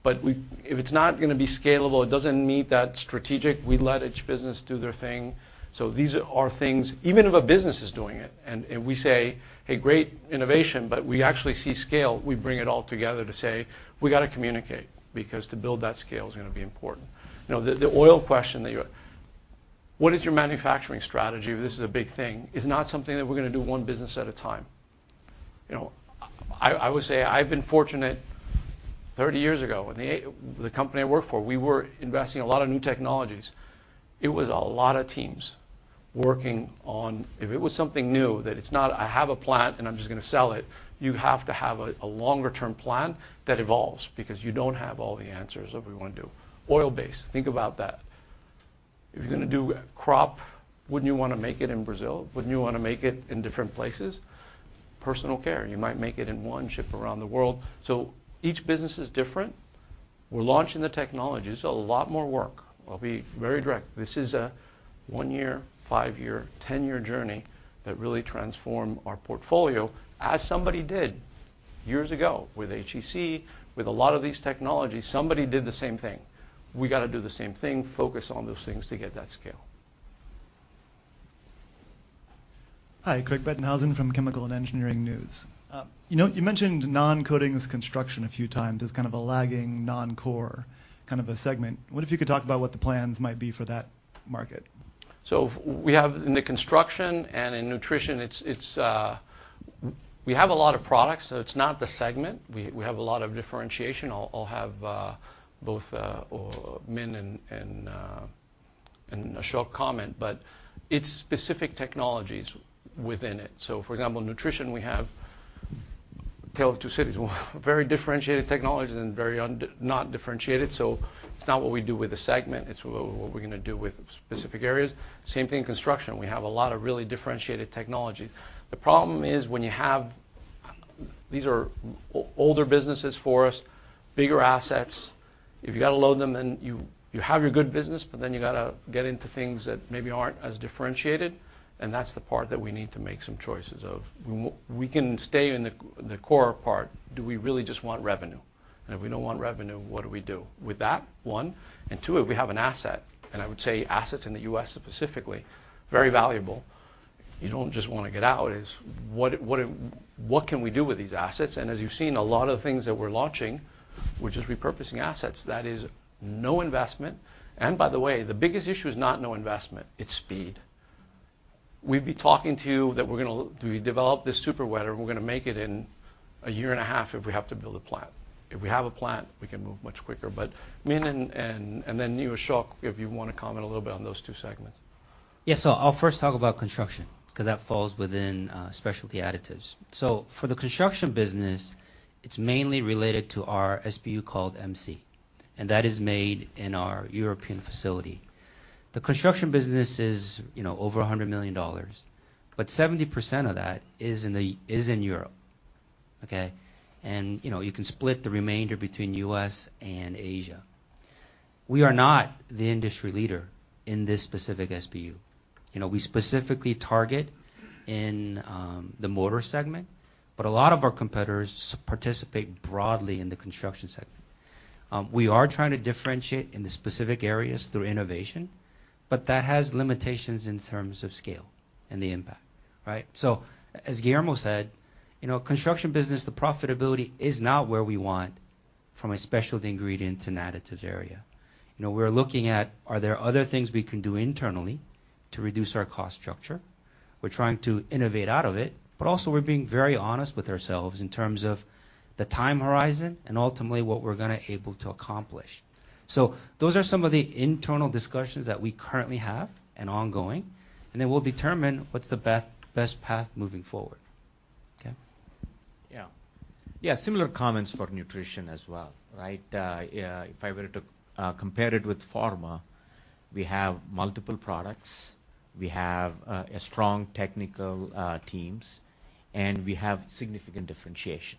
but we, if it's not gonna be scalable, it doesn't meet that strategic, we let each business do their thing. So these are things... Even if a business is doing it, and we say, "Hey, great innovation," but we actually see scale, we bring it all together to say, "We gotta communicate," because to build that scale is gonna be important. You know, the oil question that you asked, what is your manufacturing strategy? This is a big thing. It's not something that we're gonna do one business at a time. You know, I would say I've been fortunate, 30 years ago, in the company I worked for, we were investing in a lot of new technologies. It was a lot of teams working on. If it was something new, that it's not I have a plant, and I'm just gonna sell it, you have to have a longer-term plan that evolves because you don't have all the answers of we wanna do. Oil base, think about that. If you're gonna do crop, wouldn't you wanna make it in Brazil? Wouldn't you wanna make it in different places? Personal care, you might make it in one ship around the world. So each business is different. We're launching the technology. It's a lot more work. I'll be very direct. This is a one year, five year, 10 year journey that really transform our portfolio, as somebody did years ago with HEC. With a lot of these technologies, somebody did the same thing. We gotta do the same thing, focus on those things to get that scale. Hi, Craig Bettenhausen from Chemical & Engineering News. You know, you mentioned non-coatings construction a few times as kind of a lagging, non-core, kind of a segment. What if you could talk about what the plans might be for that market? So we have, in the construction and in nutrition, it's, we have a lot of products, so it's not the segment. We have a lot of differentiation. I'll have both Min and Ashok comment, but it's specific technologies within it. So for example, nutrition, we have a tale of two cities, very differentiated technologies and very not differentiated. So it's not what we do with the segment, it's what we're gonna do with specific areas. Same thing in construction. We have a lot of really differentiated technologies. The problem is when you have. These are older businesses for us, bigger asset.. If you got to load them, then you have your good business, but then you got to get into things that maybe aren't as differentiated, and that's the part that we need to make some choices of. We can stay in the core part. Do we really just want revenue? And if we don't want revenue, what do we do? With that, one, and two, if we have an asset, and I would say assets in the U.S. specifically, very valuable. You don't just want to get out. It's what can we do with these assets? And as you've seen, a lot of the things that we're launching, which is repurposing assets, that is no investment, and by the way, the biggest issue is not no investment, it's speed. We'd be talking to you that we're gonna do we develop this superwetter? We're gonna make it in a year and a half if we have to build a plant. If we have a plant, we can move much quicker. But Min and then you, Ashok, if you want to comment a little bit on those two segments. Yeah, so I'll first talk about construction, 'cause that falls within specialty additives. So for the construction business, it's mainly related to our SBU called MC, and that is made in our European facility. The construction business is, you know, over $100 million, but 70% of that is in Europe, okay? And, you know, you can split the remainder between U.S. and Asia. We are not the industry leader in this specific SBU. You know, we specifically target in the mortar segment, but a lot of our competitors participate broadly in the construction segment. We are trying to differentiate in the specific areas through innovation, but that has limitations in terms of scale and the impact, right? So as Guillermo said, you know, construction business, the profitability is not where we want from a specialty ingredient and additives area. You know, we're looking at, are there other things we can do internally to reduce our cost structure? We're trying to innovate out of it, but also we're being very honest with ourselves in terms of the time horizon and ultimately what we're gonna able to accomplish. So those are some of the internal discussions that we currently have and ongoing, and then we'll determine what's the best path moving forward. Okay? Yeah. Yeah, similar comments for nutrition as well, right? Yeah, if I were to compare it with pharma, we have multiple products, we have a strong technical teams, and we have significant differentiation.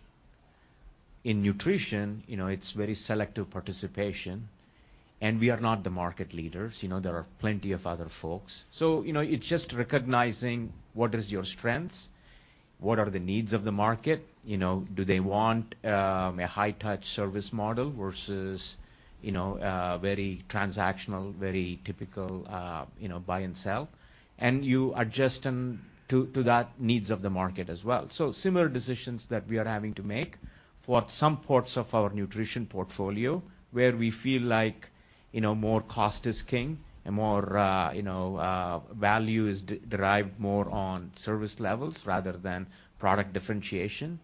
In nutrition, you know, it's very selective participation, and we are not the market leaders. You know, there are plenty of other folks. So, you know, it's just recognizing what is your strengths, what are the needs of the market? You know, do they want a high-touch service model versus, you know, a very transactional, very typical, you know, buy and sell? And you adjust them to that needs of the market as well. So similar decisions that we are having to make for some parts of our nutrition portfolio, where we feel like, you know, more cost is king and more, you know, value is derived more on service levels rather than product differentiation.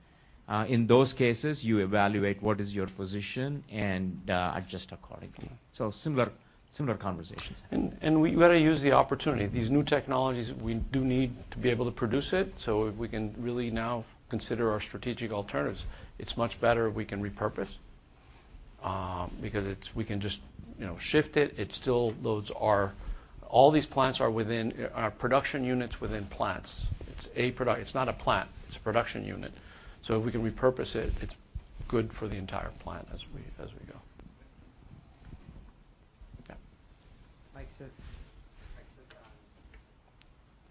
In those cases, you evaluate what is your position and, adjust accordingly. So similar, similar conversations. And we gotta use the opportunity. These new technologies, we do need to be able to produce it, so if we can really now consider our strategic alternatives, it's much better we can repurpose, because it's. We can just, you know, shift it. It still loads our, all these plants are within production units within plants. It's a product. It's not a plant, it's a production unit. So if we can repurpose it, it's good for the entire plant as we, as we go. Okay. Mike Sison.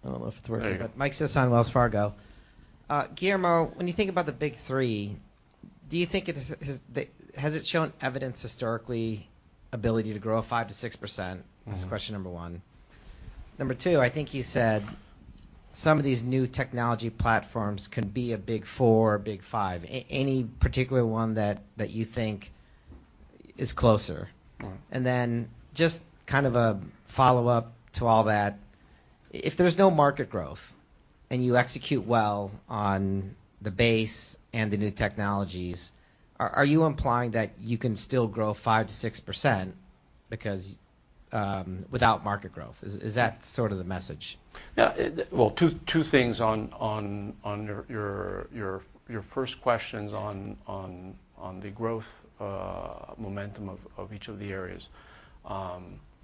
I don't know if it's working. There you go. But Mike Sison, Wells Fargo. Guillermo, when you think about the big three, do you think it is, has it shown evidence historically, ability to grow 5%-6%? Mm. That's question number one. Number two, I think you said some of these new technology platforms can be a big four or big five. Any particular one that you think is closer? Mm. Then just kind of a follow-up to all that, if there's no market growth and you execute well on the base and the new technologies, are you implying that you can still grow 5%-6% because without market growth? Is that sort of the message? Yeah, well, two things on your first questions on the growth momentum of each of the areas.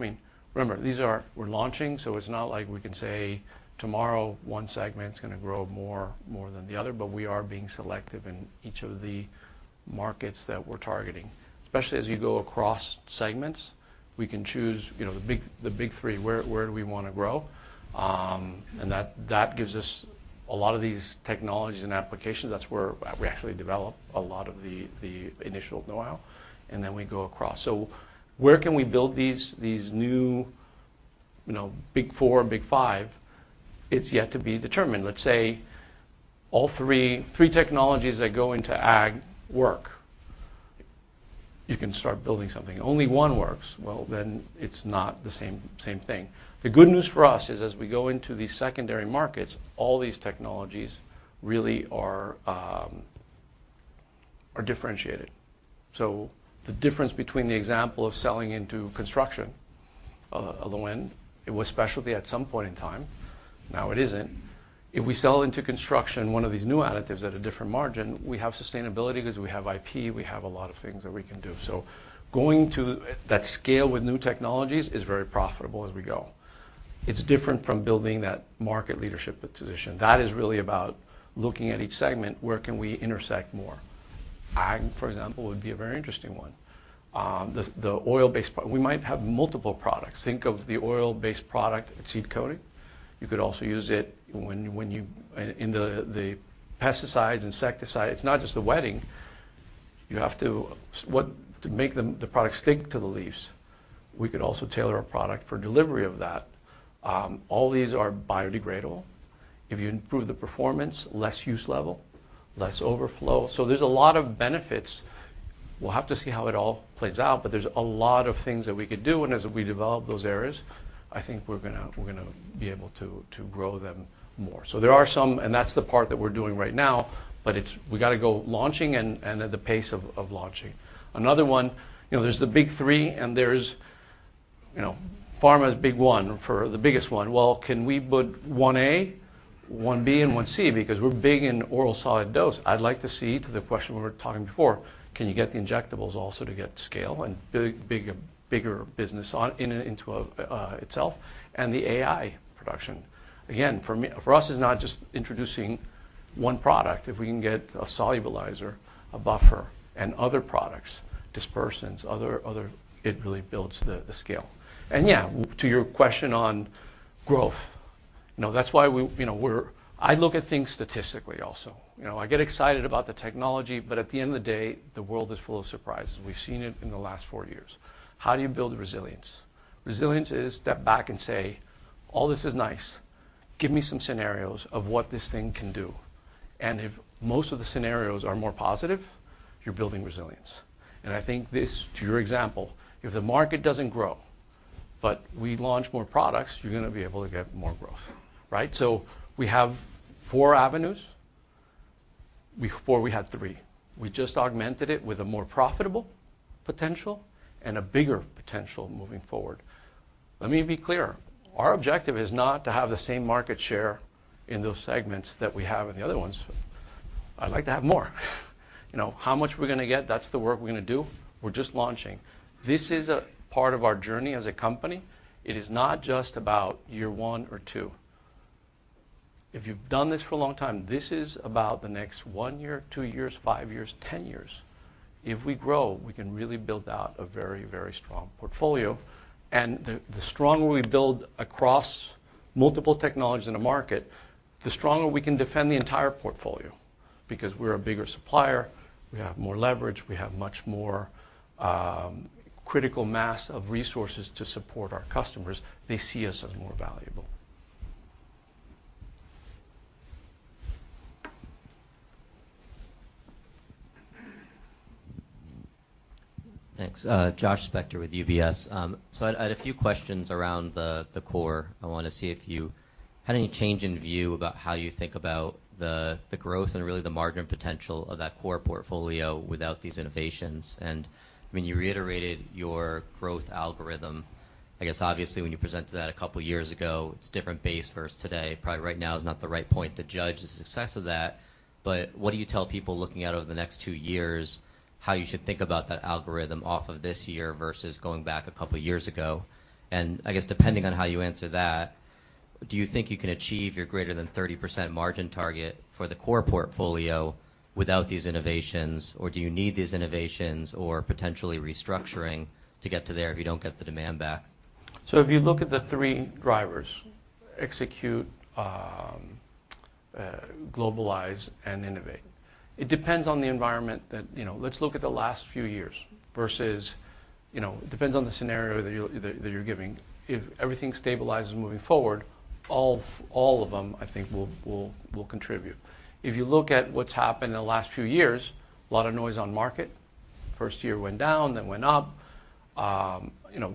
I mean, remember, these are, we're launching, so it's not like we can say tomorrow one segment's gonna grow more than the other, but we are being selective in each of the markets that we're targeting. Especially as you go across segments, we can choose, you know, the big three, where do we wanna grow? And that gives us a lot of these technologies and applications. That's where we actually develop a lot of the initial know-how, and then we go across. So where can we build these new, you know, big four, big five? It's yet to be determined. Let's say all three, three technologies that go into ag work, you can start building something. Only one works, well, then it's not the same, same thing. The good news for us is, as we go into these secondary markets, all these technologies really are differentiated. So the difference between the example of selling into construction, Lewin, it was specialty at some point in time, now it isn't. If we sell into construction, one of these new additives at a different margin, we have sustainability because we have IP, we have a lot of things that we can do. So going to that scale with new technologies is very profitable as we go. It's different from building that market leadership position. That is really about looking at each segment, where can we intersect more? Ag, for example, would be a very interesting one. The oil-based product, we might have multiple products. Think of the oil-based product, seed coating. You could also use it when you in the pesticides, insecticides. It's not just the wetting, you have to make the products stick to the leaves. We could also tailor a product for delivery of that. All these are biodegradable. If you improve the performance, less use level, less overflow. So there's a lot of benefits. We'll have to see how it all plays out, but there's a lot of things that we could do, and as we develop those areas, I think we're gonna be able to grow them more. So there are some, and that's the part that we're doing right now, but it's we gotta go launching and at the pace of launching. Another one, you know, there's the big three, and there's, you know, pharma's big one for the biggest one. Well, can we put one A, one B, and one C? Because we're big in oral solid dose. I'd like to see, to the question we were talking before, can you get the injectables also to get scale and big, big, bigger business on, in, into itself, and the API production. Again, for me, for us, it's not just introducing one product. If we can get a solubilizer, a buffer, and other products, dispersants, other, other. It really builds the scale. And yeah, to your question on growth, you know, that's why we, you know, we're, I look at things statistically also. You know, I get excited about the technology, but at the end of the day, the world is full of surprises. We've seen it in the last four years. How do you build resilience? Resilience is step back and say, "All this is nice. Give me some scenarios of what this thing can do." And if most of the scenarios are more positive, you're building resilience. And I think this, to your example, if the market doesn't grow, but we launch more products, you're gonna be able to get more growth, right? So we have four avenues. Before, we had three. We just augmented it with a more profitable potential and a bigger potential moving forward. Let me be clear, our objective is not to have the same market share in those segments that we have in the other ones. I'd like to have more. You know, how much we're gonna get, that's the work we're gonna do. We're just launching. This is a part of our journey as a company. It is not just about year one or two. If you've done this for a long time, this is about the next 1 year, two years, five years, 10 years. If we grow, we can really build out a very, very strong portfolio, and the stronger we build across multiple technologies in a market, the stronger we can defend the entire portfolio. Because we're a bigger supplier, we have more leverage, we have much more critical mass of resources to support our customers. They see us as more valuable. Thanks. Josh Spector with UBS. So I had a few questions around the core. I want to see if you had any change in view about how you think about the growth and really the margin potential of that core portfolio without these innovations. And when you reiterated your growth algorithm, I guess obviously when you presented that a couple of years ago, it's different base versus today. Probably right now is not the right point to judge the success of that, but what do you tell people looking out over the next two years, how you should think about that algorithm off of this year versus going back a couple of years ago? And I guess depending on how you answer that, do you think you can achieve your greater than 30% margin target for the core portfolio without these innovations? Or do you need these innovations or potentially restructuring to get there if you don't get the demand back? So if you look at the three drivers, execute, globalize, and innovate, it depends on the environment that. You know, let's look at the last few years versus, you know, depends on the scenario that you're giving. If everything stabilizes moving forward, all of them, I think, will contribute. If you look at what's happened in the last few years, a lot of noise on market. First year went down, then went up. You know,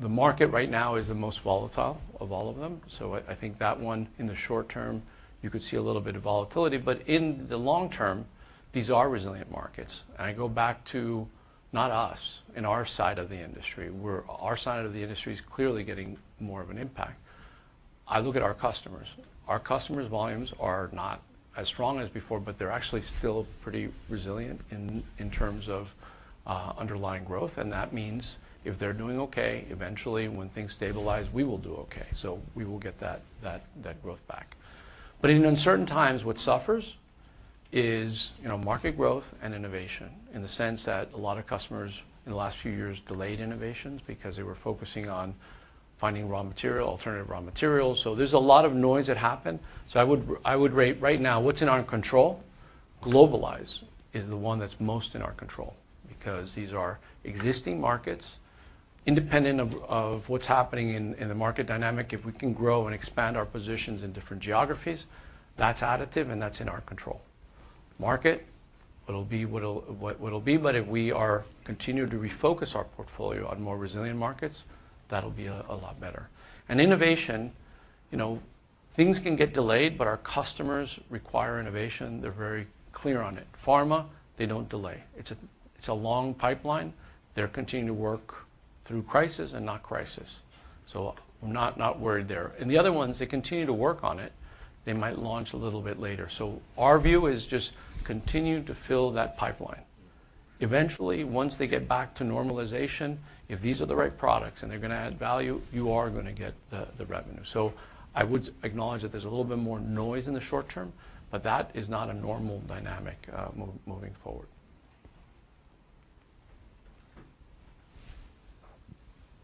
the market right now is the most volatile of all of them, so I think that one, in the short term, you could see a little bit of volatility. But in the long term, these are resilient markets. And I go back to, not us and our side of the industry, where our side of the industry is clearly getting more of an impact. I look at our customers. Our customers' volumes are not as strong as before, but they're actually still pretty resilient in terms of underlying growth, and that means if they're doing okay, eventually, when things stabilize, we will do okay, so we will get that growth back. But in uncertain times, what suffers is, you know, market growth and innovation in the sense that a lot of customers in the last few years delayed innovations because they were focusing on finding raw material, alternative raw materials. So there's a lot of noise that happened. So I would rateright now, what's in our control? Globalize is the one that's most in our control because these are existing markets independent of what's happening in the market dynamic. If we can grow and expand our positions in different geographies, that's additive, and that's in our control. Market, it'll be what it'll be, but if we are continue to refocus our portfolio on more resilient markets, that'll be a lot better. And innovation, you know, things can get delayed, but our customers require innovation. They're very clear on it. Pharma, they don't delay. It's a long pipeline. They continue to work through crisis and not crisis, so I'm not worried there. And the other ones, they continue to work on it, they might launch a little bit later. So our view is just continue to fill that pipeline. Eventually, once they get back to normalization, if these are the right products and they're gonna add value, you are gonna get the revenue. I would acknowledge that there's a little bit more noise in the short term, but that is not a normal dynamic, moving forward.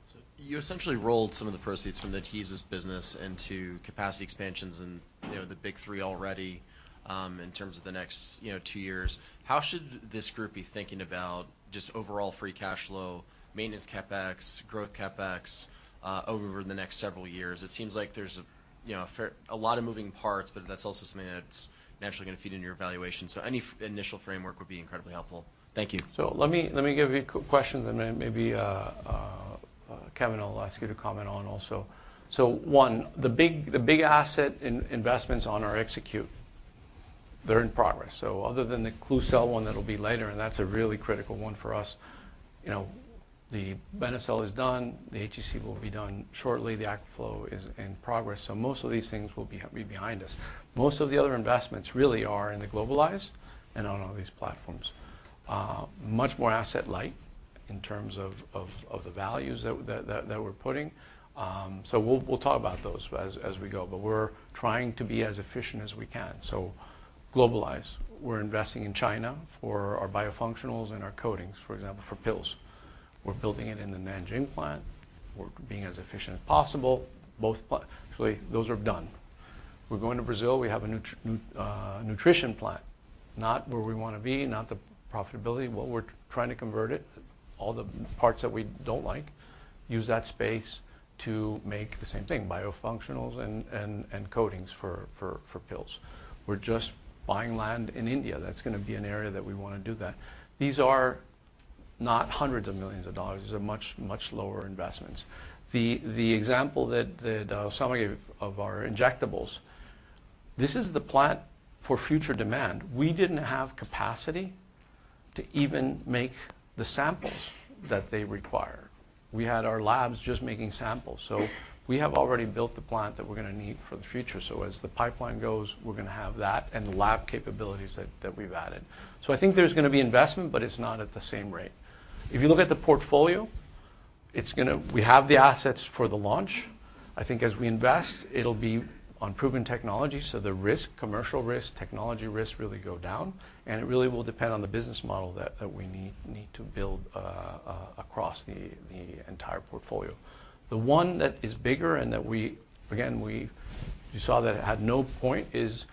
So you essentially rolled some of the proceeds from the Adhesives business into capacity expansions and, you know, the big three already, in terms of the next, you know, two years. How should this group be thinking about just overall Free Cash Flow, maintenance CapEx, growth CapEx, over the next several years? It seems like there's a, you know, a lot of moving parts, but that's also something that's naturally gonna feed into your valuation. So any initial framework would be incredibly helpful. Thank you. So let me give you a few questions, and then maybe, Kevin, I'll ask you to comment on also. So, one, the big, the big asset investments on our capex, they're in progress, so other than the Klucel one, that'll be later, and that's a really critical one for us. You know, the Benecel is done. The HEC will be done shortly. The Aquaflow is in progress, so most of these things will be behind us. Most of the other investments really are in the globalized and on all these platforms. Much more asset light in terms of the values that we're putting. So we'll talk about those as we go, but we're trying to be as efficient as we can. So globalized. We're investing in China for our biofunctionals and our coatings, for example, for pills. We're building it in the Nanjing plant. We're being as efficient as possible, actually, those are done. We're going to Brazil. We have a nutrition plant, not where we wanna be, not the profitability, but we're trying to convert it, all the parts that we don't like, use that space to make the same thing, biofunctionals and coatings for pills. We're just buying land in India. That's gonna be an area that we wanna do that. These are not hundreds of millions of dollars. These are much, much lower investments. The example that somebody gave of our injectables, this is the plant for future demand. We didn't have capacity to even make the samples that they require. We had our labs just making samples, so we have already built the plant that we're gonna need for the future. So as the pipeline goes, we're gonna have that and the lab capabilities that we've added. So I think there's gonna be investment, but it's not at the same rate. If you look at the portfolio, it's gonna. We have the assets for the launch. I think as we invest, it'll be on proven technology, so the risk, commercial risk, technology risk, really go down, and it really will depend on the business model that we need to build across the entire portfolio. The one that is bigger and that we again you saw that it had no point is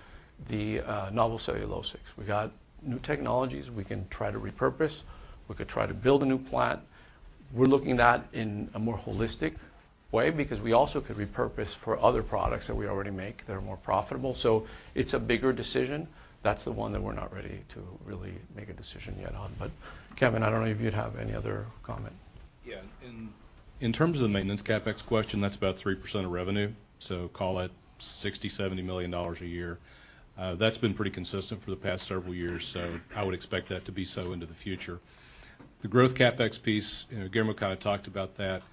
the novel cellulosics. We got new technologies we can try to repurpose. We could try to build a new plant. We're looking at that in a more holistic way because we also could repurpose for other products that we already make that are more profitable. So it's a bigger decision. That's the one that we're not ready to really make a decision yet on. But Kevin, I don't know if you'd have any other comment. Yeah. In terms of the maintenance CapEx question, that's about 3% of revenue, so call it $60-$70 million a year. That's been pretty consistent for the past several years, so I would expect that to be so into the future. The growth CapEx piece, you know, Guillermo kind of talked about that.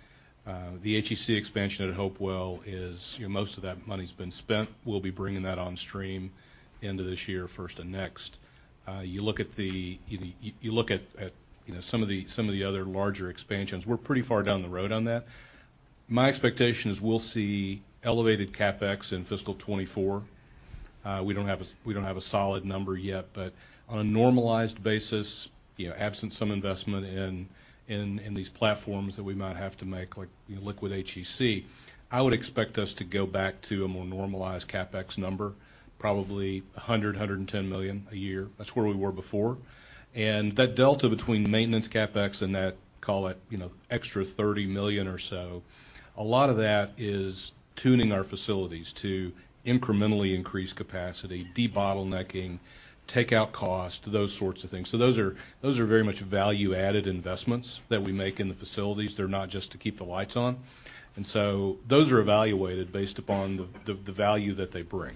The HEC expansion at Hopewell is, you know, most of that money's been spent. We'll be bringing that on stream into this year, first and next. You look at, you know, some of the other larger expansions, we're pretty far down the road on that. My expectation is we'll see elevated CapEx in fiscal 2024. We don't have a solid number yet, but on a normalized basis, you know, absent some investment in these platforms that we might have to make, like, you know, liquid HEC, I would expect us to go back to a more normalized CapEx number, probably $100-$110 million a year. That's where we were before, and that delta between maintenance CapEx and that, call it, you know, extra $30 million or so, a lot of that is tuning our facilities to incrementally increase capacity, debottlenecking, take out cost, those sorts of things. So those are very much value-added investments that we make in the facilities. They're not just to keep the lights on, and so those are evaluated based upon the value that they bring.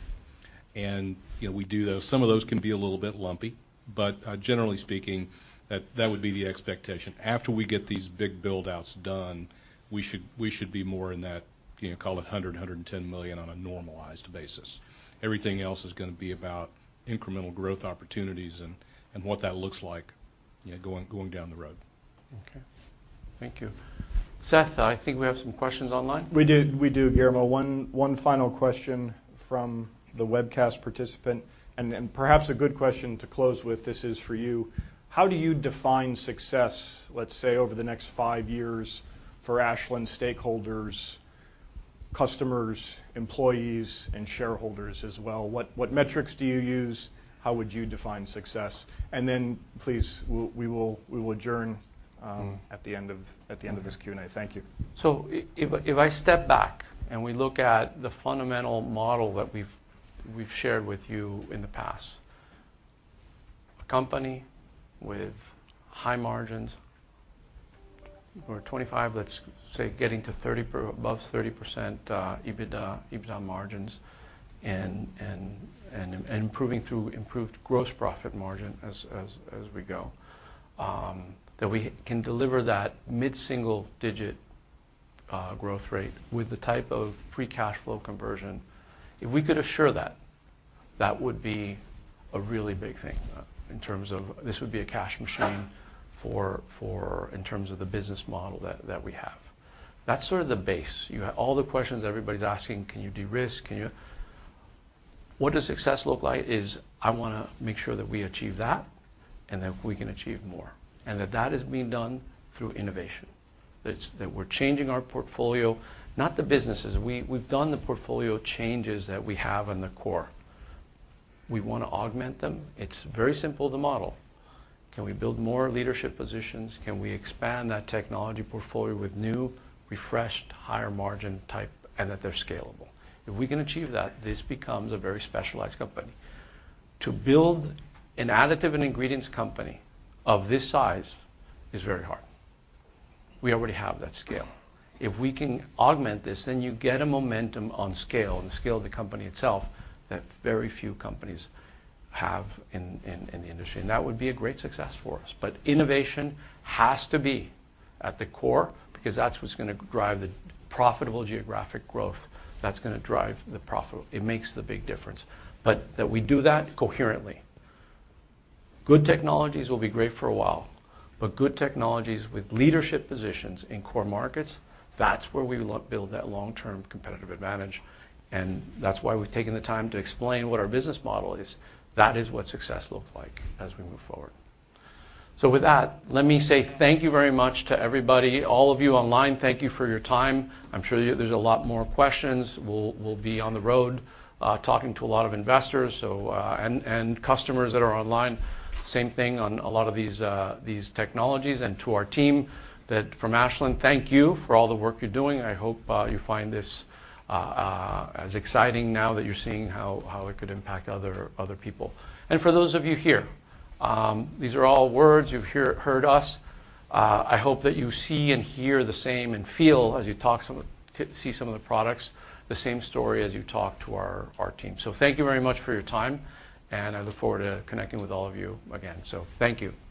You know, we do those. Some of those can be a little bit lumpy, but generally speaking, that, that would be the expectation. After we get these big build-outs done, we should, we should be more in that, you know, call it $100 million-$110 million on a normalized basis. Everything else is gonna be about incremental growth opportunities and, and what that looks like, you know, going, going down the road. Okay. Thank you. Seth, I think we have some questions online. We do, Guillermo. One final question from the webcast participant, and perhaps a good question to close with. This is for you: How do you define success, let's say, over the next five years for Ashland stakeholders, customers, employees, and shareholders as well? What metrics do you use? How would you define success? And then please, we'll adjourn at the end of this Q&A. Thank you. So if I, if I step back, and we look at the fundamental model that we've shared with you in the past, a company with high margins, we're 25, let's say, getting to 30%. above 30% EBITDA margins and improving through improved gross profit margin as we go, that we can deliver that mid-single digit growth rate with the type of Free Cash Flow conversion, if we could assure that, that would be a really big thing in terms of this would be a cash machine for, in terms of the business model that we have. That's sort of the base. You have all the questions everybody's asking: Can you de-risk? What does success look like? I wanna make sure that we achieve that, and that we can achieve more, and that that is being done through innovation. It's that we're changing our portfolio, not the businesses. We've done the portfolio changes that we have in the core. We wanna augment them. It's very simple, the model. Can we build more leadership positions? Can we expand that technology portfolio with new, refreshed, higher margin type, and that they're scalable? If we can achieve that, this becomes a very specialized company. To build an additive and ingredients company of this size is very hard. We already have that scale. If we can augment this, then you get a momentum on scale, and the scale of the company itself, that very few companies have in the industry, and that would be a great success for us. But innovation has to be at the core because that's what's gonna drive the profitable geographic growth. That's gonna drive the profit. It makes the big difference. But that we do that coherently. Good technologies will be great for a while, but good technologies with leadership positions in core markets, that's where we will build that long-term competitive advantage, and that's why we've taken the time to explain what our business model is. That is what success looks like as we move forward. So with that, let me say thank you very much to everybody. All of you online, thank you for your time. I'm sure there's a lot more questions. We'll be on the road, talking to a lot of investors, so, and customers that are online, same thing on a lot of these, these technologies. To our team that from Ashland, thank you for all the work you're doing. I hope you find this as exciting now that you're seeing how it could impact other people. For those of you here, these are all words. You've heard us. I hope that you see and hear the same and feel as you talk some of the, see some of the products, the same story as you talk to our team. Thank you very much for your time, and I look forward to connecting with all of you again. Thank you.